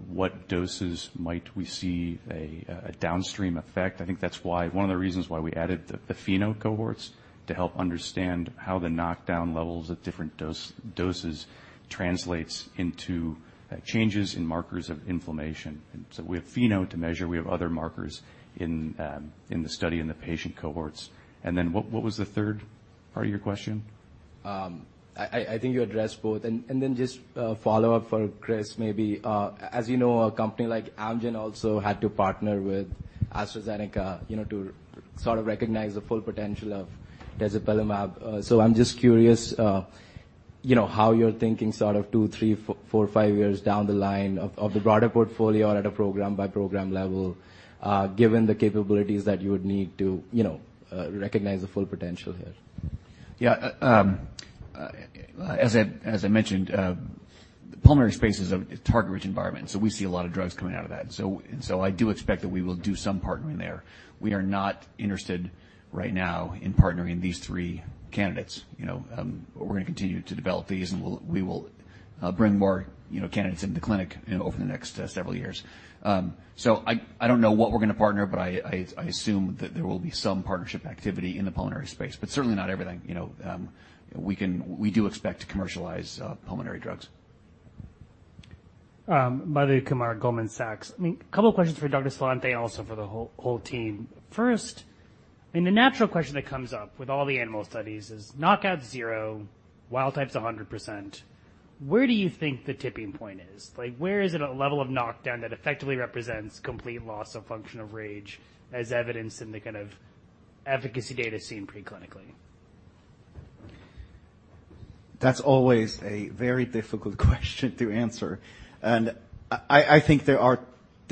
what doses might we see a downstream effect, I think that's why one of the reasons why we added the FeNO cohorts, to help understand how the knockdown levels at different doses translates into changes in markers of inflammation. We have FeNO to measure. We have other markers in the study, in the patient cohorts. What was the third part of your question? I think you addressed both. Just a follow-up for Chris, maybe. As you know, a company like Amgen also had to partner with AstraZeneca, you know, to sort of recognize the full potential of mepolizumab. I'm just curious, you know, how you're thinking sort of two, three, four, five years down the line of the broader portfolio at a program by program level, given the capabilities that you would need to, you know, recognize the full potential here. Yeah. As I mentioned, the pulmonary space is a target-rich environment, so we see a lot of drugs coming out of that. I do expect that we will do some partnering there. We are not interested right now in partnering these three candidates. You know, we're gonna continue to develop these, and we will bring more, you know, candidates into the clinic, you know, over the next several years. I don't know what we're gonna partner, but I assume that there will be some partnership activity in the pulmonary space, but certainly not everything. You know, We do expect to commercialize pulmonary drugs. Madhu Kumar, Goldman Sachs. I mean, a couple of questions for Dr. Salathe and also for the whole team. First, I mean, the natural question that comes up with all the animal studies is knockout zero, wild type is 100%. Where do you think the tipping point is? Like, where is it a level of knockdown that effectively represents complete loss of function of RAGE, as evidenced in the kind of efficacy data seen preclinically? That's always a very difficult question to answer, and I think there are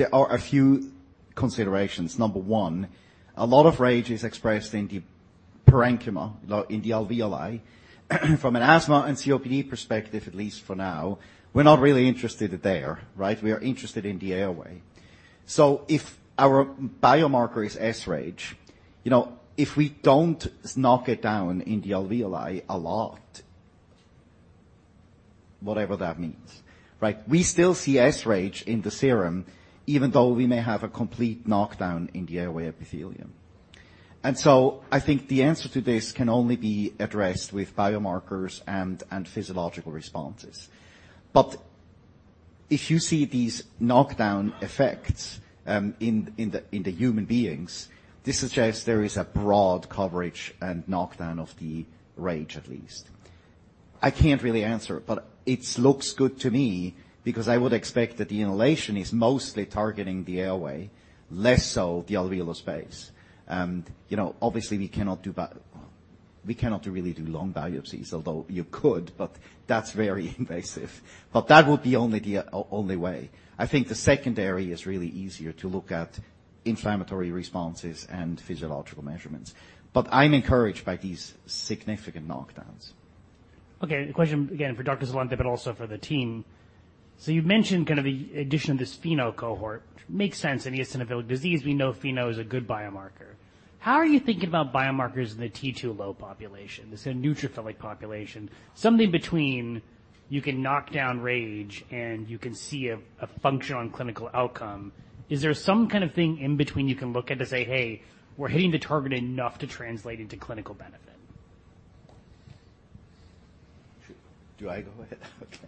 a few considerations. Number one, a lot of RAGE is expressed in the parenchyma, in the alveoli. From an asthma and COPD perspective, at least for now, we're not really interested there, right? We are interested in the airway. So if our biomarker is RAGE, you know, if we don't knock it down in the alveoli a lot, whatever that means, right? We still see RAGE in the serum, even though we may have a complete knockdown in the airway epithelium. I think the answer to this can only be addressed with biomarkers and physiological responses. If you see these knockdown effects in the human beings, this suggests there is a broad coverage and knockdown of the RAGE, at least. I can't really answer, but it looks good to me because I would expect that the inhalation is mostly targeting the airway, less so the alveolar space. You know, obviously, we cannot really do lung biopsies, although you could, but that's very invasive. That would be the only way. I think the secondary is really easier to look at inflammatory responses and physiological measurements. I'm encouraged by these significant knockdowns. The question again, for Dr. Salathe, but also for the team. You've mentioned kind of the addition of this FeNO cohort. Makes sense in the eosinophilic disease. We know FeNO is a good biomarker. How are you thinking about biomarkers in the T2-low population? This is a neutrophilic population, something between you can knock down RAGE, and you can see a function on clinical outcome. Is there some kind of thing in between you can look at to say, "Hey, we're hitting the target enough to translate into clinical benefit? Do I go ahead? Okay.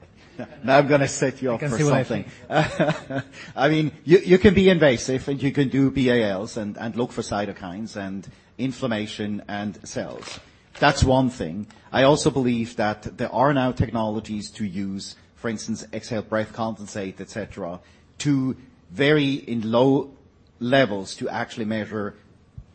Now I'm going to set you off for something. We can see what I think. I mean, you can be invasive, and you can do BALs and look for cytokines and inflammation and cells. That's one thing. I also believe that there are now technologies to use, for instance, exhaled breath condensate, et cetera, to vary in low levels to actually measure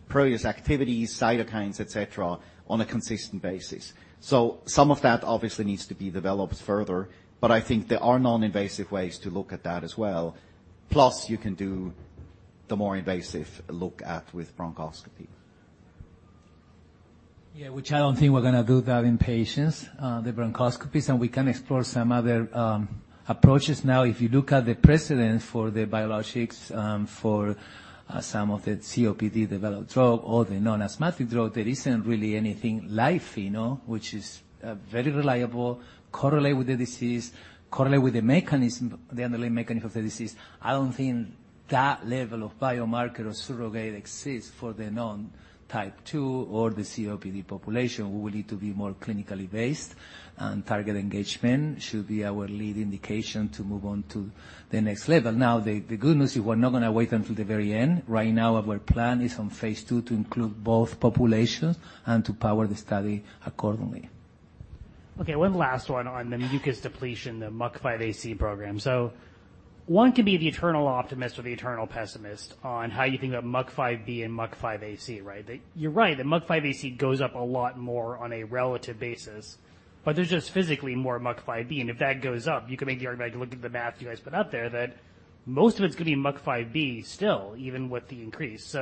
previous activities, cytokines, et cetera, on a consistent basis. Some of that obviously needs to be developed further, but I think there are non-invasive ways to look at that as well. Plus, you can do the more invasive look at with bronchoscopy. Yeah, which I don't think we're going to do that in patients, the bronchoscopies, and we can explore some other approaches. Now, if you look at the precedent for the biologics, for some of the COPD-developed drug or the non-asthmatic drug, there isn't really anything like FeNO, which is very reliable, correlate with the disease, correlate with the mechanism, the underlying mechanism of the disease. I don't think that level of biomarker or surrogate exists for the non-type 2 or the COPD population. We will need to be more clinically based, and target engagement should be our lead indication to move on to the next level. Now, the good news is we're not going to wait until the very end. Right now, our plan phase II to include both populations and to power the study accordingly. One last one on the mucus depletion, the MUC5AC program. One can be the eternal optimist or the eternal pessimist on how you think about MUC5B and MUC5AC, right? You're right, the MUC5AC goes up a lot more on a relative basis, but there's just physically more MUC5B, and if that goes up, you can make the argument, look at the math you guys put up there, that most of it's going to be MUC5B still, even with the increase.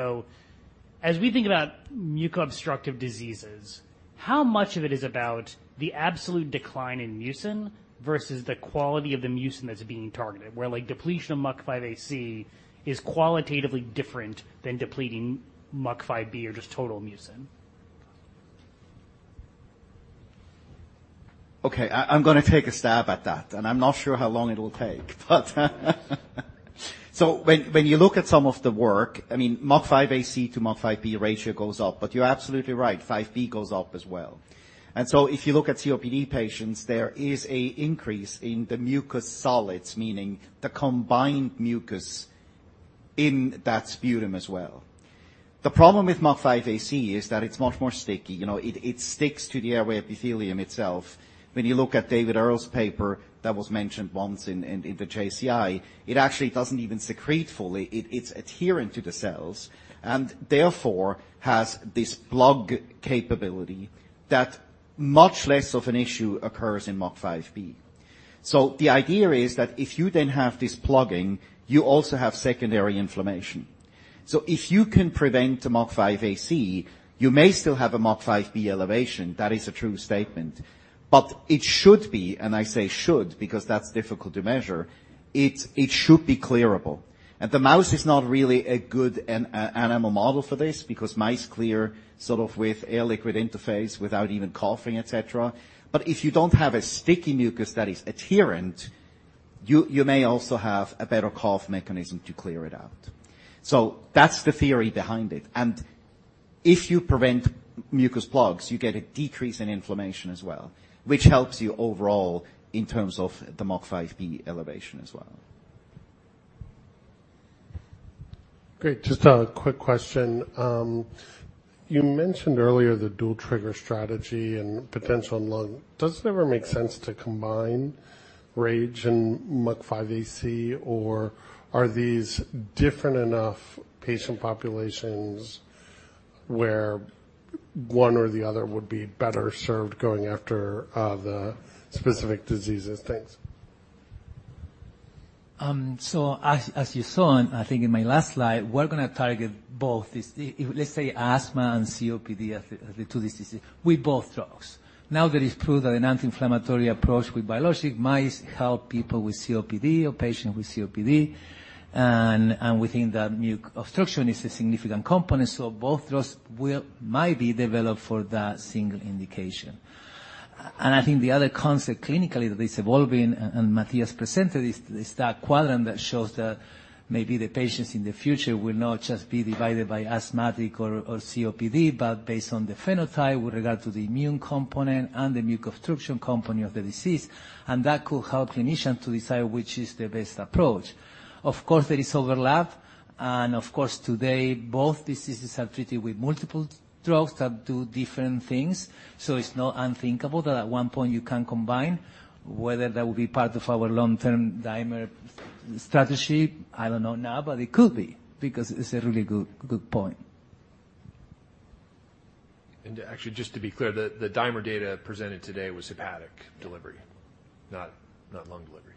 As we think about muco-obstructive diseases, how much of it is about the absolute decline in mucin versus the quality of the mucin that's being targeted, where, like, depletion of MUC5AC is qualitatively different than depleting MUC5B or just total mucin? Okay, I'm going to take a stab at that, and I'm not sure how long it'll take. When you look at some of the work, I mean, MUC5AC to MUC5B ratio goes up, but you're absolutely right, 5B goes up as well. If you look at COPD patients, there is a increase in the mucus solids, meaning the combined mucus in that sputum as well. The problem with MUC5AC is that it's much more sticky. You know, it sticks to the airway epithelium itself. When you look at David Erle's paper that was mentioned once in the JCI, it actually doesn't even secrete fully. It's adherent to the cells and therefore has this plug capability that much less of an issue occurs in MUC5B. The idea is that if you then have this plugging, you also have secondary inflammation. If you can prevent the MUC5AC, you may still have a MUC5B elevation. That is a true statement, but it should be, and I say should, because that's difficult to measure, it should be clearable. The mouse is not really a good animal model for this because mice clear sort of with air-liquid interface without even coughing, et cetera. But if you don't have a sticky mucus that is adherent, you may also have a better cough mechanism to clear it out. That's the theory behind it. If you prevent mucus plugs, you get a decrease in inflammation as well, which helps you overall in terms of the MUC5B elevation as well. Great. Just a quick question. You mentioned earlier the dual trigger strategy and potential in lung. Does it ever make sense to combine RAGE and MUC5AC, or are these different enough patient populations where one or the other would be better served going after, the specific diseases? Thanks. As you saw, and I think in my last slide, we're going to target both these, let's say asthma and COPD as the two diseases with both drugs. Now, there is proof that an anti-inflammatory approach with biologic might help people with COPD or patients with COPD, and we think that mucus obstruction is a significant component, so both drugs might be developed for that single indication. The other concept clinically that is evolving, and Matthias presented, is that quadrant that shows that maybe the patients in the future will not just be divided by asthmatic or COPD, but based on the phenotype with regard to the immune component and the mucobstruction component of the disease. That could help clinicians to decide which is the best approach. Of course, there is overlap, and of course, today, both diseases are treated with multiple drugs that do different things. It's not unthinkable that at one point you can combine. Whether that will be part of our long-term dimer strategy, I don't know now, but it could be, because it's a really good point. Actually, just to be clear, the dimer data presented today was hepatic delivery, not lung delivery.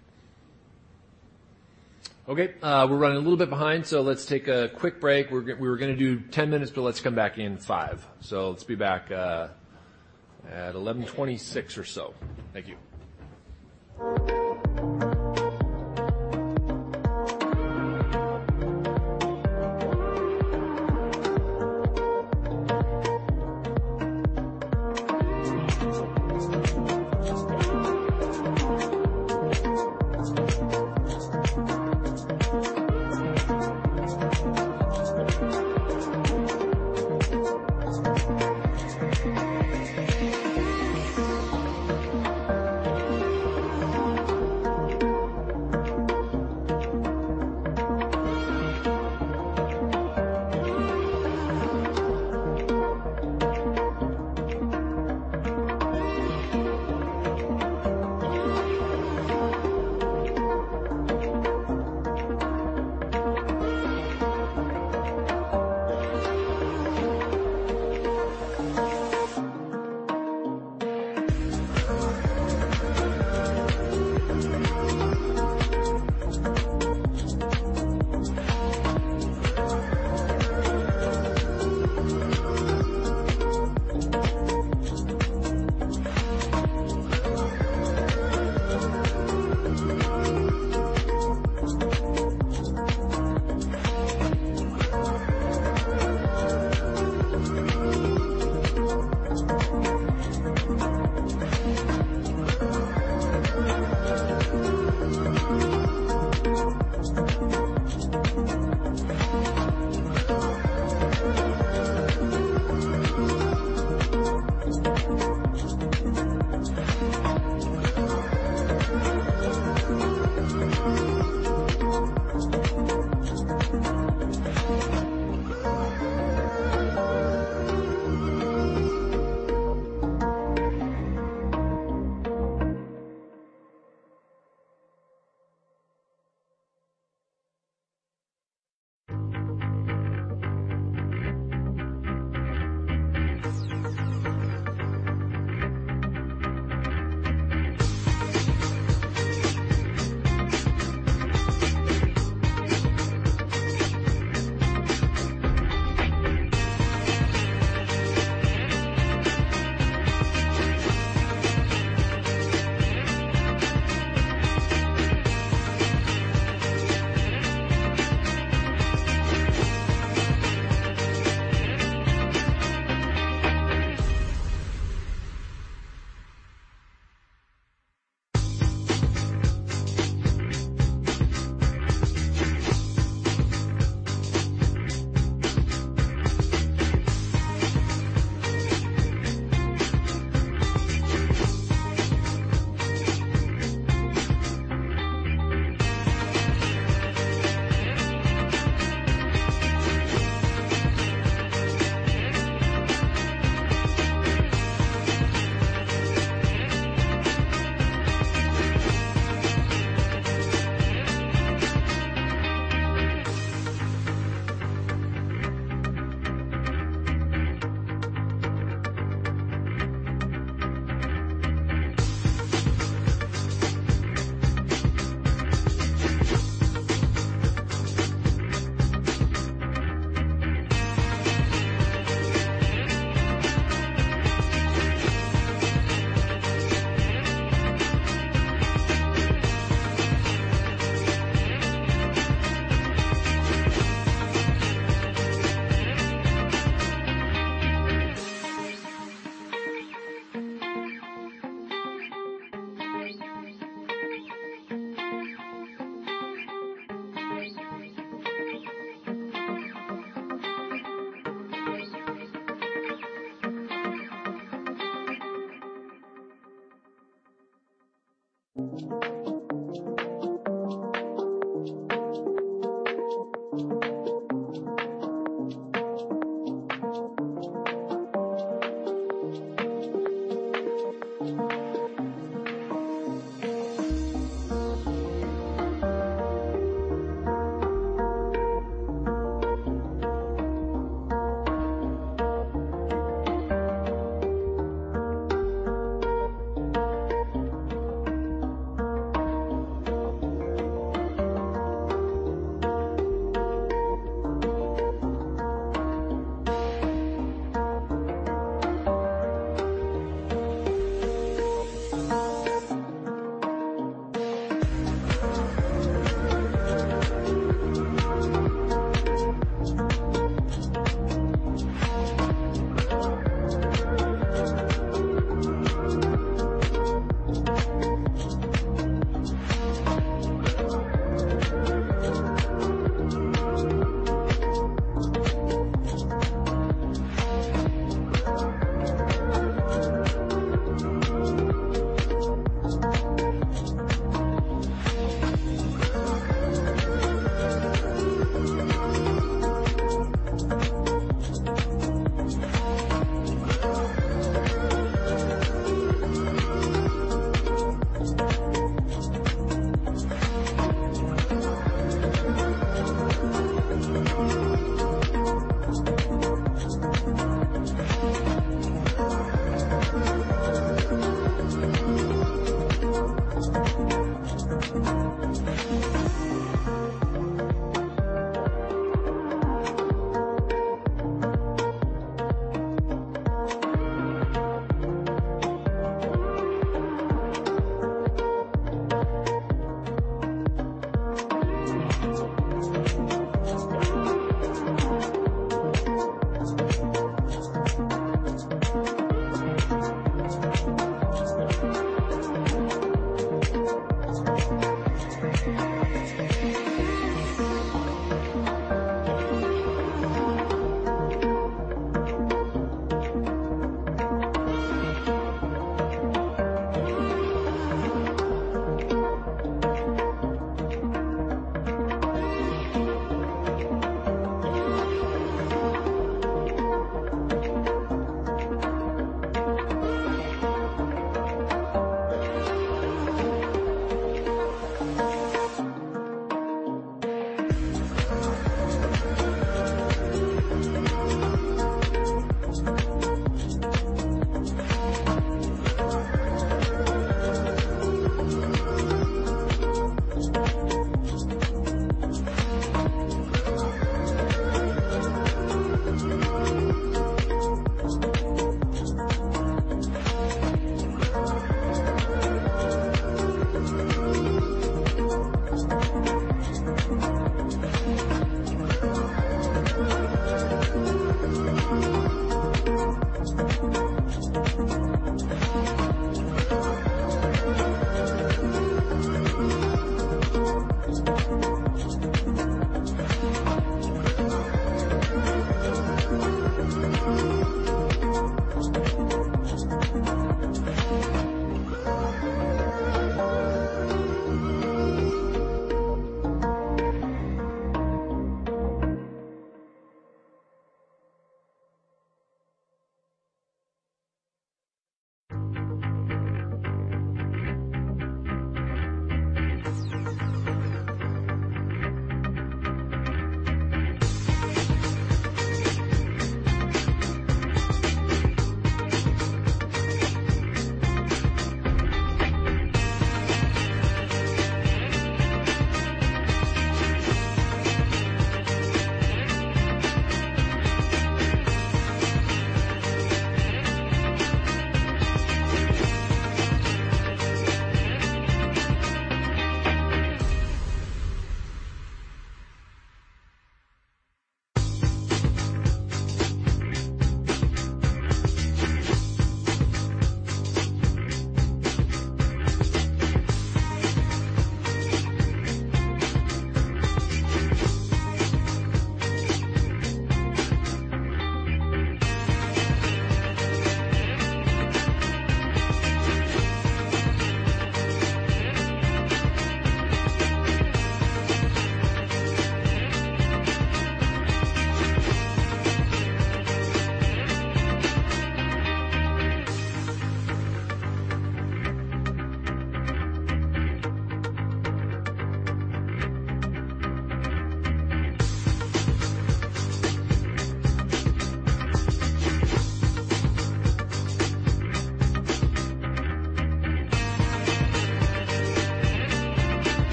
Okay, we're running a little bit behind, so let's take a quick break. We were gonna do 10 minutes, but let's come back in five. Let's be back at 11:26 or so. Thank you.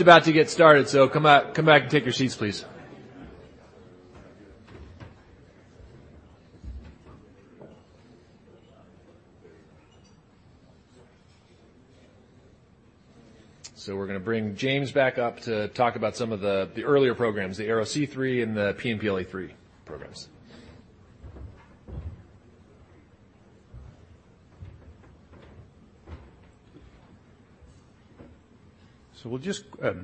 Just about to get started, so come back and take your seats, please. We're gonna bring James back up to talk about some of the earlier programs, the ARO-C3 and the PNPLA3 programs. We'll just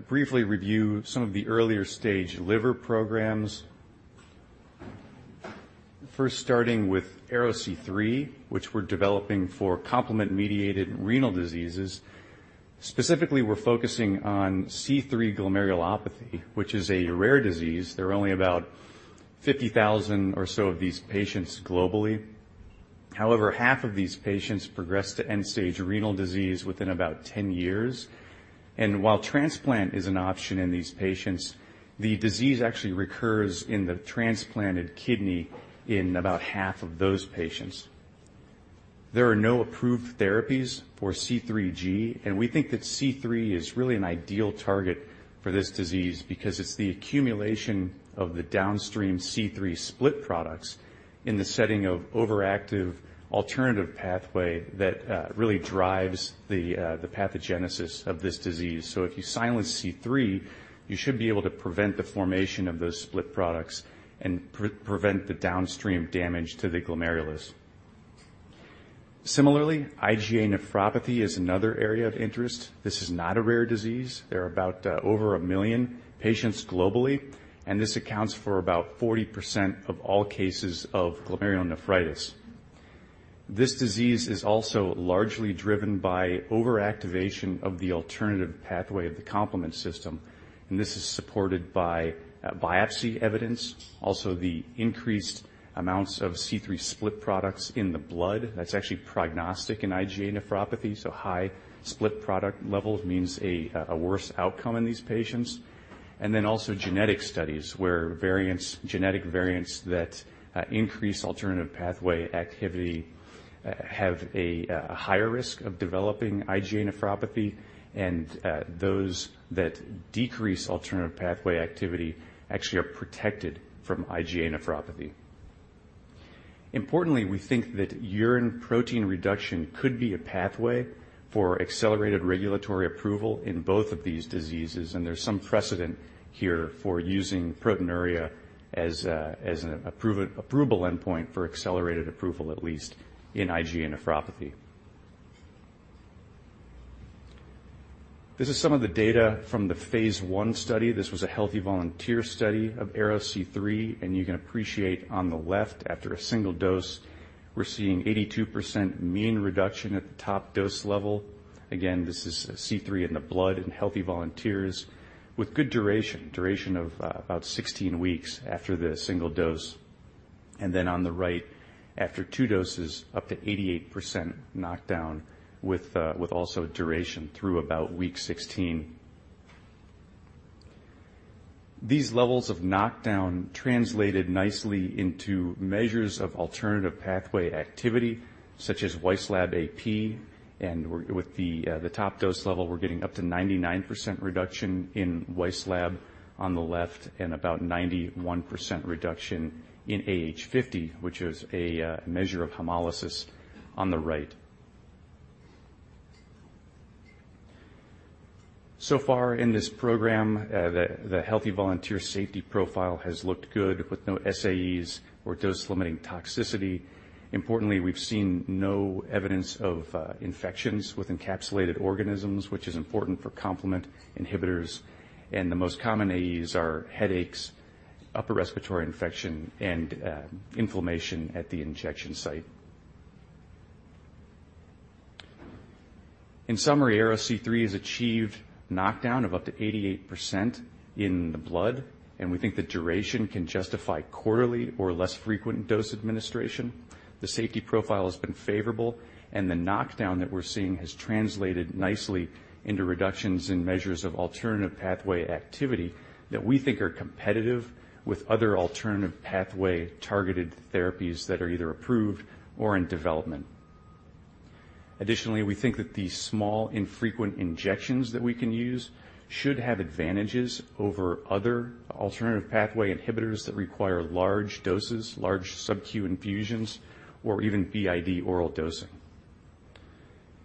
briefly review some of the earlier-stage liver programs. First, starting with ARO-C3, which we're developing for complement-mediated renal diseases. Specifically, we're focusing on C3 glomerulopathy, which is a rare disease. There are only about 50,000 or so of these patients globally. However, half of these patients progress to end-stage renal disease within about 10 years. While transplant is an option in these patients, the disease actually recurs in the transplanted kidney in about half of those patients. There are no approved therapies for C3G, and we think that C3 is really an ideal target for this disease because it's the accumulation of the downstream C3 split products in the setting of overactive alternative pathway that really drives the pathogenesis of this disease. If you silence C3, you should be able to prevent the formation of those split products and prevent the downstream damage to the glomerulus. Similarly, IgA nephropathy is another area of interest. This is not a rare disease. There are over 1 million patients globally, and this accounts for about 40% of all cases of glomerulonephritis. This disease is also largely driven by overactivation of the alternative pathway of the complement system, and this is supported by biopsy evidence. Also, the increased amounts of C3 split products in the blood, that's actually prognostic in IgA nephropathy, so high split product levels means a worse outcome in these patients. Then also genetic studies, where variants, genetic variants that increase alternative pathway activity have a higher risk of developing IgA nephropathy, and those that decrease alternative pathway activity actually are protected from IgA nephropathy. Importantly, we think that urine protein reduction could be a pathway for accelerated regulatory approval in both of these diseases, and there's some precedent here for using proteinuria as an approval endpoint for accelerated approval, at least in IgA nephropathy. This is some of the data from phase I study. This was a healthy volunteer study of ARO-C3, and you can appreciate on the left, after a single dose, we're seeing 82% mean reduction at the top dose level. Again, this is C3 in the blood in healthy volunteers with good duration of about 16 weeks after the single dose. On the right, after two doses, up to 88% knockdown with also duration through about week 16. These levels of knockdown translated nicely into measures of alternative pathway activity, such as Wieslab AP. With the top dose level, we're getting up to 99% reduction in Wieslab on the left and about 91% reduction in AH50, which is a measure of hemolysis on the right. Far in this program, the healthy volunteer safety profile has looked good, with no SAEs or dose-limiting toxicity. Importantly, we've seen no evidence of infections with encapsulated organisms, which is important for complement inhibitors. The most common AEs are headaches, upper respiratory infection, and inflammation at the injection site. In summary, ARO-C3 has achieved knockdown of up to 88% in the blood, and we think the duration can justify quarterly or less frequent dose administration. The safety profile has been favorable, and the knockdown that we're seeing has translated nicely into reductions in measures of alternative pathway activity that we think are competitive with other alternative pathway-targeted therapies that are either approved or in development. Additionally, we think that the small, infrequent injections that we can use should have advantages over other alternative pathway inhibitors that require large doses, large sub-Q infusions, or even BID oral dosing.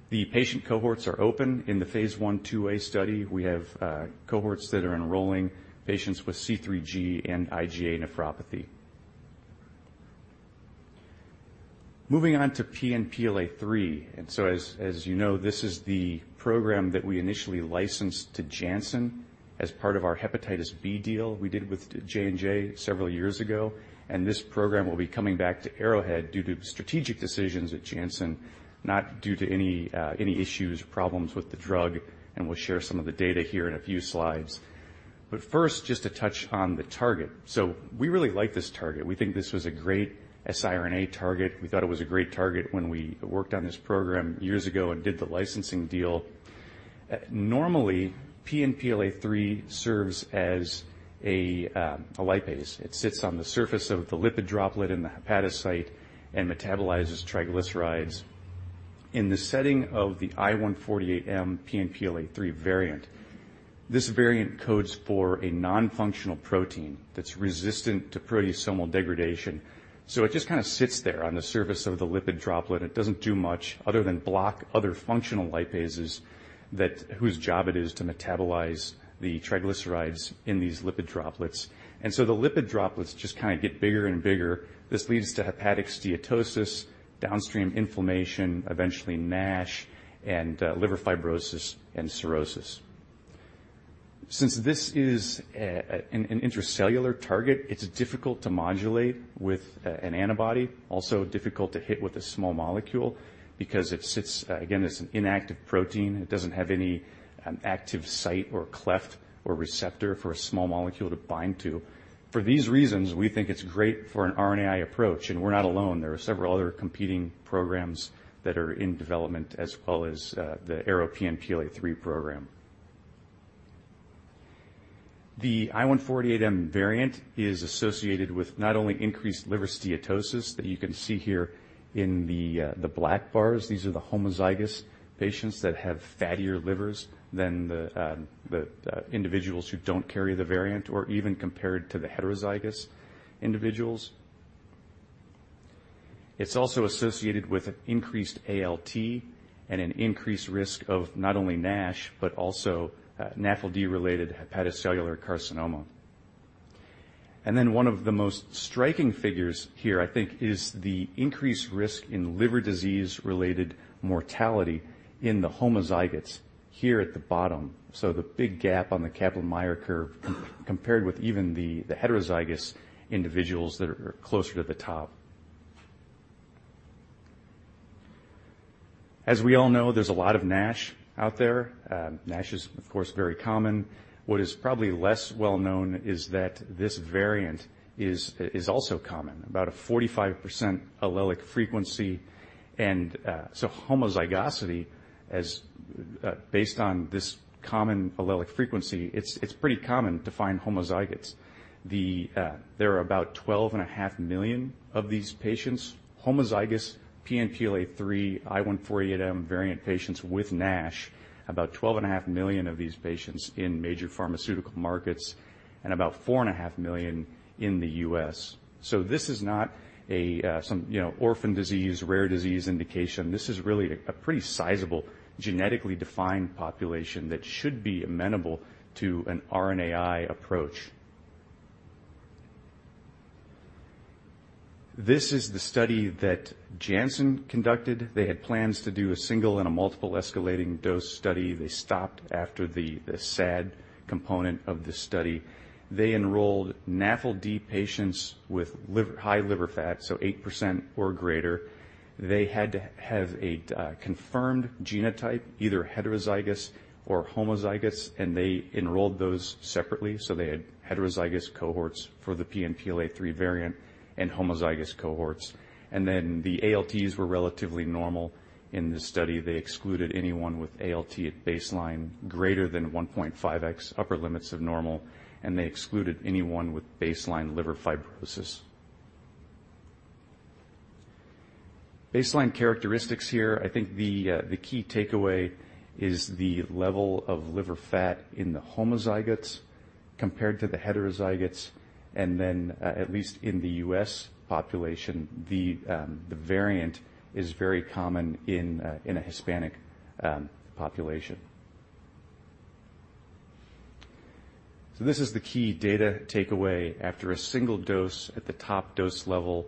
The patient cohorts are open in the phase I or phase II-A study. We have cohorts that are enrolling patients with C3G and IgA nephropathy. Moving on to PNPLA3, as you know, this is the program that we initially licensed to Janssen as part of our hepatitis B deal we did with J&J several years ago. This program will be coming back to Arrowhead due to strategic decisions at Janssen, not due to any issues or problems with the drug. We'll share some of the data here in a few slides. First, just to touch on the target. We really like this target. We think this was a great siRNA target. We thought it was a great target when we worked on this program years ago and did the licensing deal. Normally, PNPLA3 serves as a lipase. It sits on the surface of the lipid droplet in the hepatocyte and metabolizes triglycerides. In the setting of the I148M PNPLA3 variant, this variant codes for a non-functional protein that's resistant to proteasomal degradation. It just kind of sits there on the surface of the lipid droplet. It doesn't do much other than block other functional lipases whose job it is to metabolize the triglycerides in these lipid droplets. The lipid droplets just kind of get bigger and bigger. This leads to hepatic steatosis, downstream inflammation, eventually NASH, and liver fibrosis and cirrhosis. Since this is an intercellular target, it's difficult to modulate with an antibody, also difficult to hit with a small molecule because it sits. Again, it's an inactive protein. It doesn't have any active site or cleft or receptor for a small molecule to bind to. For these reasons, we think it's great for an RNAi approach, and we're not alone. There are several other competing programs that are in development, as well as the Arrowhead PNPLA3 program. The I148M variant is associated with not only increased liver steatosis that you can see here in the black bars. These are the homozygous patients that have fattier livers than the individuals who don't carry the variant or even compared to the heterozygous individuals. It's also associated with an increased ALT and an increased risk of not only NASH, but also NAFLD-related hepatocellular carcinoma. One of the most striking figures here, I think, is the increased risk in liver disease-related mortality in the homozygotes here at the bottom. The big gap on the Kaplan-Meier curve compared with even the heterozygous individuals that are closer to the top. We all know, there's a lot of NASH out there. NASH is, of course, very common. What is probably less well known is that this variant is also common, about a 45% allelic frequency, and so homozygosity as based on this common allelic frequency, it's pretty common to find homozygotes. There are about 12.5 million of these patients, homozygous PNPLA3 I148M variant patients with NASH, about 12.5 million of these patients in major pharmaceutical markets and about 4.5 million in the U.S. This is not a, some, you know, orphan disease, rare disease indication. This is really a pretty sizable, genetically defined population that should be amenable to an RNAi approach. This is the study that Janssen conducted. They had plans to do a single and a multiple escalating dose study. They stopped after the SAD component of the study. They enrolled NAFLD patients with high liver fat, so 8% or greater. They had to have a confirmed genotype, either heterozygous or homozygous, and they enrolled those separately, so they had heterozygous cohorts for the PNPLA3 variant and homozygous cohorts. The ALTs were relatively normal in this study. They excluded anyone with ALT at baseline greater than 1.5x upper limits of normal, and they excluded anyone with baseline liver fibrosis. Baseline characteristics here, I think the key takeaway is the level of liver fat in the homozygotes compared to the heterozygotes, at least in the U.S. population, the variant is very common in a Hispanic population. This is the key data takeaway. After a single dose at the top dose level,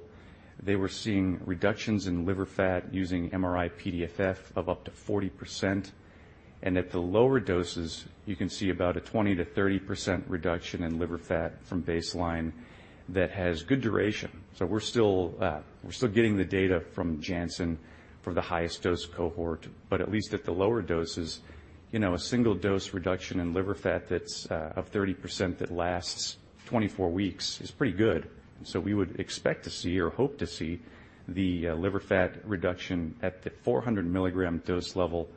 they were seeing reductions in liver fat using MRI-PDFF of up to 40%, and at the lower doses, you can see about a 20%-30% reduction in liver fat from baseline that has good duration. We're still, we're still getting the data from Janssen for the highest dose cohort, but at least at the lower doses, you know, a single-dose reduction in liver fat that's of 30% that lasts 24 weeks is pretty good. We would expect to see or hope to see the liver fat reduction at the 400 mg dose level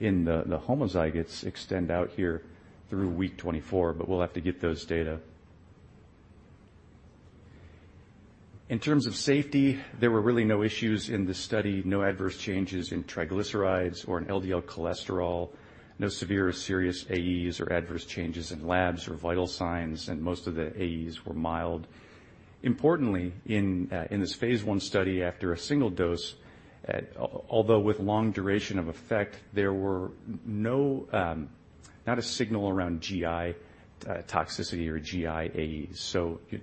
in the homozygotes extend out here through week 24, but we'll have to get those data. In terms of safety, there were really no issues in the study, no adverse changes in triglycerides or in LDL cholesterol, no severe or serious AEs or adverse changes in labs or vital signs, and most of the AEs were mild. Importantly, in this phase I study after a single dose, although with long duration of effect, there were no, not a signal around GI toxicity or GI AEs.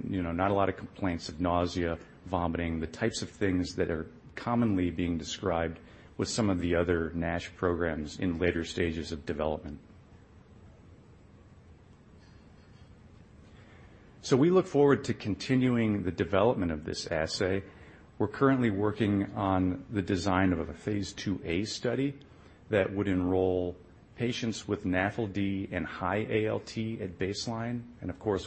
You know, not a lot of complaints of nausea, vomiting, the types of things that are commonly being described with some of the other NASH programs in later stages of development. We look forward to continuing the development of this assay. We're currently working on the design of phase IIa study that would enroll patients with NAFLD and high ALT at baseline.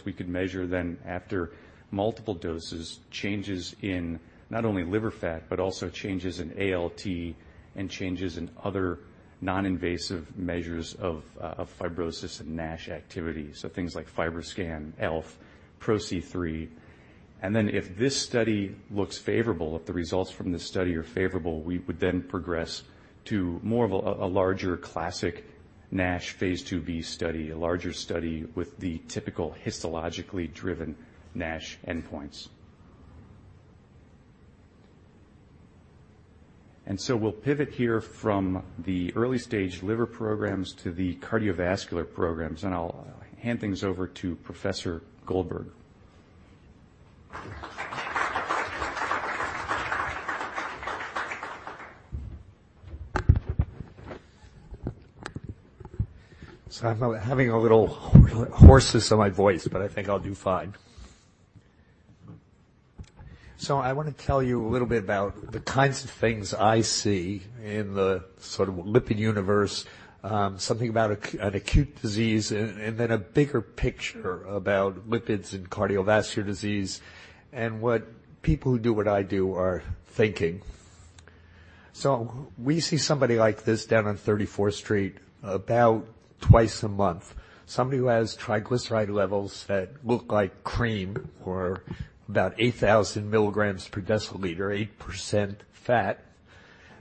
We could measure then, after multiple doses, changes in not only liver fat, but also changes in ALT and changes in other non-invasive measures of fibrosis and NASH activity. Things like FibroScan, ELF, PRO-C3. If this study looks favorable, if the results from this study are favorable, we would then progress to phase II-B study, a larger study with the typical histologically driven NASH endpoints. We'll pivot here from the early-stage liver programs to the cardiovascular programs, and I'll hand things over to Professor Goldberg. I'm having a little hoarseness in my voice, but I think I'll do fine. I wanna tell you a little bit about the kinds of things I see in the sort of lipid universe, something about an acute disease, and then a bigger picture about lipids and cardiovascular disease and what people who do what I do are thinking. We see somebody like this down on 34th Street about twice a month, somebody who has triglyceride levels that look like cream, or about 8,000 mg per deciliter, 8% fat.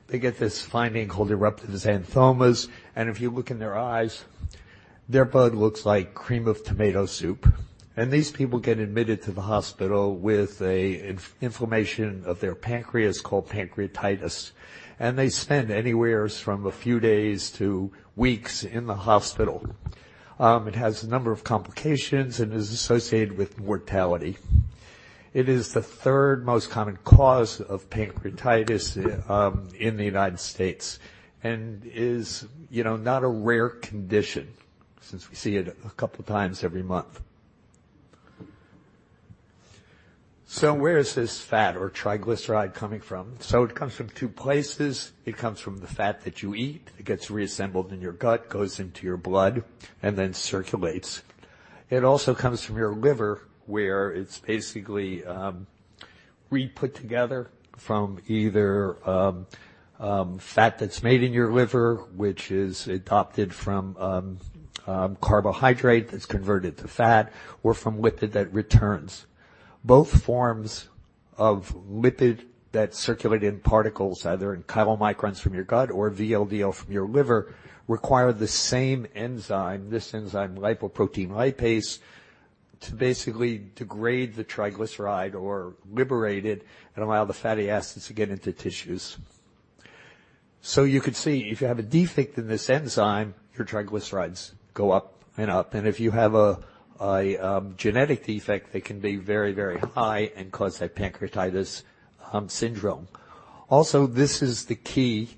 They get this finding called eruptive xanthomas, and if you look in their eyes, their blood looks like cream of tomato soup. These people get admitted to the hospital with inflammation of their pancreas called pancreatitis, and they spend anywheres from a few days to weeks in the hospital. It has a number of complications and is associated with mortality. It is the third most common cause of pancreatitis in the United States and is, you know, not a rare condition since we see it a couple times every month. Where is this fat or triglyceride coming from? It comes from two places. It comes from the fat that you eat. It gets reassembled in your gut, goes into your blood, and then circulates. It also comes from your liver, where it's basically re-put together from either fat that's made in your liver, which is adopted from carbohydrate that's converted to fat or from lipid that returns. Both forms of lipid that circulate in particles, either in chylomicrons from your gut or VLDL from your liver, require the same enzyme, this enzyme lipoprotein lipase, to basically degrade the triglyceride or liberate it and allow the fatty acids to get into tissues. You could see if you have a defect in this enzyme, your triglycerides go up and up, and if you have a genetic defect, they can be very, very high and cause a pancreatitis syndrome. This is the key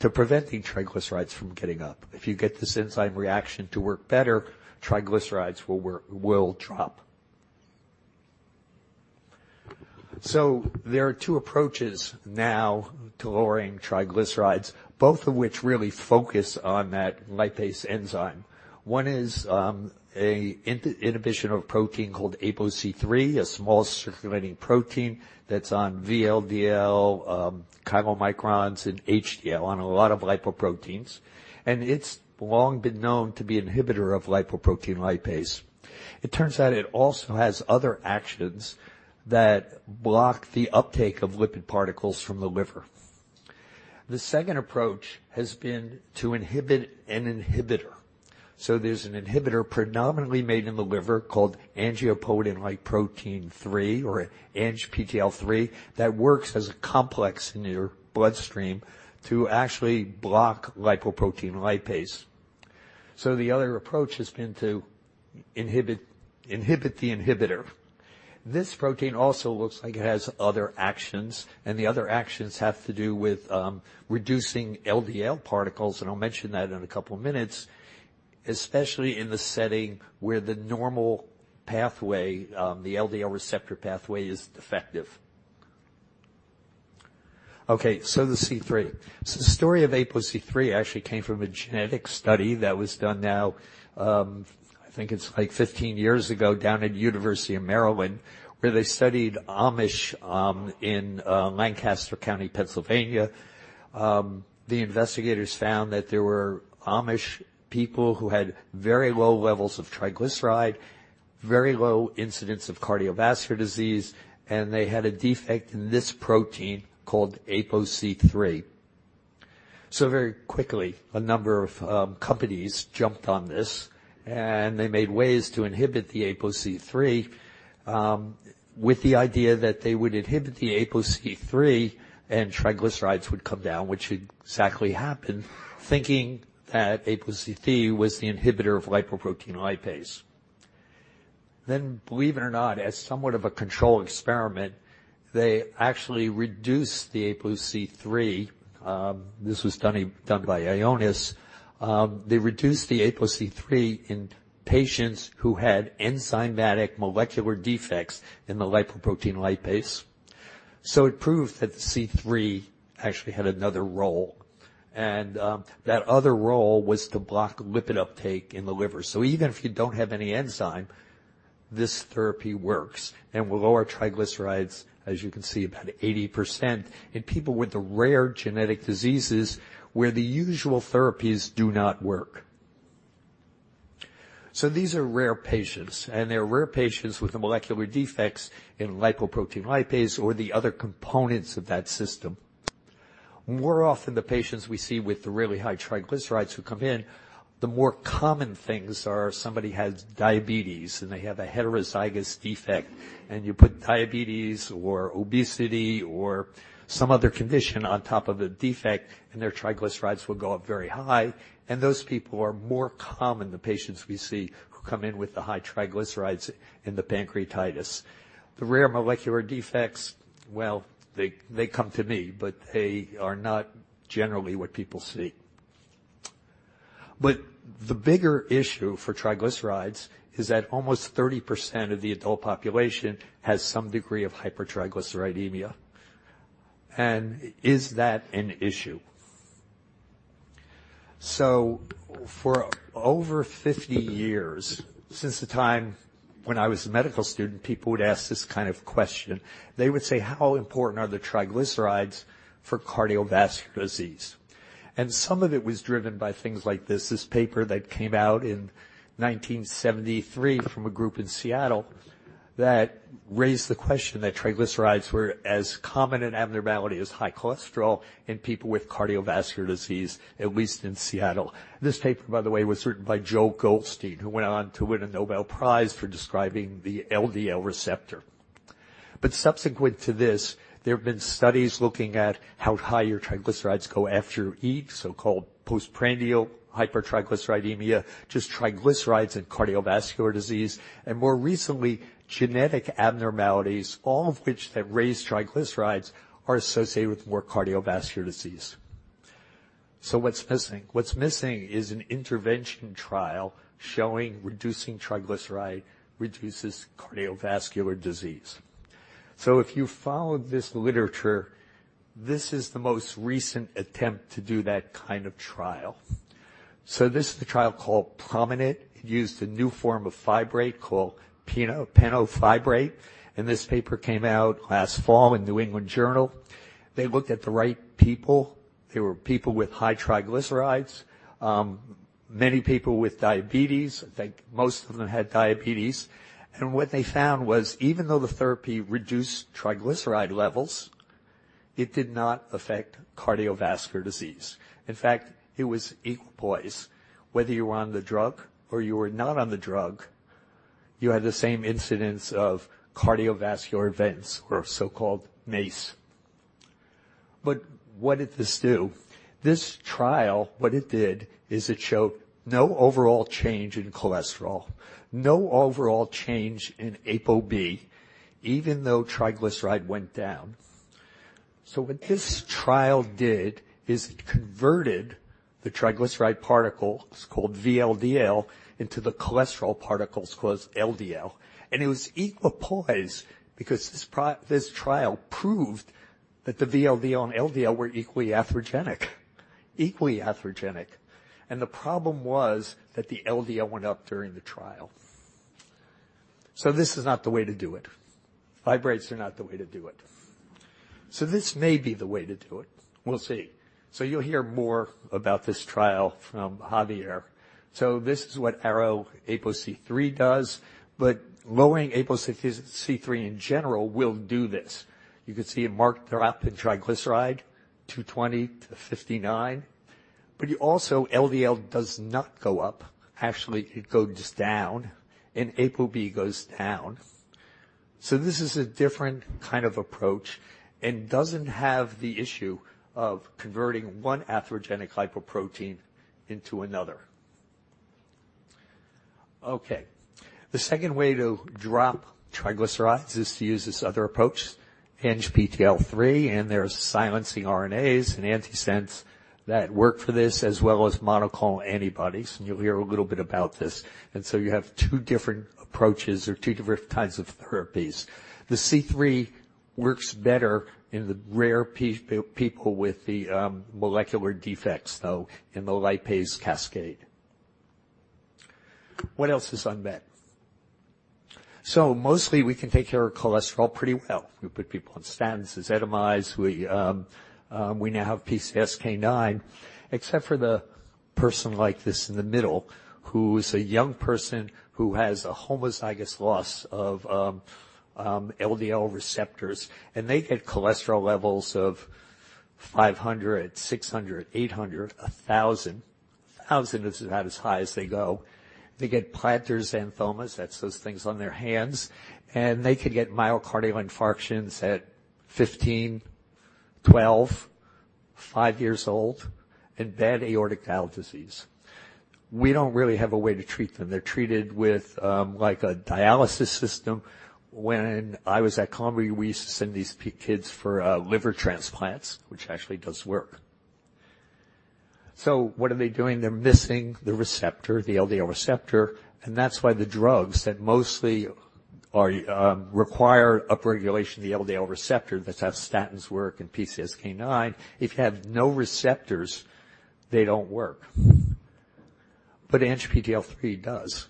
to preventing triglycerides from getting up. If you get this enzyme reaction to work better, triglycerides will drop. There are two approaches now to lowering triglycerides, both of which really focus on that lipase enzyme. One is inhibition of a protein called ApoC-III, a small circulating protein that's on VLDL, chylomicrons, and HDL, on a lot of lipoproteins, and it's long been known to be an inhibitor of lipoprotein lipase. It turns out it also has other actions that block the uptake of lipid particles from the liver. The second approach has been to inhibit an inhibitor. There's an inhibitor predominantly made in the liver called angiopoietin-like protein 3, or ANGPTL3, that works as a complex in your bloodstream to actually block lipoprotein lipase. The other approach has been to inhibit the inhibitor. This protein also looks like it has other actions, and the other actions have to do with reducing LDL particles, and I'll mention that in a couple minutes, especially in the setting where the normal pathway, the LDL receptor pathway, is defective. Okay, the C-III. The story of ApoC-III actually came from a genetic study that was done now, I think it's like 15 years ago, down at University of Maryland, where they studied Amish in Lancaster County, Pennsylvania. The investigators found that there were Amish people who had very low levels of triglyceride, very low incidence of cardiovascular disease, and they had a defect in this protein called ApoC-III. Very quickly, a number of companies jumped on this, and they made ways to inhibit the ApoC-III, with the idea that they would inhibit the ApoC-III and triglycerides would come down, which exactly happened, thinking that ApoC-III was the inhibitor of lipoprotein lipase. Believe it or not, as somewhat of a control experiment, they actually reduced the ApoC-III. This was done by Ionis. They reduced the ApoC-III in patients who had enzymatic molecular defects in the lipoprotein lipase. It proved that the ApoC-III actually had another role, and that other role was to block lipid uptake in the liver. Even if you don't have any enzyme, this therapy works and will lower triglycerides, as you can see, about 80% in people with the rare genetic diseases where the usual therapies do not work. These are rare patients, and they're rare patients with the molecular defects in lipoprotein lipase or the other components of that system. More often, the patients we see with the really high triglycerides who come in, the more common things are somebody has diabetes, and they have a heterozygous defect, and you put diabetes or obesity or some other condition on top of a defect, and their triglycerides will go up very high, and those people are more common, the patients we see who come in with the high triglycerides and the pancreatitis. The rare molecular defects, well, they come to me, they are not generally what people see. The bigger issue for triglycerides is that almost 30% of the adult population has some degree of hypertriglyceridemia. Is that an issue? For over 50 years, since the time when I was a medical student, people would ask this kind of question. They would say: How important are the triglycerides for cardiovascular disease? Some of it was driven by things like this paper that came out in 1973 from a group in Seattle, that raised the question that triglycerides were as common an abnormality as high cholesterol in people with cardiovascular disease, at least in Seattle. This paper, by the way, was written by Joe Goldstein, who went on to win a Nobel Prize for describing the LDL receptor. Subsequent to this, there have been studies looking at how high your triglycerides go after you eat, so-called postprandial hypertriglyceridemia, just triglycerides and cardiovascular disease, and more recently, genetic abnormalities, all of which that raise triglycerides, are associated with more cardiovascular disease. What's missing? What's missing is an intervention trial showing reducing triglyceride reduces cardiovascular disease. If you followed this literature, this is the most recent attempt to do that kind of trial. This is the trial called PROMINENT. It used a new form of fibrate called pemafibrate, and this paper came out last fall in New England Journal. They looked at the right people. They were people with high triglycerides, many people with diabetes. I think most of them had diabetes. What they found was, even though the therapy reduced triglyceride levels, it did not affect cardiovascular disease. In fact, it was equipoise. Whether you were on the drug or you were not on the drug, you had the same incidence of cardiovascular events, or so-called MACE. What did this do? This trial, what it did, is it showed no overall change in cholesterol, no overall change in ApoB, even though triglyceride went down. What this trial did is it converted the triglyceride particle, it's called VLDL, into the cholesterol particles called LDL, and it was equipoise because this trial proved that the VLDL and LDL were equally atherogenic. Equally atherogenic. The problem was that the LDL went up during the trial. This is not the way to do it. Fibrates are not the way to do it. This may be the way to do it. We'll see. You'll hear more about this trial from Javier. This is what Arrow ApoC-III does, but lowering ApoC-III in general will do this. You can see a marked drop in triglyceride, 220 to 59, but you also, LDL does not go up. Actually, it goes down, and ApoB goes down. This is a different kind of approach and doesn't have the issue of converting one atherogenic lipoprotein into another. The second way to drop triglycerides is to use this other approach, ANGPTL3, and there's silencing RNAs and antisense that work for this, as well as monoclonal antibodies, and you'll hear a little bit about this. You have two different approaches or two different types of therapies. The ApoC-III works better in the rare people with the molecular defects, though, in the lipase cascade. What else is unmet? Mostly, we can take care of cholesterol pretty well. We put people on statins, ezetimibe. We now have PCSK9. Except for the-... person like this in the middle, who is a young person who has a homozygous loss of LDL receptor, and they get cholesterol levels of 500, 600, 800, 1,000. 1,000 is about as high as they go. They get palmar xanthomas, that's those things on their hands, and they could get myocardial infarctions at 15, 12, five years old, and bad aortic valve disease. We don't really have a way to treat them. They're treated with like a dialysis system. When I was at Columbia, we used to send these kids for liver transplants, which actually does work. What are they doing? They're missing the receptor, the LDL receptor, and that's why the drugs that mostly are require upregulation of the LDL receptor, that's how statins work and PCSK9. If you have no receptors, they don't work. ANGPTL3 does,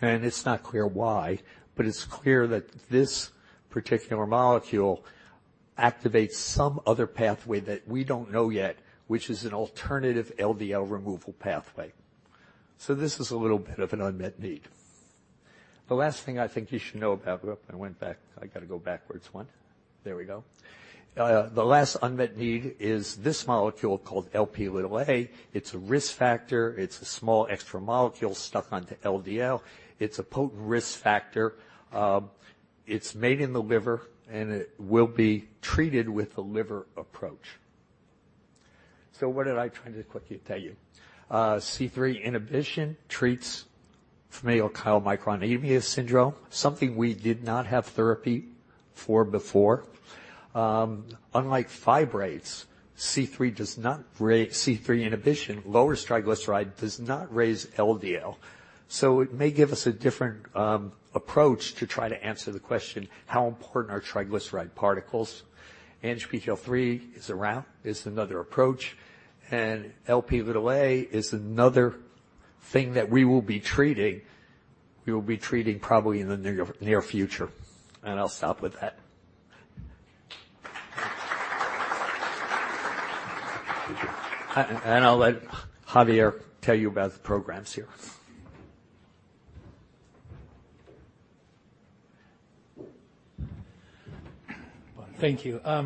and it's not clear why, but it's clear that this particular molecule activates some other pathway that we don't know yet, which is an alternative LDL removal pathway. This is a little bit of an unmet need. The last thing I think you should know about. Oh, I went back. I got to go backwards 1. There we go. The last unmet need is this molecule called Lp(a). It's a risk factor. It's a small extra molecule stuck onto LDL. It's a potent risk factor. It's made in the liver, and it will be treated with a liver approach. What did I try to quickly tell you? C-III inhibition treats familial chylomicronemia syndrome, something we did not have therapy for before. Unlike fibrates, C-III inhibition lowers triglyceride, does not raise LDL. It may give us a different approach to try to answer the question, how important are triglyceride particles? ANGPTL3 is around, is another approach, and Lp is another thing that we will be treating probably in the near future. I'll stop with that. Thank you. I'll let Javier tell you about the programs here. Thank you. I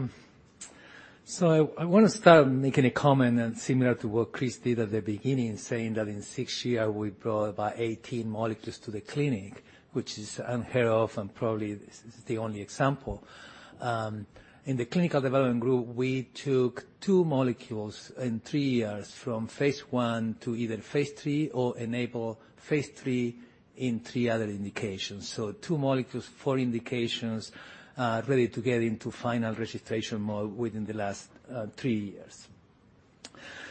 want to start making a comment and similar to what Chris did at the beginning, saying that in six years, we brought about 18 molecules to the clinic, which is unheard of, and probably this is the only example. In the clinical development group, we took two molecules in three years from phase one to either phase three or enable phase three in three other indications. Two molecules, four indications, ready to get into final registration mode within the last three years.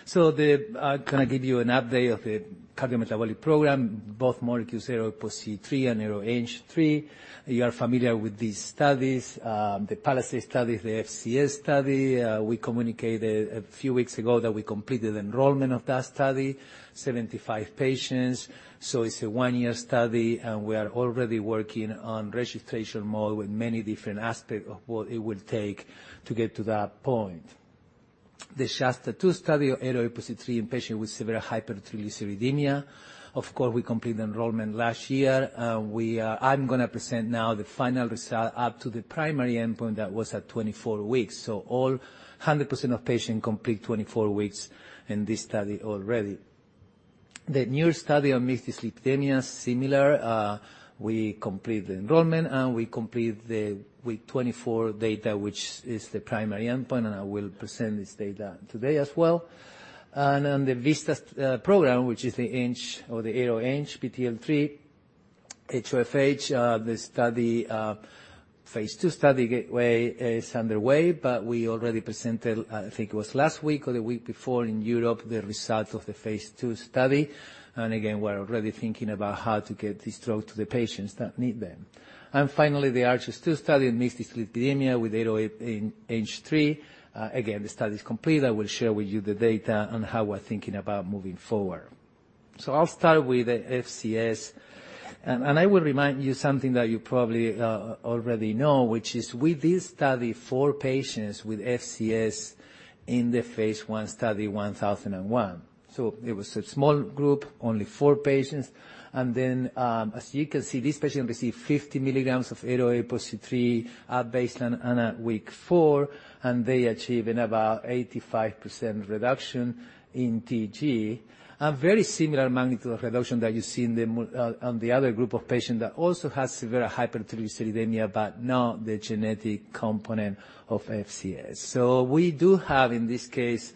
The, can I give you an update of the cardiometabolic program, both molecules, ARO-ANG3 and ARO-APOC3? You are familiar with these studies, the PALISADE study, the FCS study. We communicated a few weeks ago that we completed enrollment of that study, 75 patients. It's a one-year study, and we are already working on registration mode with many different aspects of what it will take to get to that point. The SHASTA-2 study of ARO-APOC3 in patients with severe hypertriglyceridemia. Of course, we completed enrollment last year, and I'm going to present now the final result up to the primary endpoint that was at 24 weeks. All 100% of patients complete 24 weeks in this study already. The newer study on mixed dyslipidemia, similar, we completed the enrollment, and we completed the week 24 data, which is the primary endpoint, and I will present this data today as well. On the VISTA program, which is the INHBE or the ARO-INHBE, ANGPTL3, HoFH, phase II study gateway is underway, but we already presented, I think it was last week or the week before in Europe, the results phase II study. again, we're already thinking about how to get this drug to the patients that need them. Finally, the ARCHES-2 study in mixed dyslipidemia with ARO-ANG3. Again, the study is complete. I will share with you the data on how we're thinking about moving forward. I'll start with the FCS. I will remind you something that you probably already know, which is we did study four patients with FCS in phase I study, 1001. It was a small group, only four patients. As you can see, this patient received 50 mg of ARO-APOC3 at baseline and at week four, and they achieved about 85% reduction in TG. A very similar magnitude of reduction that you see in the other group of patients that also has severe hypertriglyceridemia, but not the genetic component of FCS. We do have, in this case,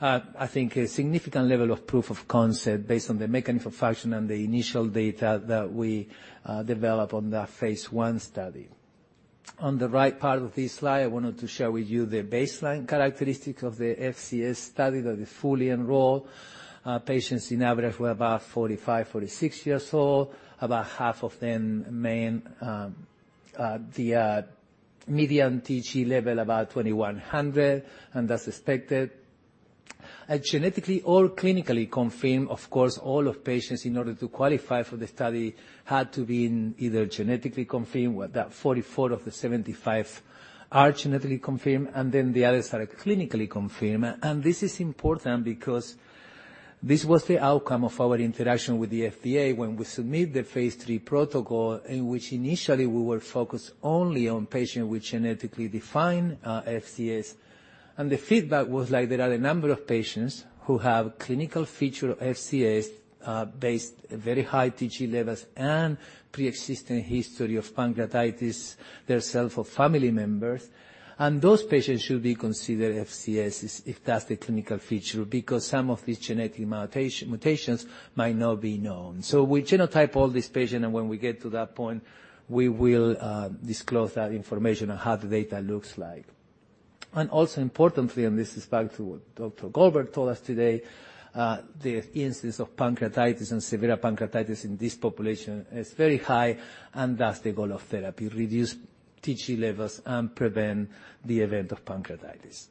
I think, a significant level of proof of concept based on the mechanism of function and the initial data that we developed on phase I study. On the right part of this slide, I wanted to share with you the baseline characteristics of the FCS study that is fully enrolled. Patients in average were about 45, 46 years old, about half of them men. The median TG level, about 2,100, and that's expected. Genetically or clinically confirmed, of course, all of patients in order to qualify for the study had to be in either genetically confirmed, with that 44 of the 75 are genetically confirmed, then the others are clinically confirmed. This is important because. This was the outcome of our interaction with the FDA when phase III protocol, in which initially we were focused only on patient with genetically defined FCS. The feedback was like, there are a number of patients who have clinical feature FCS, based very high TG levels and pre-existing history of pancreatitis, theirself or family members. Those patients should be considered FCSs if that's the clinical feature, because some of these genetic mutations might not be known. We genotype all these patients, and when we get to that point, we will disclose that information on how the data looks like. Also importantly, and this is back to what Dr. Goldberg told us today, the instance of pancreatitis and severe pancreatitis in this population is very high, and that's the goal of therapy, reduce TG levels and prevent the event of pancreatitis.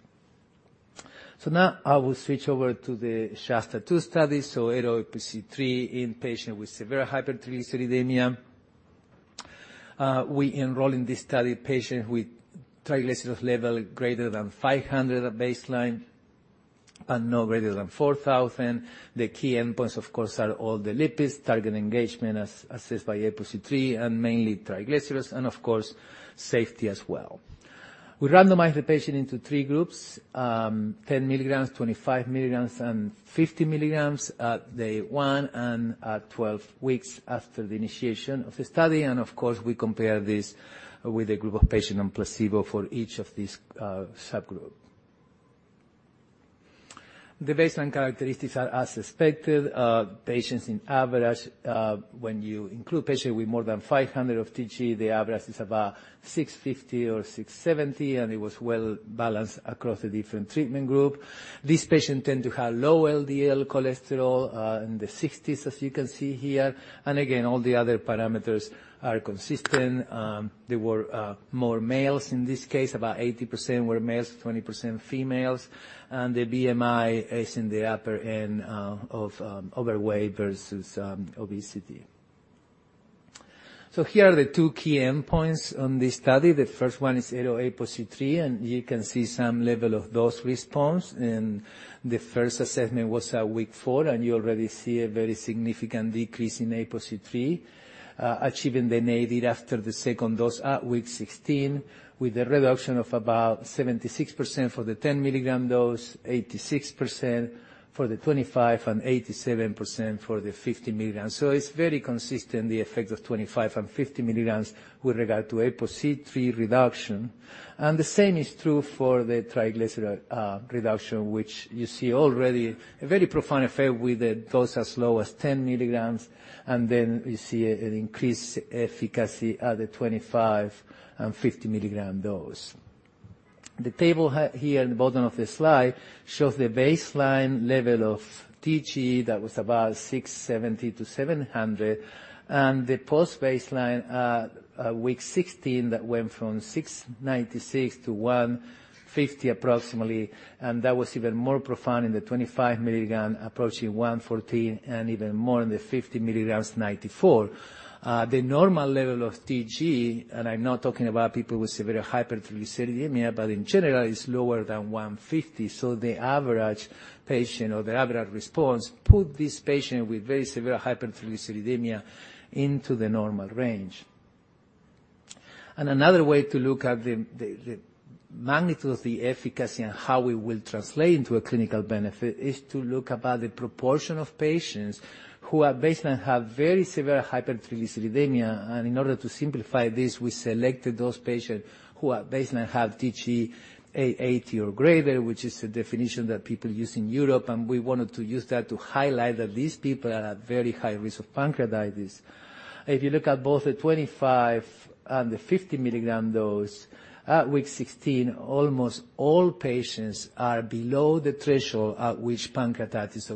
Now I will switch over to the SHASTA-2 study, ARO-APOC3 in patients with severe hypertriglyceridemia. We enroll in this study patients with triglycerides levels greater than 500 at baseline and no greater than 4,000. The key endpoints, of course, are all the lipids, target engagement as assessed by ApoC-III and mainly triglycerides, and of course, safety as well. We randomize the patient into 3 groups, 10 mg, 25 mg, and 50 mg at day 1 and at 12 weeks after the initiation of the study. Of course, we compare this with a group of patients on placebo for each of these subgroup. The baseline characteristics are as expected, patients in average, when you include patient with more than 500 of TG, the average is about 650 or 670, and it was well balanced across the different treatment group. This patient tend to have low LDL cholesterol, in the 60s, as you can see here. Again, all the other parameters are consistent. There were more males in this case. About 80% were males, 20% females, and the BMI is in the upper end of overweight versus obesity. Here are the two key endpoints on this study. The first one is ApoC-III, and you can see some level of dose response. The first assessment was at week four, and you already see a very significant decrease in ApoC-III, achieving the navy after the second dose at week 16, with a reduction of about 76% for the 10 mg dose, 86% for the 25, and 87% for the 50 mg. It's very consistent, the effect of 25 and 50 mg with regard to ApoC-III reduction. The same is true for the triglyceride reduction, which you see already a very profound effect with a dose as low as 10 mg, and then we see an increased efficacy at the 25 and 50 mg dose. The table here at the bottom of the slide shows the baseline level of TG that was about 670-700, and the post-baseline at week 16, that went from 696 to 150 approximately, and that was even more profound in the 25 mg, approaching 114 and even more in the 50 mg, 94. The normal level of TG, and I'm not talking about people with severe hypertriglyceridemia, but in general, it's lower than 150. The average patient or the average response, put this patient with very severe hypertriglyceridemia into the normal range. Another way to look at the magnitude of the efficacy and how we will translate into a clinical benefit is to look about the proportion of patients who at baseline have very severe hypertriglyceridemia. In order to simplify this, we selected those patients who at baseline have TG 880 or greater, which is the definition that people use in Europe. We wanted to use that to highlight that these people are at very high risk of pancreatitis. If you look at both the 25 and the 50 mg dose, at week 16, almost all patients are below the threshold at which pancreatitis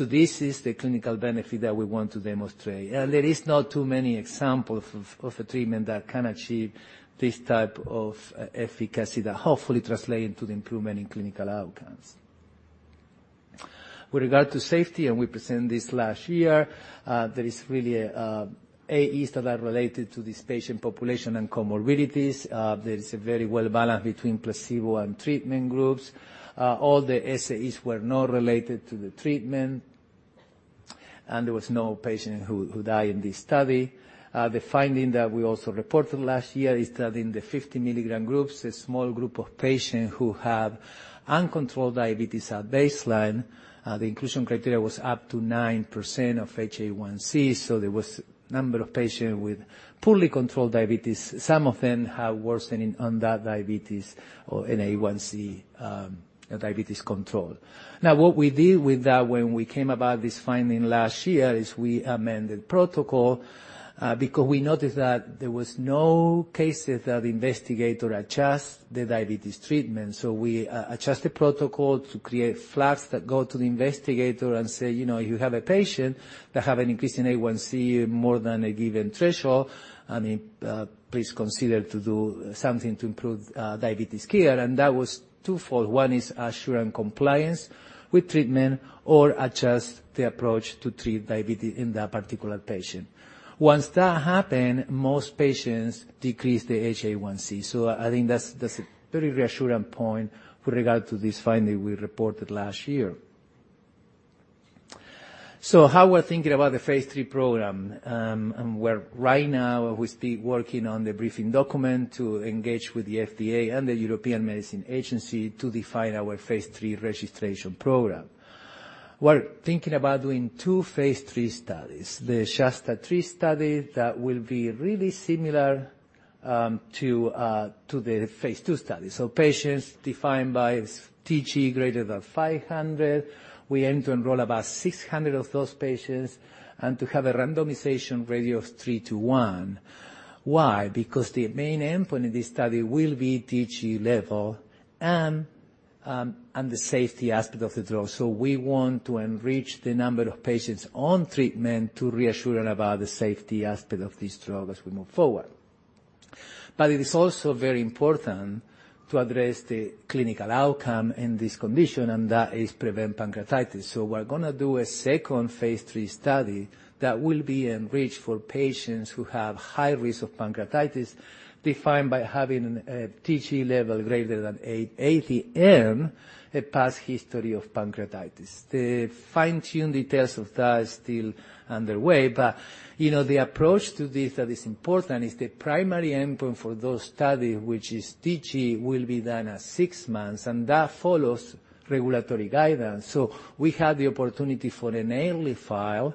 occur. This is the clinical benefit that we want to demonstrate. There is not too many examples of a treatment that can achieve this type of efficacy that hopefully translate into the improvement in clinical outcomes. With regard to safety, and we presented this last year, there is really AE that are related to this patient population and comorbidities. There is a very well balanced between placebo and treatment groups. All the SAEs were not related to the treatment, and there was no patient who die in this study. The finding that we also reported last year is that in the 50-mg groups, a small group of patients who have uncontrolled diabetes at baseline, the inclusion criteria was up to 9% of HbA1c, so there was number of patients with poorly controlled diabetes. Some of them have worsening on that diabetes or in A1c, diabetes control. What we did with that when we came about this finding last year, is we amended protocol, because we noticed that there was no cases that the investigator adjust the diabetes treatment. We adjust the protocol to create flags that go to the investigator and say, "You know, you have a patient that have an increase in A1c more than a given threshold, and please consider to do something to improve diabetes care." That was twofold. One is assuring compliance with treatment or adjust the approach to treat diabetes in that particular patient. Once that happened, most patients decreased their HbA1c. I think that's a very reassuring point with regard to this finding we reported last year. How we're phase IIi program, and we're right now, we still working on the briefing document to engage with the FDA and the European Medicines Agency phase IIi registration program. we're thinking about doing phase III studies. The SHASTA-3 study that will be really similar phase II study. patients defined by TG greater than 500. We aim to enroll about 600 of those patients and to have a randomization ratio of 3 to 1. Why? Because the main endpoint in this study will be TG level and the safety aspect of the drug. We want to enrich the number of patients on treatment to reassuring about the safety aspect of this drug as we move forward. It is also very important to address the clinical outcome in this condition, and that is prevent pancreatitis. We're gonna phase III study that will be enrich for patients who have high risk of pancreatitis, defined by having a TG level greater than 880 and a past history of pancreatitis. The fine-tune details of that is still underway, you know, the approach to this that is important is the primary endpoint for those study, which is TG, will be done at six months, that follows regulatory guidance. We have the opportunity for an early file,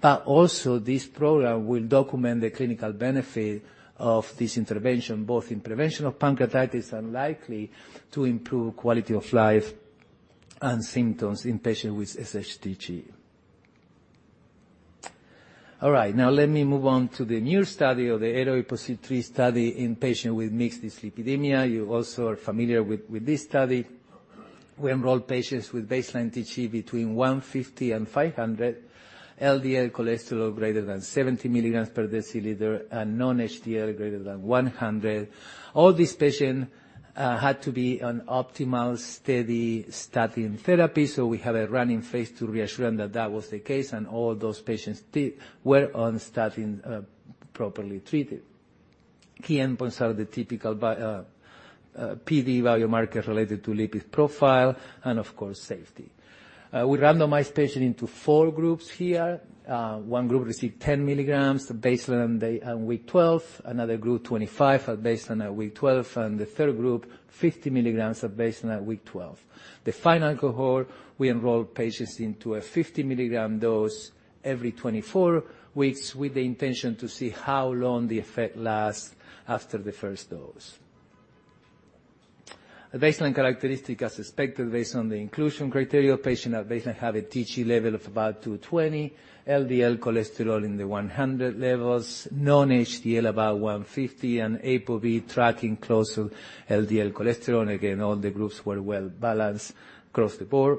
but also this program will document the clinical benefit of this intervention, both in prevention of pancreatitis and likely to improve quality of life and symptoms in patients with sHTG. All right. Now let me move on to the new study of the ARO-APOC3 study in patient with mixed dyslipidemia. You also are familiar with this study. We enroll patients with baseline TG between 150 and 500, LDL cholesterol greater than 70 mg per deciliter, and non-HDL greater than 100. All these patient had to be on optimal, steady statin therapy, so we have phase II reassuring that that was the case, and all those patients were on statin properly treated. Key endpoints are the typical PD value marker related to lipid profile and, of course, safety. We randomized patients into four groups here. One group received 10 mg, the baseline and day, and week 12. Another group, 25 at baseline at week 12, and the third group, 50 mg at baseline at week 12. The final cohort, we enrolled patients into a 50-mg dose every 24 weeks with the intention to see how long the effect lasts after the first dose. The baseline characteristic, as expected, based on the inclusion criteria, patient at baseline have a TG level of about 220, LDL cholesterol in the 100 levels, non-HDL about 150, and ApoB tracking close to LDL cholesterol. Again, all the groups were well-balanced across the board.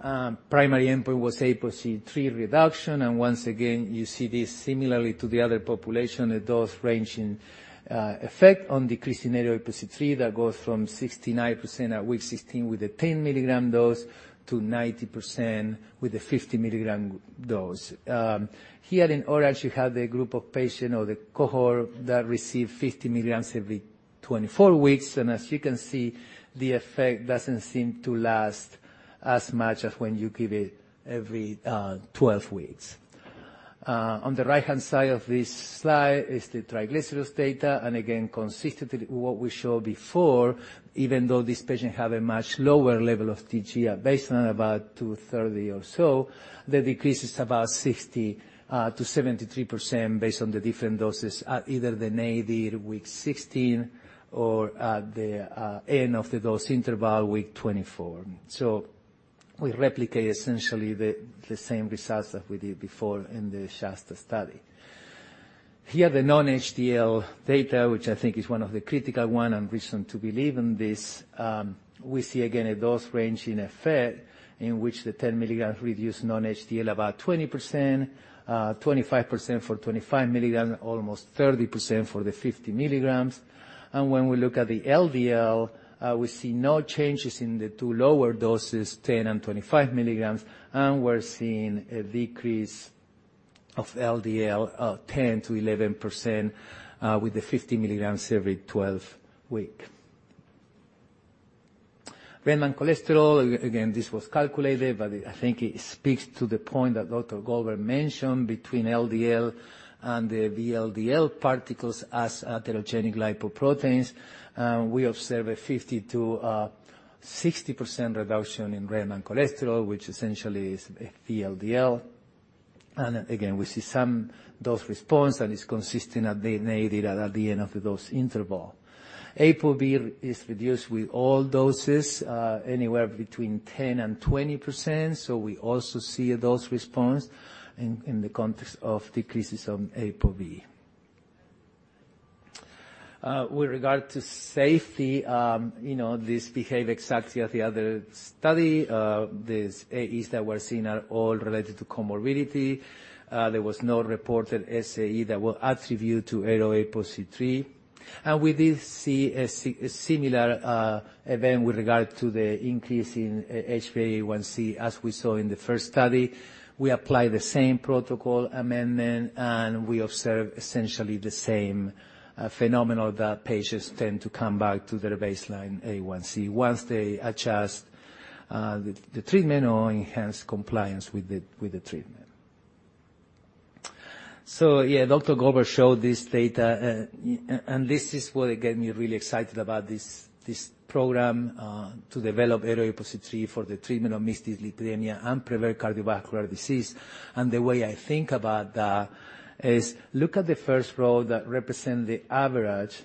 Primary endpoint was ApoC-III reduction, and once again, you see this similarly to the other population, a dose-ranging effect on decreasing ApoC-III that goes from 69% at week 16 with a 10-mg dose to 90% with a 50-mg dose. Here in orange, you have the group of patients or the cohort that received 50 mg every 24 weeks, and as you can see, the effect doesn't seem to last as much as when you give it every 12 weeks. On the right-hand side of this slide is the triglycerides data, and again, consistently what we showed before, even though these patients have a much lower level of TG at baseline, about 230 or so, the decrease is about 60%-73% based on the different doses at either the nadir week 16 or at the end of the dose interval, week 24. We replicate essentially the same results that we did before in the SHASTA study. Here, the non-HDL data, which I think is one of the critical one and reason to believe in this, we see again a dose range in effect in which the 10 mg reduced non-HDL about 20%, 25% for 25 mg, almost 30% for the 50 mg. When we look at the LDL, we see no changes in the two lower doses, 10 and 25 mg, and we're seeing a decrease of LDL, 10%-11%, with the 50 mg every 12 week. Remnant cholesterol, again, this was calculated, but I think it speaks to the point that Dr. Gaudet mentioned between LDL and the VLDL particles as atherogenic lipoproteins. We observe a 50%-60% reduction in remnant cholesterol, which essentially is VLDL. Again, we see some dose response that is consistent at the nadir and at the end of the dose interval. ApoB is reduced with all doses, anywhere between 10% and 20%, so we also see a dose response in the context of decreases of ApoB. With regard to safety, you know, this behave exactly as the other study. These AEs that we're seeing are all related to comorbidity. There was no reported SAE that were attributed to ARO-APOC3. We did see a similar event with regard to the increase in HbA1c, as we saw in the first study. We applied the same protocol amendment, and we observed essentially the same phenomenon that patients tend to come back to their baseline A1c once they adjust the treatment or enhance compliance with the treatment. Yeah, Dr. Gaudet showed this data, and this is what get me really excited about this program to develop ARO-APOC3 for the treatment of mixed dyslipidemia and prevent cardiovascular disease. The way I think about that is look at the first row that represent the average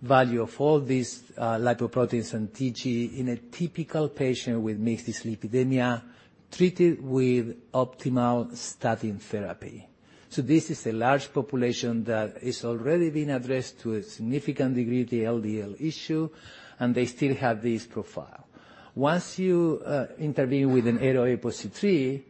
value of all these lipoproteins and TG in a typical patient with mixed dyslipidemia, treated with optimal statin therapy. This is a large population that is already been addressed to a significant degree, the LDL issue, and they still have this profile. Once you intervene with an ARO-APOC3,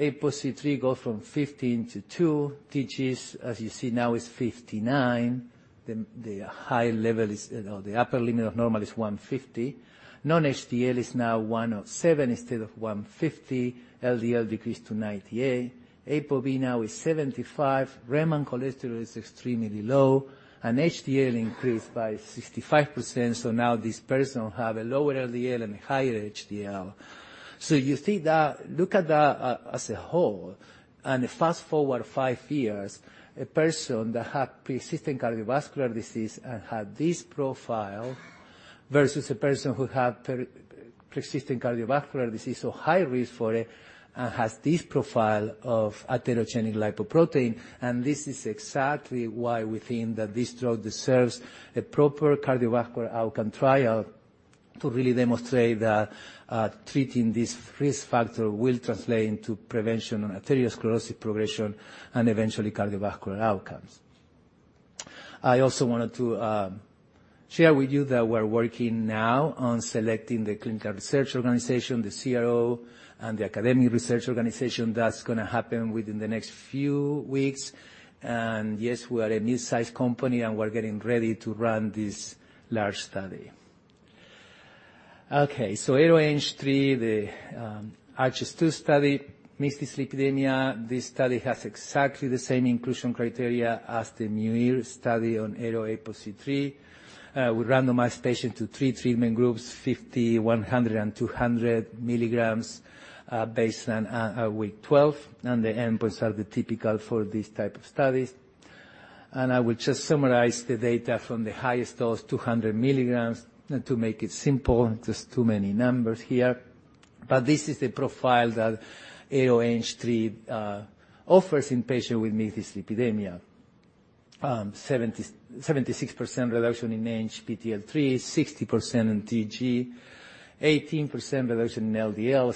ApoC-III go from 15 to 2. TGs, as you see now, is 59. The high level is, or the upper limit of normal is 150. Non-HDL is now 107 instead of 150. LDL decreased to 98. ApoB now is 75. Remnant cholesterol is extremely low, and HDL increased by 65%, so now this person will have a lower LDL and higher HDL. You see that, as a whole, and fast-forward five years, a person that had persistent cardiovascular disease and had this profile, versus a person who had persistent cardiovascular disease or high risk for it, and has this profile of atherogenic lipoprotein. This is exactly why we think that this drug deserves a proper cardiovascular outcomes trial to really demonstrate that treating this risk factor will translate into prevention and atherosclerotic progression and eventually cardiovascular outcomes. I also wanted to share with you that we're working now on selecting the clinical research organization, the CRO, and the academic research organization. That's gonna happen within the next few weeks. Yes, we are a mid-sized company, and we're getting ready to run this large study. ARO-ANG3, the ARCHES-2 study, mixed dyslipidemia. This study has exactly the same inclusion criteria as the MUIR study on ARO-APOC3. We randomized patients to three treatment groups, 50 mg, 100 mg, and 200 mg, based on week 12, and the endpoints are the typical for these type of studies. I will just summarize the data from the highest dose, 200 mg, to make it simple. Just too many numbers here. This is the profile that ARO-ANG3 offers in patients with mixed dyslipidemia. 76% reduction in ANGPTL3, 60% in TG, 18% reduction in LDL,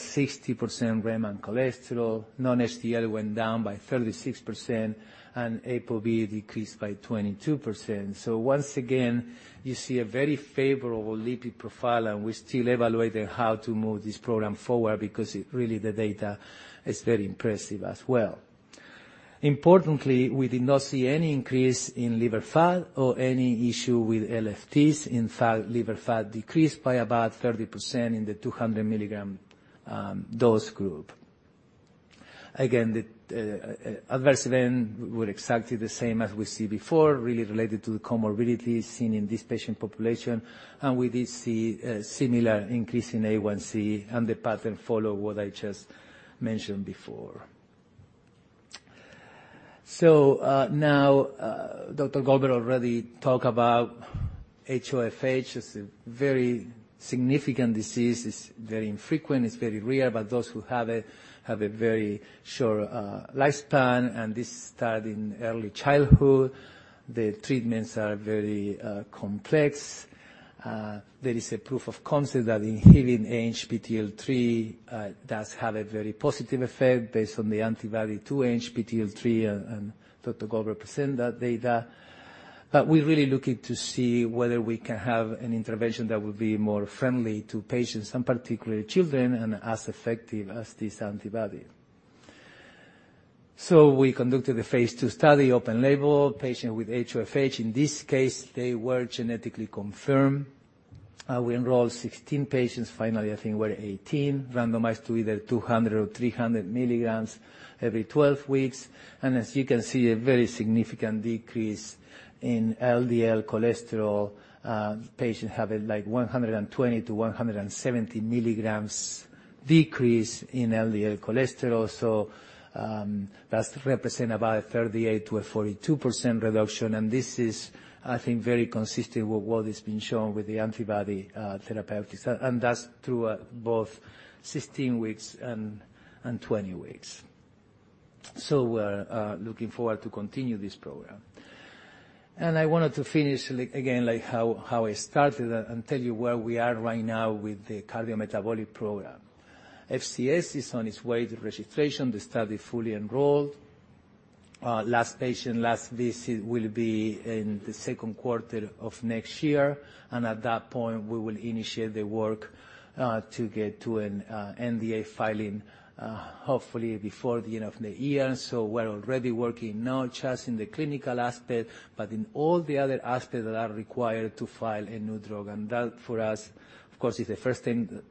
60% remnant cholesterol. Non-HDL went down by 36%, and ApoB decreased by 22%. Once again, you see a very favorable lipid profile, and we're still evaluating how to move this program forward, because really the data is very impressive as well. Importantly, we did not see any increase in liver fat or any issue with LFTs. In fact, liver fat decreased by about 30% in the 200 mg dose group. Again, the adverse event were exactly the same as we see before, really related to the comorbidities seen in this patient population. We did see a similar increase in A1c. The pattern follow what I just mentioned before. Now, Dr. Gaudet already talk about HoFH. It's a very significant disease. It's very infrequent, it's very rare, but those who have it have a very short lifespan, and this start in early childhood. The treatments are very complex. There is a proof of concept that inhibiting ANGPTL3 does have a very positive effect based on the antibody to ANGPTL3, and Dr. Gaudet present that data. We're really looking to see whether we can have an intervention that will be more friendly to patients, and particularly children, and as effective as this antibody. We phase II study, open label, patient with HoFH. In this case, they were genetically confirmed. We enrolled 16 patients. Finally, I think we're at 18, randomized to either 200 mg or 300 mg every 12 weeks. As you can see, a very significant decrease in LDL cholesterol. Patient have a, like, 120 to 170 mg decrease in LDL cholesterol. That's represent about a 38% to a 42% reduction, and this is, I think, very consistent with what has been shown with the antibody therapeutics. That's through both 16 weeks and 20 weeks. We're looking forward to continue this program. I wanted to finish again, like how I started and tell you where we are right now with the cardiometabolic program. FCS is on its way to registration. The study fully enrolled. Last patient, last visit will be in the second quarter of next year, and at that point, we will initiate the work to get to an NDA filing hopefully before the end of the year. We're already working not just in the clinical aspect, but in all the other aspects that are required to file a new drug. That, for us, of course, is the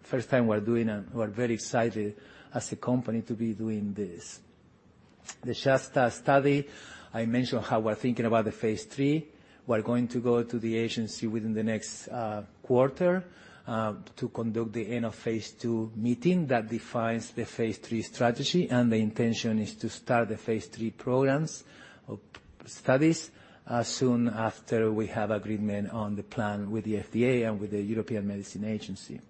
first time we're doing and we're very excited as a company to be doing this. The SHASTA study, I mentioned how we're thinking about the phase III. We're going to go to the agency within the next quarter to conduct the phase III strategy. the intention is phase III studies soon after we have agreement on the plan with the FDA and with the European Medicines Agency.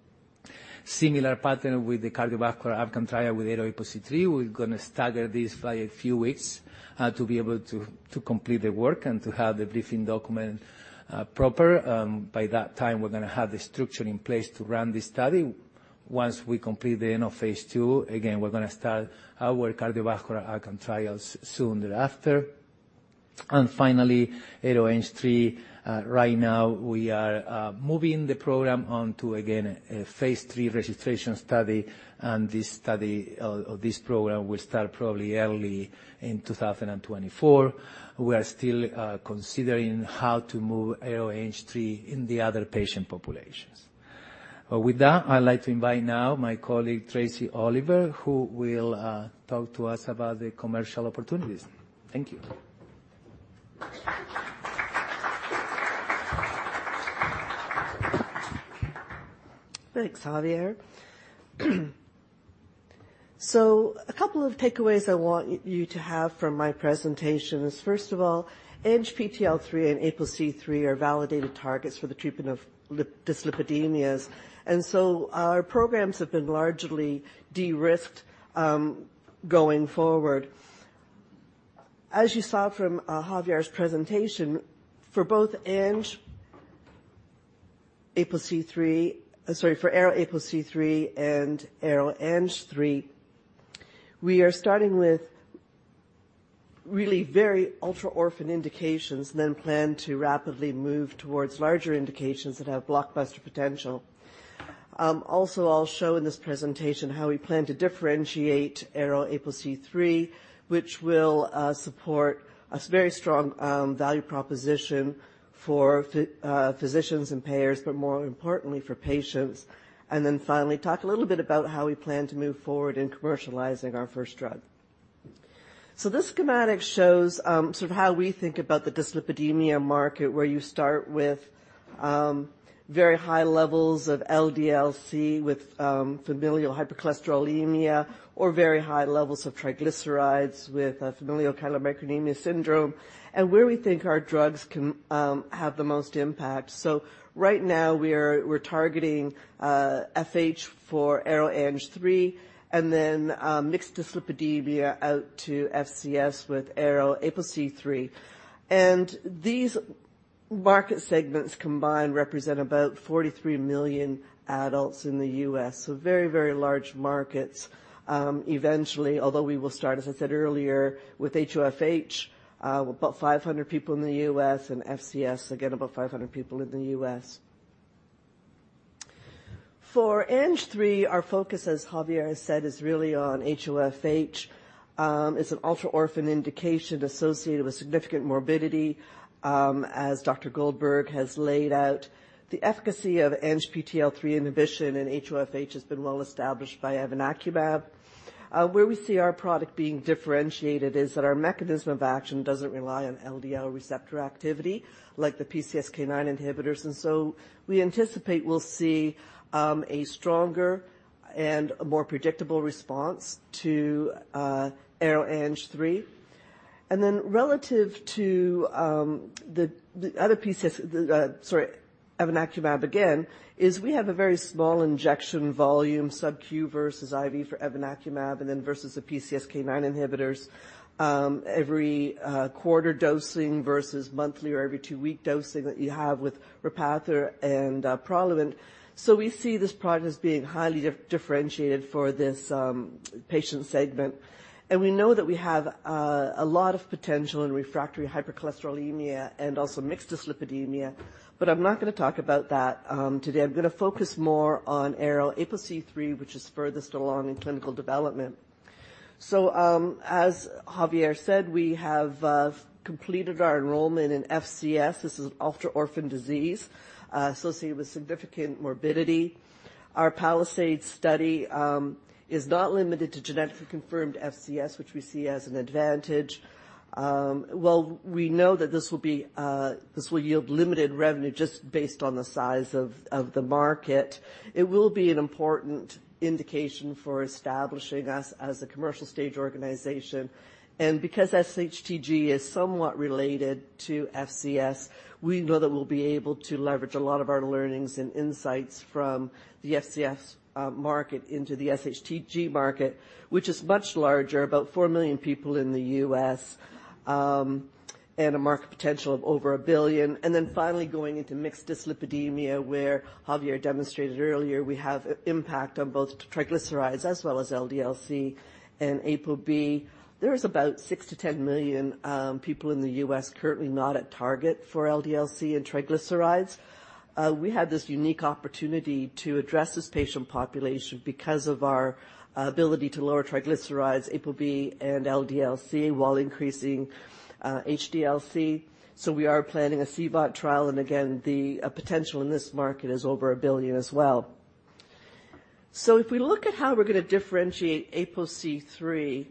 Similar pattern with the cardiovascular outcome trial with ARO-APOC3. We're gonna stagger this by a few weeks to be able to complete the work and to have the briefing document proper. By that time, we're gonna have the structure in place to run the study. Once we complete the phase II, again, we're gonna start our cardiovascular outcome trials soon thereafter. Finally, ARO-ANG3. Right now we are moving the program on phase III registration study. this study or this program will start probably early in 2024. We are still considering how to move ARO-ANG3 in the other patient populations. With that, I'd like to invite now my colleague, Tracie Oliver, who will talk to us about the commercial opportunities. Thank you. Thanks, Javier. A couple of takeaways I want you to have from my presentation is, first of all, ANGPTL3 and ApoC-III are validated targets for the treatment of dyslipidemias. Our programs have been largely de-risked going forward. As you saw from Javier's presentation, for both ARO-APOC3 and ARO-ANG3, we are starting with really very ultra-orphan indications and then plan to rapidly move towards larger indications that have blockbuster potential. Also, I'll show in this presentation how we plan to differentiate ARO-APOC3, which will support a very strong value proposition for physicians and payers, but more importantly for patients. Finally, talk a little bit about how we plan to move forward in commercializing our first drug. This schematic shows, sort of how we think about the dyslipidemia market, where you start with, very high levels of LDL-C with, familial hypercholesterolemia or very high levels of triglycerides with, familial chylomicronemia syndrome, and where we think our drugs can, have the most impact. Right now we're targeting, FH for ARO-ANG3, and then, mixed dyslipidemia out to FCS with ARO-APOC3. These market segments combined represent about 43 million adults in the US, so very, very large markets. Eventually, although we will start, as I said earlier, with HoFH, about 500 people in the U.S., and FCS, again, about 500 people in the U.S. For ANG3, our focus, as Javier has said, is really on HoFH. It's an ultra-orphan indication associated with significant morbidity. As Dr. Goldberg has laid out, the efficacy of ANGPTL3 inhibition in HoFH has been well established by evinacumab. Where we see our product being differentiated is that our mechanism of action doesn't rely on LDL receptor activity, like the PCSK9 inhibitors. We anticipate we'll see a stronger and a more predictable response to ARO-ANG3. Relative to the other evinacumab, again, is we have a very small injection volume, sub-Q versus IV for evinacumab, and then versus the PCSK9 inhibitors, every quarter dosing versus monthly or every two-week dosing that you have with Repatha and Praluent. We see this product as being highly differentiated for this patient segment. We know that we have a lot of potential in refractory hypercholesterolemia and also mixed dyslipidemia, but I'm not gonna talk about that today. I'm gonna focus more on ARO-APOC3, which is furthest along in clinical development. As Javier said, we have completed our enrollment in FCS. This is an ultra-orphan disease associated with significant morbidity. Our PALISADE study is not limited to genetically confirmed FCS, which we see as an advantage. While we know that this will yield limited revenue just based on the size of the market, it will be an important indication for establishing us as a commercial stage organization. Because sHTG is somewhat related to FCS, we know that we'll be able to leverage a lot of our learnings and insights from the FCS market into the sHTG market, which is much larger, about 4 million people in the U.S., and a market potential of over $1 billion. Finally, going into mixed dyslipidemia, where Javier demonstrated earlier, we have impact on both triglycerides as well as LDL-C and ApoB. There is about 6-10 million people in the U.S. currently not at target for LDL-C and triglycerides. We have this unique opportunity to address this patient population because of our ability to lower triglycerides, ApoB, and LDL-C while increasing HDL-C. We are planning a CVOT trial, and again, the potential in this market is over $1 billion as well. If we look at how we're gonna differentiate ApoC-III,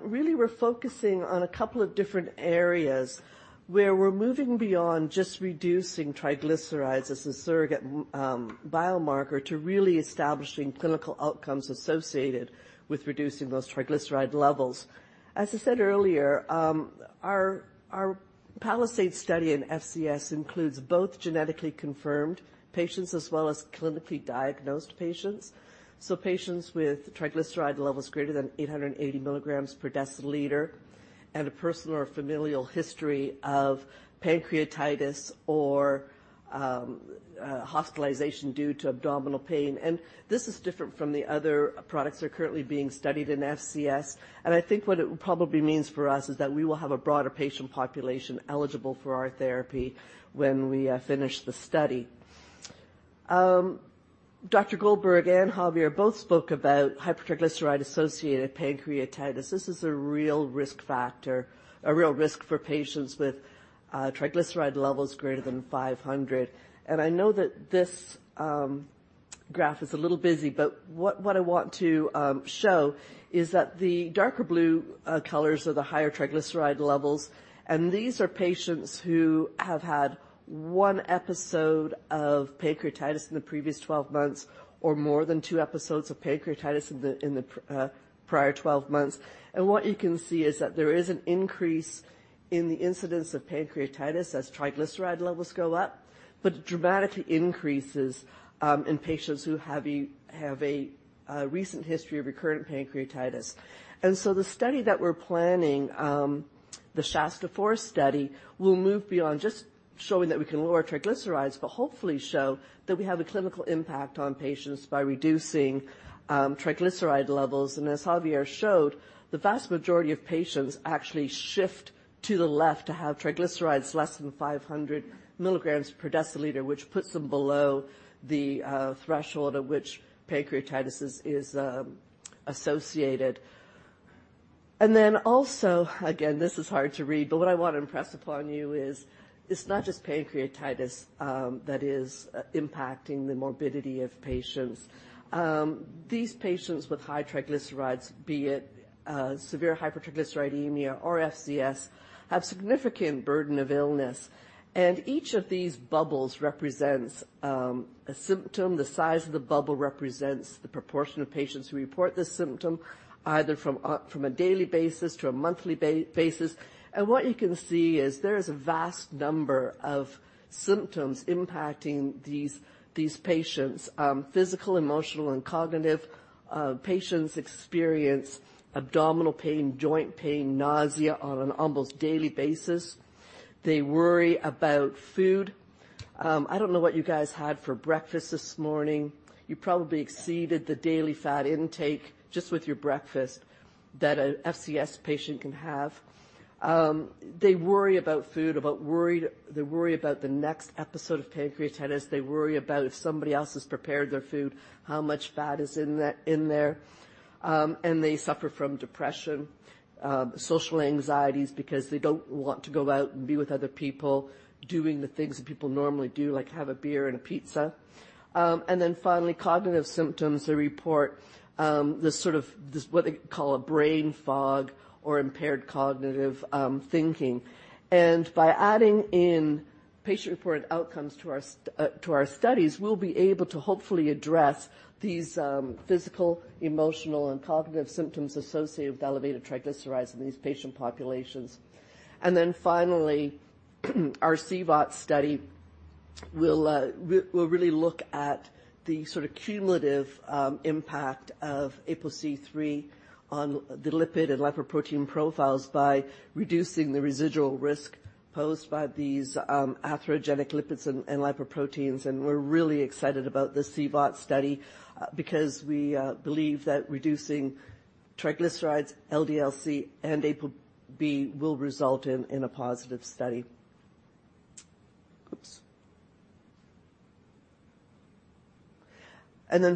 really, we're focusing on a couple of different areas. where we're moving beyond just reducing triglycerides as a surrogate biomarker to really establishing clinical outcomes associated with reducing those triglyceride levels. As I said earlier, our PALISADE study in FCS includes both genetically confirmed patients as well as clinically diagnosed patients. Patients with triglyceride levels greater than 880 mg per deciliter and a personal or familial history of pancreatitis or hospitalization due to abdominal pain. This is different from the other products that are currently being studied in FCS. I think what it probably means for us is that we will have a broader patient population eligible for our therapy when we finish the study. Dr. Goldberg and Javier both spoke about hypertriglyceride-associated pancreatitis. This is a real risk factor, a real risk for patients with triglyceride levels greater than 500. I know that this graph is a little busy, but what I want to show is that the darker blue colors are the higher triglyceride levels, and these are patients who have had 1 episode of pancreatitis in the previous 12 months, or more than two episodes of pancreatitis in the prior 12 months. What you can see is that there is an increase in the incidence of pancreatitis as triglyceride levels go up, but it dramatically increases in patients who have a recent history of recurrent pancreatitis. The study that we're planning, the SHASTA-4 study, will move beyond just showing that we can lower triglycerides, but hopefully show that we have a clinical impact on patients by reducing triglyceride levels. As Javier showed, the vast majority of patients actually shift to the left to have triglycerides less than 500 mg per deciliter, which puts them below the threshold at which pancreatitis is associated. Also, again, this is hard to read, but what I want to impress upon you is, it's not just pancreatitis that is impacting the morbidity of patients. These patients with high triglycerides, be it severe hypertriglyceridemia or FCS, have significant burden of illness, and each of these bubbles represents a symptom. The size of the bubble represents the proportion of patients who report this symptom, either from a daily basis to a monthly basis. What you can see is there is a vast number of symptoms impacting these patients, physical, emotional, and cognitive. Patients experience abdominal pain, joint pain, nausea on an almost daily basis. They worry about food. I don't know what you guys had for breakfast this morning. You probably exceeded the daily fat intake just with your breakfast that an FCS patient can have. They worry about food, they worry about the next episode of pancreatitis. They worry about if somebody else has prepared their food, how much fat is in that, in there. They suffer from depression, social anxieties because they don't want to go out and be with other people doing the things that people normally do, like have a beer and a pizza. Finally, cognitive symptoms. They report this sort of, this what they call a brain fog or impaired cognitive thinking. By adding in patient-reported outcomes to our studies, we'll be able to hopefully address these physical, emotional, and cognitive symptoms associated with elevated triglycerides in these patient populations. Finally, our CVOT study will really look at the sort of cumulative impact of ApoC-III on the lipid and lipoprotein profiles by reducing the residual risk posed by these atherogenic lipids and lipoproteins. We're really excited about the CVOT study because we believe that reducing triglycerides, LDL-C, and ApoB will result in a positive study. Oops!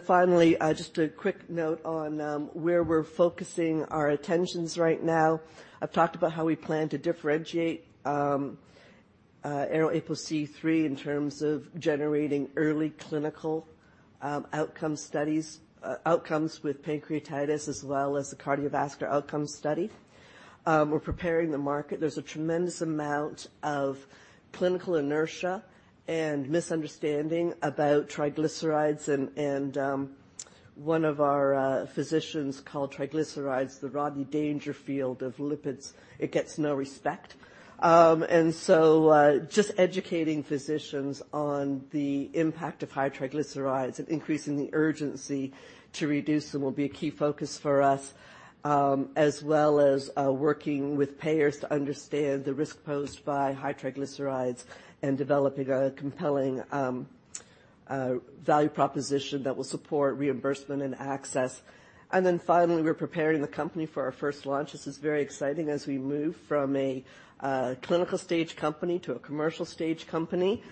Finally, just a quick note on where we're focusing our attentions right now. I've talked about how we plan to differentiate ARO-APOC3 in terms of generating early clinical outcome studies, outcomes with pancreatitis, as well as the cardiovascular outcomes study. We're preparing the market. There's a tremendous amount of clinical inertia and misunderstanding about triglycerides, and one of our physicians called triglycerides, the Rodney Dangerfield of lipids. It gets no respect. Just educating physicians on the impact of high triglycerides and increasing the urgency to reduce them will be a key focus for us, as well as working with payers to understand the risk posed by high triglycerides and developing a compelling value proposition that will support reimbursement and access. Finally, we're preparing the company for our first launch. This is very exciting as we move from a clinical stage company to a commercial stage company.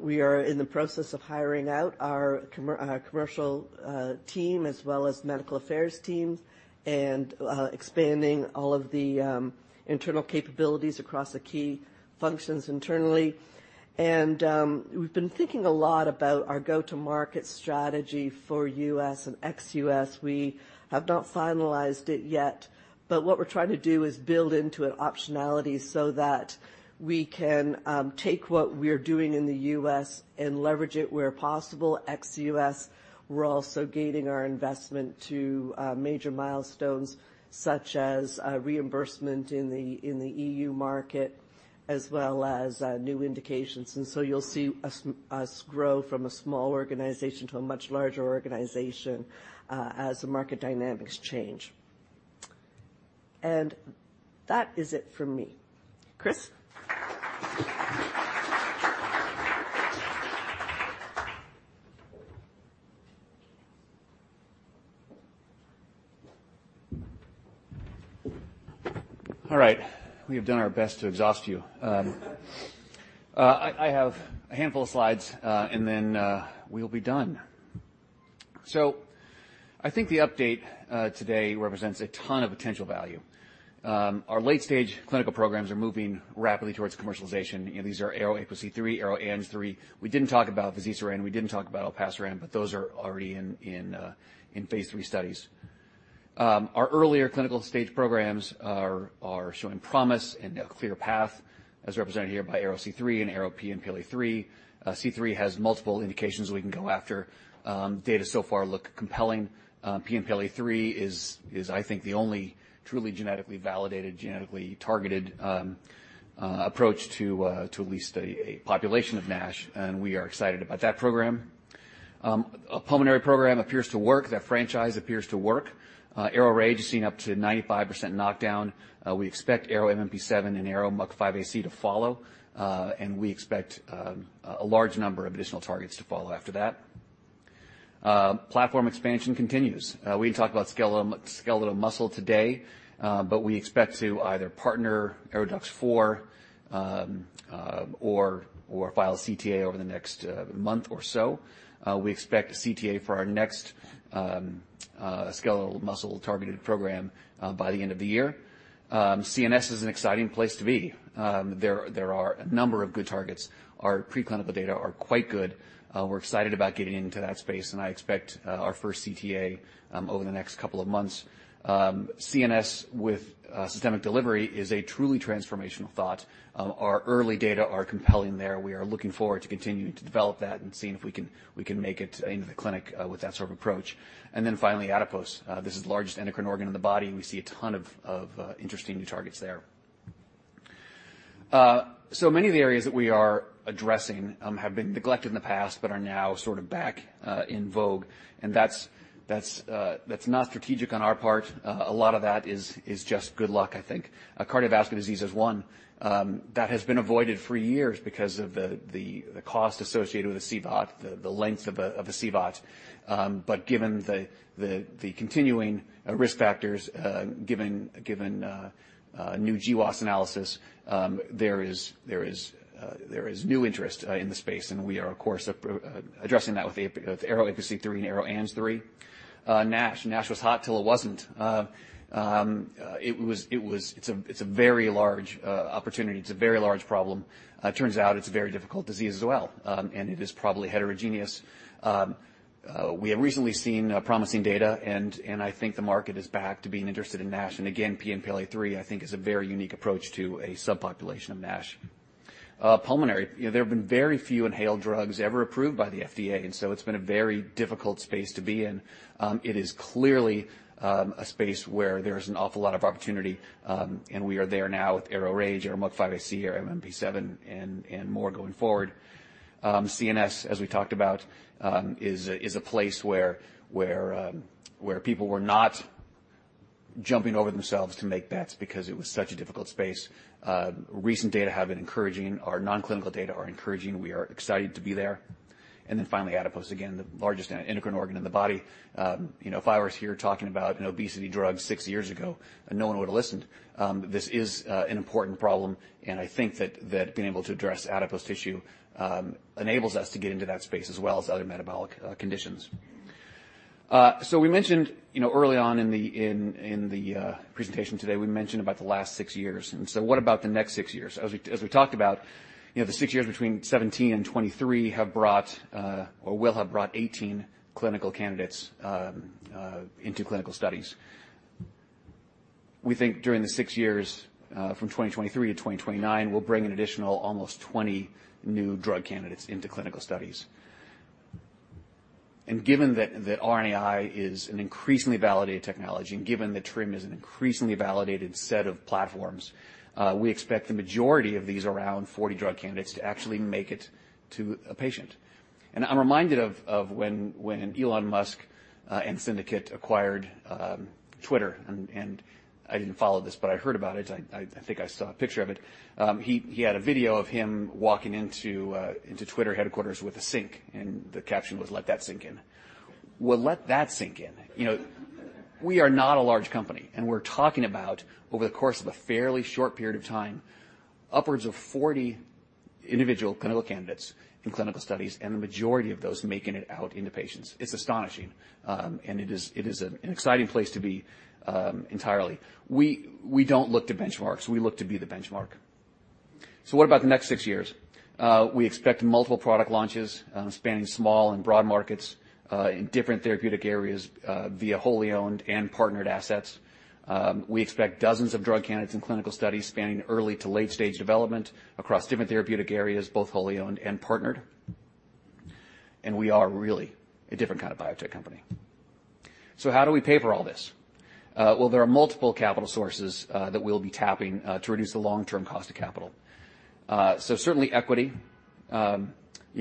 We are in the process of hiring out our commercial team, as well as medical affairs teams, expanding all of the internal capabilities across the key functions internally. We've been thinking a lot about our go-to-market strategy for U.S. and ex-U.S. We have not finalized it yet, but what we're trying to do is build into it optionality so that we can take what we're doing in the U.S. and leverage it where possible, ex-U.S. We're also gating our investment to major milestones, such as reimbursement in the E.U. market, as well as new indications. You'll see us grow from a small organization to a much larger organization as the market dynamics change. That is it for me. Chris? All right, we have done our best to exhaust you. I have a handful of slides, and then we'll be done. I think the update today represents a ton of potential value. Our late-stage clinical programs are moving rapidly towards commercialization. You know, these are ARO-APOC3, ARO-ANG3. We didn't talk about fazirsiran, we didn't talk about olpasiran, but those phase III studies. our earlier clinical stage programs are showing promise and a clear path, as represented here by ARO-C3 and ARO-PNPLA3. C-III has multiple indications we can go after. Data so far look compelling. PNPLA3 is I think, the only truly genetically validated, genetically targeted approach to at least a population of NASH, and we are excited about that program. Our pulmonary program appears to work, that franchise appears to work. ARO-RAGE is seeing up to 95% knockdown. We expect ARO-MMP7 and ARO-MUC5AC to follow, and we expect a large number of additional targets to follow after that. Platform expansion continues. We didn't talk about skeletal muscle today, but we expect to either partner ARO-DUX4, or file a CTA over the next month or so. We expect a CTA for our next skeletal muscle-targeted program by the end of the year. CNS is an exciting place to be. There are a number of good targets. Our preclinical data are quite good. We're excited about getting into that space, and I expect our first CTA over the next couple of months. CNS with systemic delivery is a truly transformational thought. Our early data are compelling there. We are looking forward to continuing to develop that and seeing if we can make it into the clinic with that sort of approach. Finally, adipose. This is the largest endocrine organ in the body, and we see a ton of interesting new targets there. So many of the areas that we are addressing have been neglected in the past, but are now sort of back in vogue, and that's not strategic on our part. A lot of that is just good luck, I think. Cardiovascular disease is one that has been avoided for years because of the cost associated with a CVOT, the length of a CVOT. Given the continuing risk factors, given new GWAS analysis, there is new interest in the space, and we are, of course, addressing that with ARO-APOC3 and ARO-ANG3. NASH. NASH was hot till it wasn't. It's a very large opportunity. It's a very large problem. Turns out it's a very difficult disease as well, and it is probably heterogeneous. We have recently seen promising data, and I think the market is back to being interested in NASH. Again, PNPLA3, I think, is a very unique approach to a subpopulation of NASH. Pulmonary. You know, there have been very few inhaled drugs ever approved by the FDA. It's been a very difficult space to be in. It is clearly a space where there is an awful lot of opportunity, and we are there now with ARO-RAGE, ARO-MUC5AC, ARO-MMP7, and more going forward. CNS, as we talked about, is a place where people were not jumping over themselves to make bets because it was such a difficult space. Recent data have been encouraging, our non-clinical data are encouraging. We are excited to be there. Finally, adipose. Again, the largest endocrine organ in the body. You know, if I was here talking about an obesity drug six years ago, no one would've listened. This is an important problem, and I think that being able to address adipose tissue enables us to get into that space as well as other metabolic conditions. We mentioned, you know, early on in the presentation today, we mentioned about the last 6 years, and so what about the next six years? As we talked about, you know, the six years between 2017 and 2023 have brought, or will have brought 18 clinical candidates into clinical studies. We think during the 6 years from 2023 to 2029, we'll bring an additional almost 20 new drug candidates into clinical studies. Given that RNAi is an increasingly validated technology, and given that TRiM is an increasingly validated set of platforms, we expect the majority of these around 40 drug candidates to actually make it to a patient. I'm reminded of when Elon Musk and Syndicate acquired Twitter, and I didn't follow this, but I heard about it. I think I saw a picture of it. He had a video of him walking into Twitter headquarters with a sink, and the caption was, "Let that sink in." Well, let that sink in, you know. We are not a large company, and we're talking about over the course of a fairly short period of time, upwards of 40 individual clinical candidates in clinical studies, and the majority of those making it out into patients. It's astonishing, and it is an exciting place to be, entirely. We don't look to benchmarks. We look to be the benchmark. What about the next six years? We expect multiple product launches, spanning small and broad markets, in different therapeutic areas, via wholly owned and partnered assets. We expect dozens of drug candidates in clinical studies spanning early to late-stage development across different therapeutic areas, both wholly owned and partnered. We are really a different kind of biotech company. How do we pay for all this? Well, there are multiple capital sources that we'll be tapping to reduce the long-term cost of capital. Certainly equity, you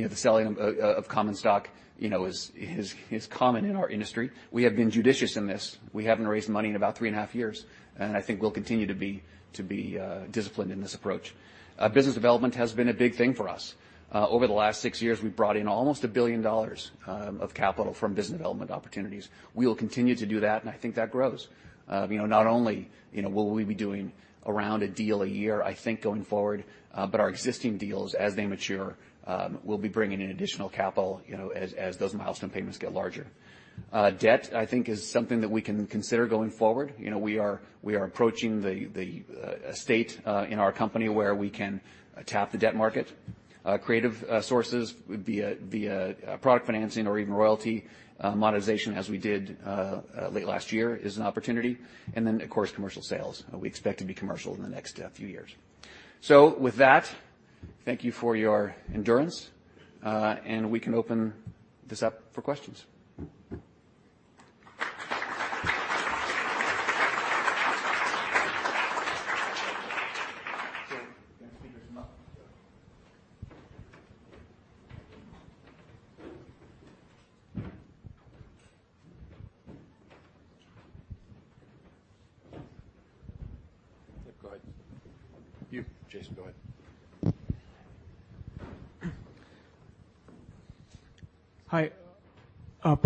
know, the selling of common stock, you know, is common in our industry. We have been judicious in this. We haven't raised money in about 3.5 years. I think we'll continue to be disciplined in this approach. Business development has been a big thing for us. Over the last six years, we've brought in almost $1 billion of capital from business development opportunities. We will continue to do that. I think that grows. You know, not only, you know, will we be doing around a deal a year, I think, going forward, but our existing deals, as they mature, will be bringing in additional capital, you know, as those milestone payments get larger. Debt, I think, is something that we can consider going forward. You know, we are approaching the state in our company where we can tap the debt market. Creative sources via product financing or even royalty monetization, as we did late last year, is an opportunity. Of course, commercial sales. We expect to be commercial in the next few years. With that, thank you for your endurance, and we can open this up for questions.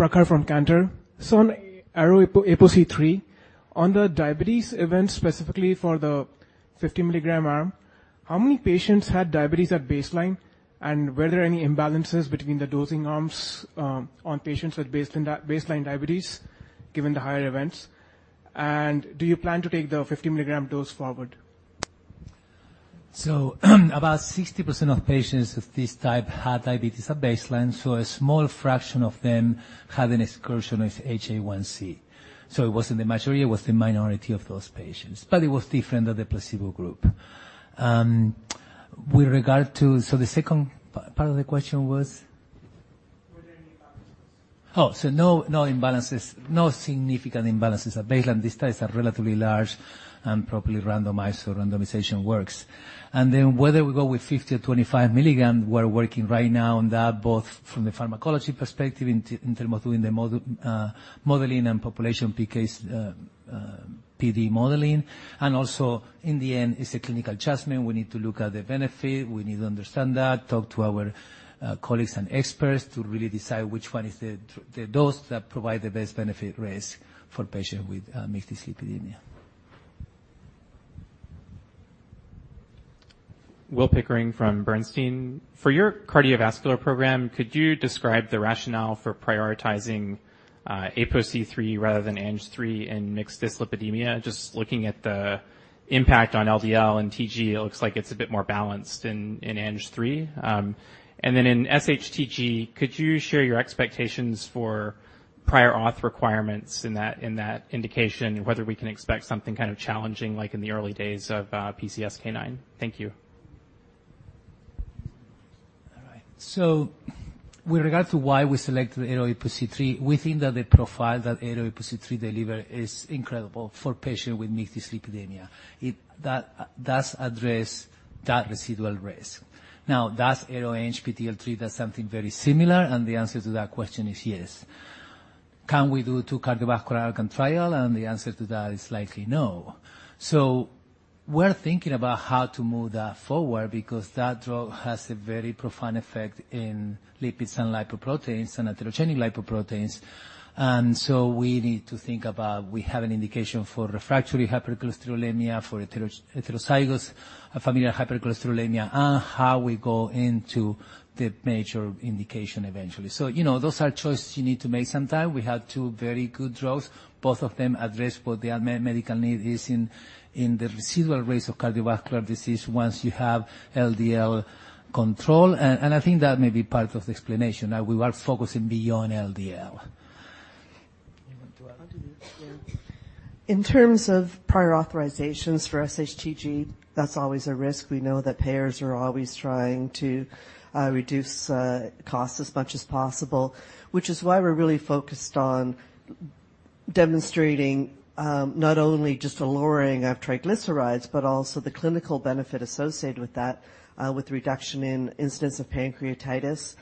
Yeah, go ahead. You, Jason, go ahead. Hi, Prakhar from Cantor. On ARO-APOC3, on the diabetes event, specifically for the 50-mg arm, how many patients had diabetes at baseline? Were there any imbalances between the dosing arms on patients with baseline diabetes, given the higher events? Do you plan to take the 50-mg dose forward? About 60% of patients of this type had diabetes at baseline, so a small fraction of them had an excursion with HbA1c. It wasn't the majority, it was the minority of those patients, but it was different than the placebo group. With regard to... the second part of the question was? Were there any imbalances? No imbalances, no significant imbalances at baseline. These studies are relatively large and properly randomized, so randomization works. Whether we go with 50 or 25 mg, we're working right now on that, both from the pharmacology perspective in terms of doing the modeling and population PK, PD modeling. Also in the end, it's a clinical adjustment. We need to look at the benefit, we need to understand that, talk to our colleagues and experts to really decide which one is the dose that provide the best benefit risk for patients with mixed dyslipidemia. Will Pickering from Bernstein. For your cardiovascular program, could you describe the rationale for prioritizing ApoC-III rather than ANGPTL3 and mixed dyslipidemia? Just looking at the impact on LDL and TG, it looks like it's a bit more balanced in ANGPTL3. Then in sHTG, could you share your expectations for prior auth requirements in that indication, and whether we can expect something kind of challenging, like in the early days of PCSK9? Thank you. All right. With regard to why we selected ARO-APOC3, we think that the profile that ARO-APOC3 deliver is incredible for patients with mixed dyslipidemia. That does address that residual risk. Does ARO-ANGPTL3 does something very similar? The answer to that question is yes. Can we do two cardiovascular outcome trial? The answer to that is likely no. We're thinking about how to move that forward because that drug has a very profound effect in lipids and lipoproteins and atherogenic lipoproteins. We need to think about, we have an indication for refractory hypercholesterolemia, for heterozygous, familial hypercholesterolemia, and how we go into the major indication eventually. You know, those are choices you need to make sometime. We have two very good drugs. Both of them address what the medical need is in the residual risk of cardiovascular disease once you have LDL control. I think that may be part of the explanation, that we are focusing beyond LDL. You want to add? I'll do it, yeah. In terms of prior authorizations for sHTG, that's always a risk. We know that payers are always trying to reduce costs as much as possible, which is why we're really focused on demonstrating not only just a lowering of triglycerides, but also the clinical benefit associated with that, with reduction in incidence of pancreatitis,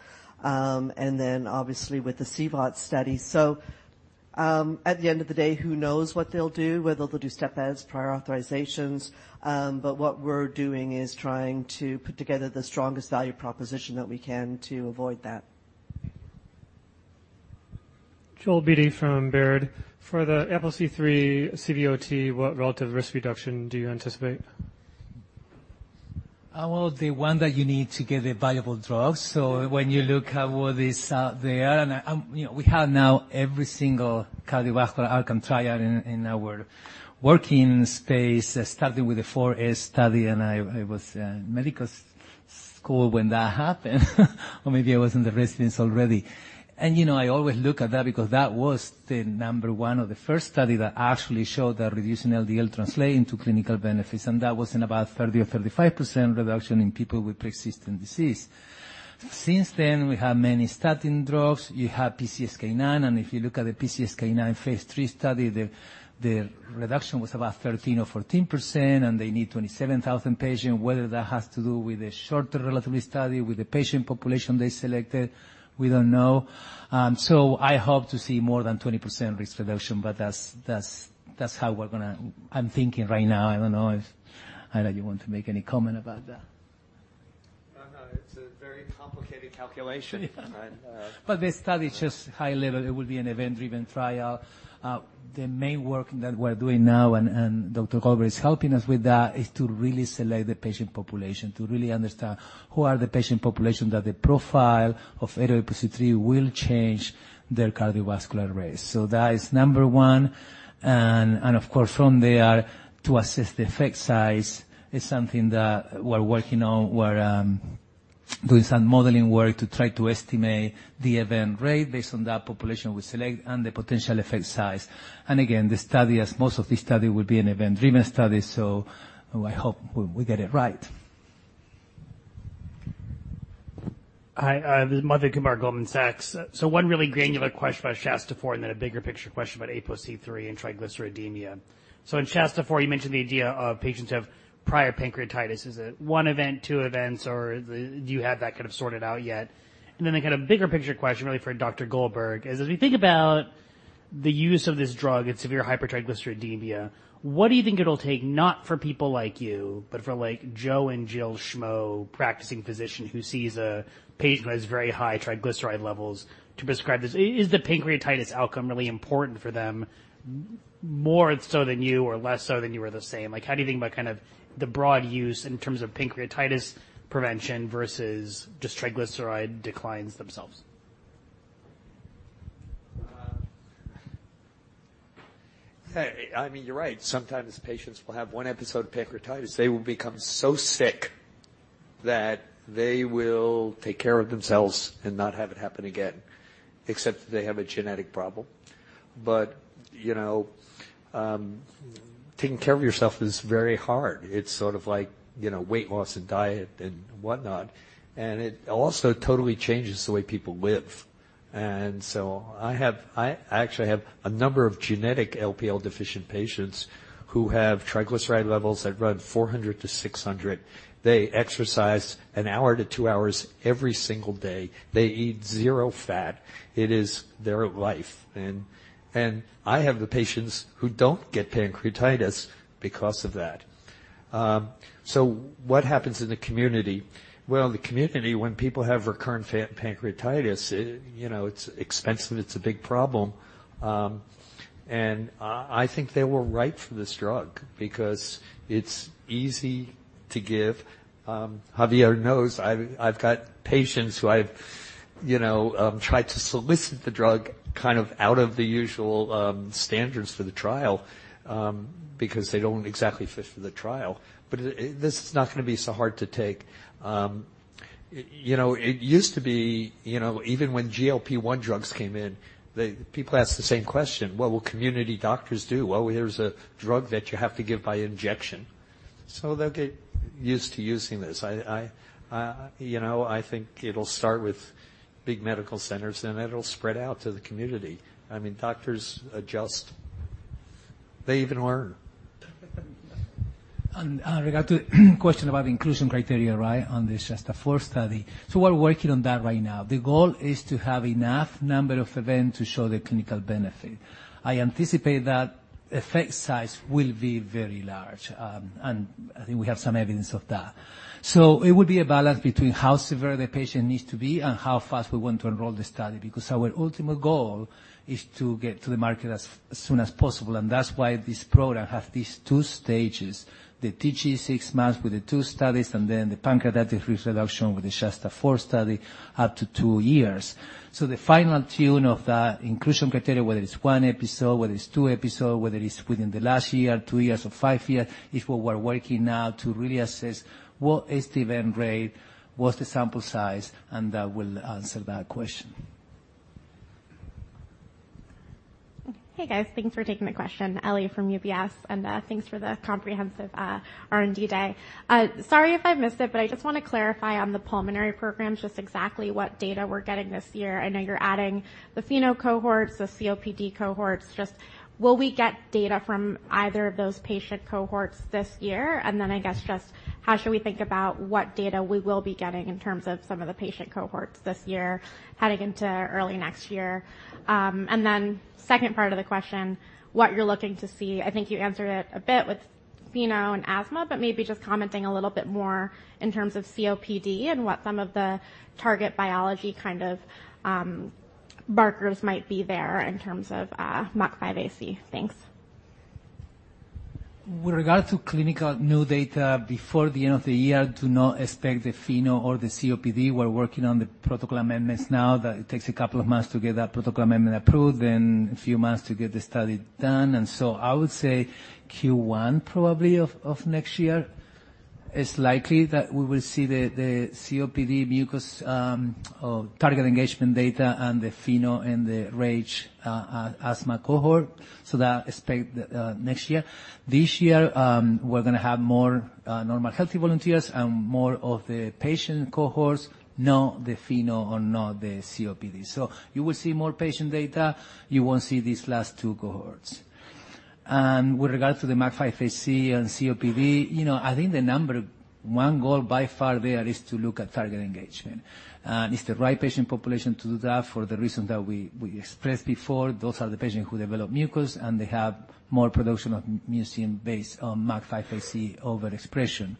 and then obviously with the CVOT study. At the end of the day, who knows what they'll do, whether they'll do step ads, prior authorizations, but what we're doing is trying to put together the strongest value proposition that we can to avoid that. Joel Beatty from Baird. For the ApoC-III CVOT, what relative risk reduction do you anticipate? The one that you need to get the valuable drugs. When you look at what is out there, you know, we have now every single cardiovascular outcome trial in our working space, starting with the four A study, and I was in medical school when that happened, or maybe I was in the residence already. You know, I always look at that because that was the number one or the first study that actually showed that reducing LDL translate into clinical benefits, and that was in about 30% or 35% reduction in people with persistent disease. Since then, we have many statin drugs. You have PCSK9, and if you look phase III study, the reduction was about 13% or 14%, and they need 27,000 patients. Whether that has to do with a shorter relatively study, with the patient population they selected, we don't know. I hope to see more than 20% risk reduction. I'm thinking right now. I don't know if, I don't know you want to make any comment about that? No, no, it's a very complicated calculation. The study is just high level. It will be an event-driven trial. The main work that we're doing now, and Dr. Goldberg is helping us with that, is to really select the patient population, to really understand who are the patient population, that the profile of ApoC-III will change their cardiovascular race. That is number one. And of course, from there, to assess the effect size is something that we're working on. We're doing some modeling work to try to estimate the event rate based on that population we select and the potential effect size. Again, the study, as most of the study, will be an event-driven study, so I hope we get it right. Hi, Madhu Kumar, Goldman Sachs. One really granular question about SHASTA-4, and then a bigger picture question about ApoC-III and hypertriglyceridemia. In SHASTA-4, you mentioned the idea of patients who have prior pancreatitis. Is it one event, two events, or do you have that kind of sorted out yet? A kind of bigger picture question, really for Dr. Goldberg, is as we think about the use of this drug in severe hypertriglyceridemia, what do you think it'll take, not for people like you, but for like Joe and Jill Schmo, practicing physician, who sees a patient who has very high triglyceride levels to prescribe this? Is the pancreatitis outcome really important for them, more so than you, or less so than you, or the same? Like, how do you think about kind of the broad use in terms of pancreatitis prevention versus just triglyceride declines themselves? Hey, I mean, you're right. Sometimes patients will have one episode of pancreatitis. They will become so sick that they will take care of themselves and not have it happen again, except if they have a genetic problem. You know, taking care of yourself is very hard. It's sort of like, you know, weight loss and diet and whatnot, and it also totally changes the way people live. I actually have a number of genetic LPL-deficient patients who have triglyceride levels that run 400 to 600. They exercise one hour to two hours every single day. They eat zero fat. It is their life. And I have the patients who don't get pancreatitis because of that. What happens in the community? Well, in the community, when people have recurrent pancreatitis, you know, it's expensive, it's a big problem. I think they were right for this drug because it's easy to give. Javier knows I've got patients who I've, you know, tried to solicit the drug kind of out of the usual standards for the trial, because they don't exactly fit for the trial. This is not going to be so hard to take. You know, it used to be, you know, even when GLP-1 drugs came in, people asked the same question: "What will community doctors do?" Here's a drug that you have to give by injection, so they'll get used to using this. I, you know, I think it'll start with big medical centers, then it'll spread out to the community. Doctors adjust. They even learn. Regard to question about inclusion criteria, right, on the SHASTA-4 study. We're working on that right now. The goal is to have enough number of events to show the clinical benefit. I anticipate that effect size will be very large, and I think we have some evidence of that. It would be a balance beteen how severe the patient needs to be and how fast we want to enroll the study, because our ultimate goal is to get to the market as soon as possible, and that's why this program have these two stages: the TG six months with the two studies and then the pancreatitis risk reduction with the SHASTA-4 study up to two years. The final tune of that inclusion criteria, whether it's 1 episode, whether it's two episode, whether it's within the last year, two years or five years, is what we're working now to really assess what is the event rate, what's the sample size, and that will answer that question. Hey, guys. Thanks for taking the question. Ellie, from UBS, thanks for the comprehensive R&D day. Sorry if I missed it, but I just want to clarify on the pulmonary programs, just exactly what data we're getting this year. I know you're adding the FeNO cohorts, the COPD cohorts. Just will we get data from either of those patient cohorts this year? Then I guess just how should we think about what data we will be getting in terms of some of the patient cohorts this year, heading into early next year? And then second part of the question, what you're looking to see. I think you answered it a bit with pheno and asthma, maybe just commenting a little bit more in terms of COPD and what some of the target biology kind of, markers might be there in terms of, MUC5AC. Thanks. With regard to clinical new data before the end of the year, do not expect the FeNO or the COPD. We're working on the protocol amendments now. It takes a couple of months to get that protocol amendment approved, then a few months to get the study done. I would say Q1, probably, of next year, it's likely that we will see the COPD mucus or target engagement data and the FeNO and the RAGE asthma cohort. That expect next year. This year, we're gonna have more normal healthy volunteers and more of the patient cohorts, not the FeNO or not the COPD. You will see more patient data, you won't see these last two cohorts. With regards to the MUC5AC and COPD, you know, I think the number one goal by far there is to look at target engagement. It's the right patient population to do that for the reason that we expressed before. Those are the patients who develop mucus, and they have more production of mucus based on MUC5AC overexpression.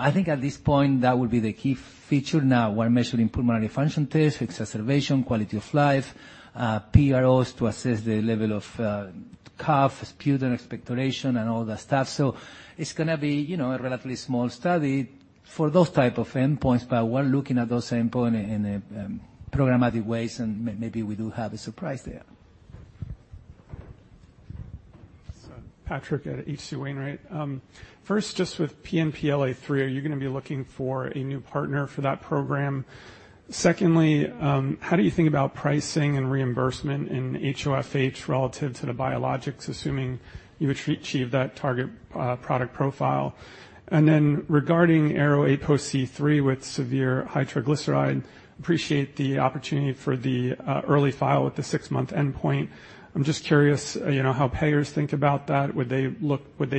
I think at this point, that would be the key feature. Now, we're measuring pulmonary function test, exacerbation, quality of life, PROs to assess the level of cough, sputum, expectoration, and all that stuff. It's gonna be, you know, a relatively small study for those type of endpoints, but we're looking at those endpoint in programmatic ways, maybe we do have a surprise there. Patrick at H.C. Wainwright. First, just with PNPLA3, are you going to be looking for a new partner for that program? Secondly, how do you think about pricing and reimbursement in HoFH relative to the biologics, assuming you achieve that target product profile? Regarding ARO-APOC3 with severe high triglyceride, appreciate the opportunity for the early file with the six-month endpoint. I'm just curious, you know, how payers think about that. Would they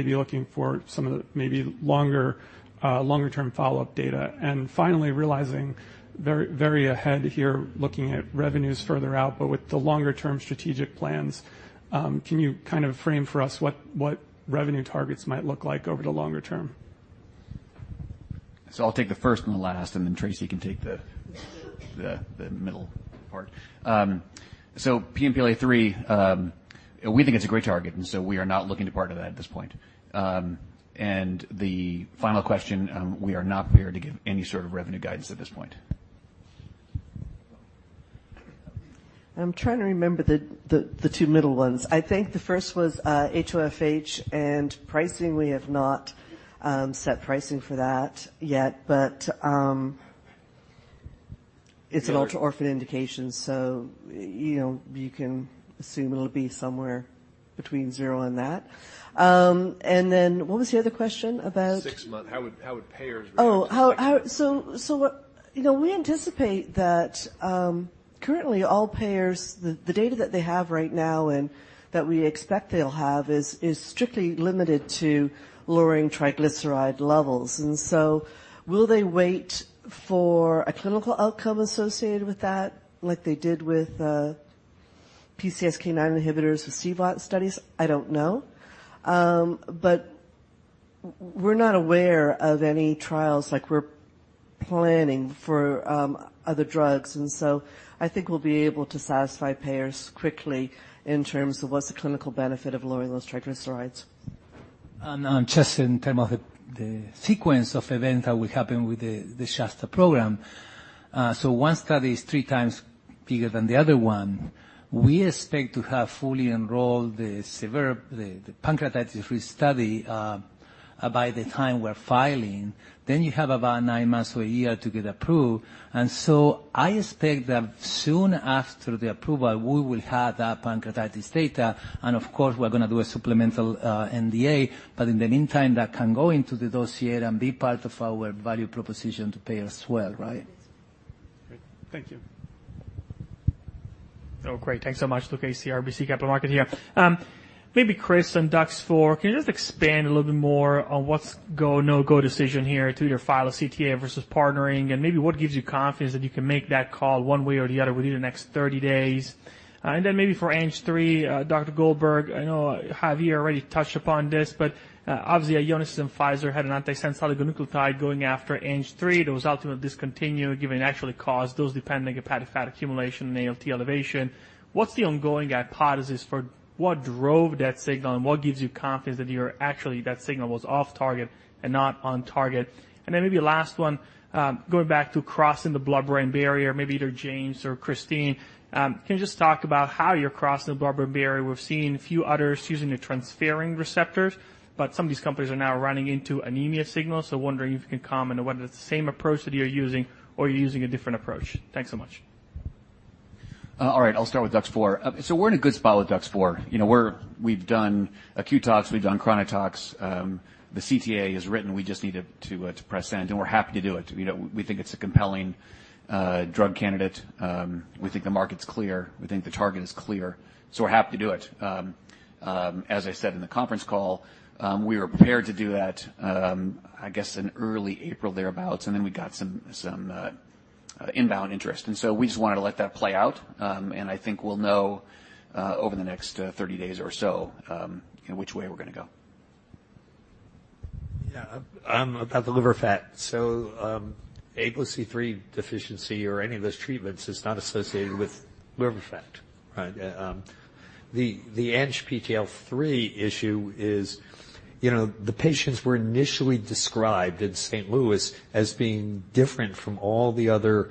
be looking for some of the maybe longer-term follow-up data? Finally, realizing very, very ahead here, looking at revenues further out, but with the longer-term strategic plans, can you kind of frame for us what revenue targets might look like over the longer term? I'll take the first and the last, and then Tracie can take the middle part. PNPLA3, we think it's a great target, and so we are not looking to partner that at this point. The final question, we are not prepared to give any sort of revenue guidance at this point. I'm trying to remember the two middle ones. I think the first was HoFH and pricing. We have not set pricing for that yet, but it's an ultra-orphan indication, so, you know, you can assume it'll be somewhere between zero and that. What was the other question about? Six months. How would payers react? You know, we anticipate that currently, all payers, the data that they have right now and that we expect they'll have is strictly limited to lowering triglyceride levels. Will they wait for a clinical outcome associated with that, like they did with PCSK9 inhibitors with CVOT studies? I don't know. We're not aware of any trials like we're planning for other drugs. I think we'll be able to satisfy payers quickly in terms of what's the clinical benefit of lowering those triglycerides. Just in term of the sequence of events that will happen with the SHASTA program. One study is three times bigger than the other one. We expect to have fully enrolled the severe pancreatitis study by the time we're filing, you have about nine months or a year to get approved. I expect that soon after the approval, we will have that pancreatitis data, and of course, we're gonna do a supplemental NDA. In the meantime, that can go into the dossier and be part of our value proposition to payers well, right? Great. Thank you. Great. Thanks so much, Luca, RBC Capital Markets here. Maybe Chris, on DUX4, can you just expand a little bit more on what's go, no-go decision here to either file a CTA versus partnering, and maybe what gives you confidence that you can make that call one way or the other within the next 30 days? Then maybe for ANGPTL3, Dr. Goldberg, I know, Javier already touched upon this, but obviously, Ionis and Pfizer had an antisense oligonucleotide going after ANGPTL3. Those ultimately discontinued, giving an actually, cause those depending hepatic fat accumulation and ALT elevation. What's the ongoing hypothesis for what drove that signal, and what gives you confidence that you're actually, that signal was off target and not on target? Maybe last one, going back to crossing the blood-brain barrier, maybe either James or Christy, can you just talk about how you're crossing the blood-brain barrier? We've seen a few others using the transferrin receptors, but some of these companies are now running into anemia signals, wondering if you can comment on whether it's the same approach that you're using or you're using a different approach. Thanks so much. All right, I'll start with DUX4. So we're in a good spot with DUX4. You know, we've done acute tox, we've done chronic tox. The CTA is written. We just need it to press send, and we're happy to do it. You know, we think it's a compelling drug candidate. We think the market's clear. We think the target is clear, so we're happy to do it. As I said in the conference call, we were prepared to do that, I guess, in early April, thereabout, and then we got some inbound interest. And so we just wanted to let that play out. And I think we'll know over the next 30 days or so, which way we're gonna go. About the liver fat. ApoC-III deficiency or any of those treatments is not associated with liver fat, right? The ANGPTL3 issue is, you know, the patients were initially described in St. Louis as being different from all the other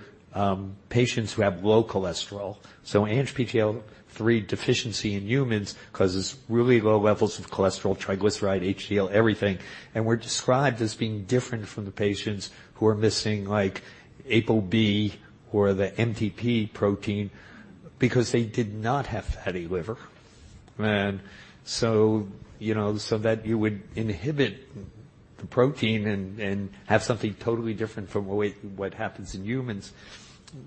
patients who have low cholesterol. ANGPTL3 deficiency in humans causes really low levels of cholesterol, triglyceride, HDL, everything, and were described as being different from the patients who are missing, like, ApoB or the MTP protein because they did not have fatty liver. You know, so that you would inhibit the protein and have something totally different from what happens in humans,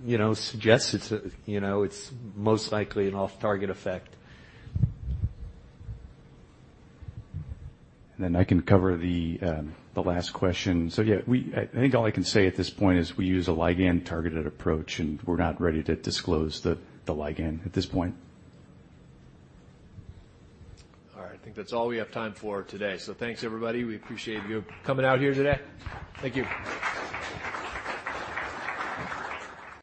you know, suggests it's a, you know, it's most likely an off-target effect. I can cover the last question. Yeah, I think all I can say at this point is we use a ligand-targeted approach, and we're not ready to disclose the ligand at this point. All right. I think that's all we have time for today. Thanks, everybody. We appreciate you coming out here today. Thank you.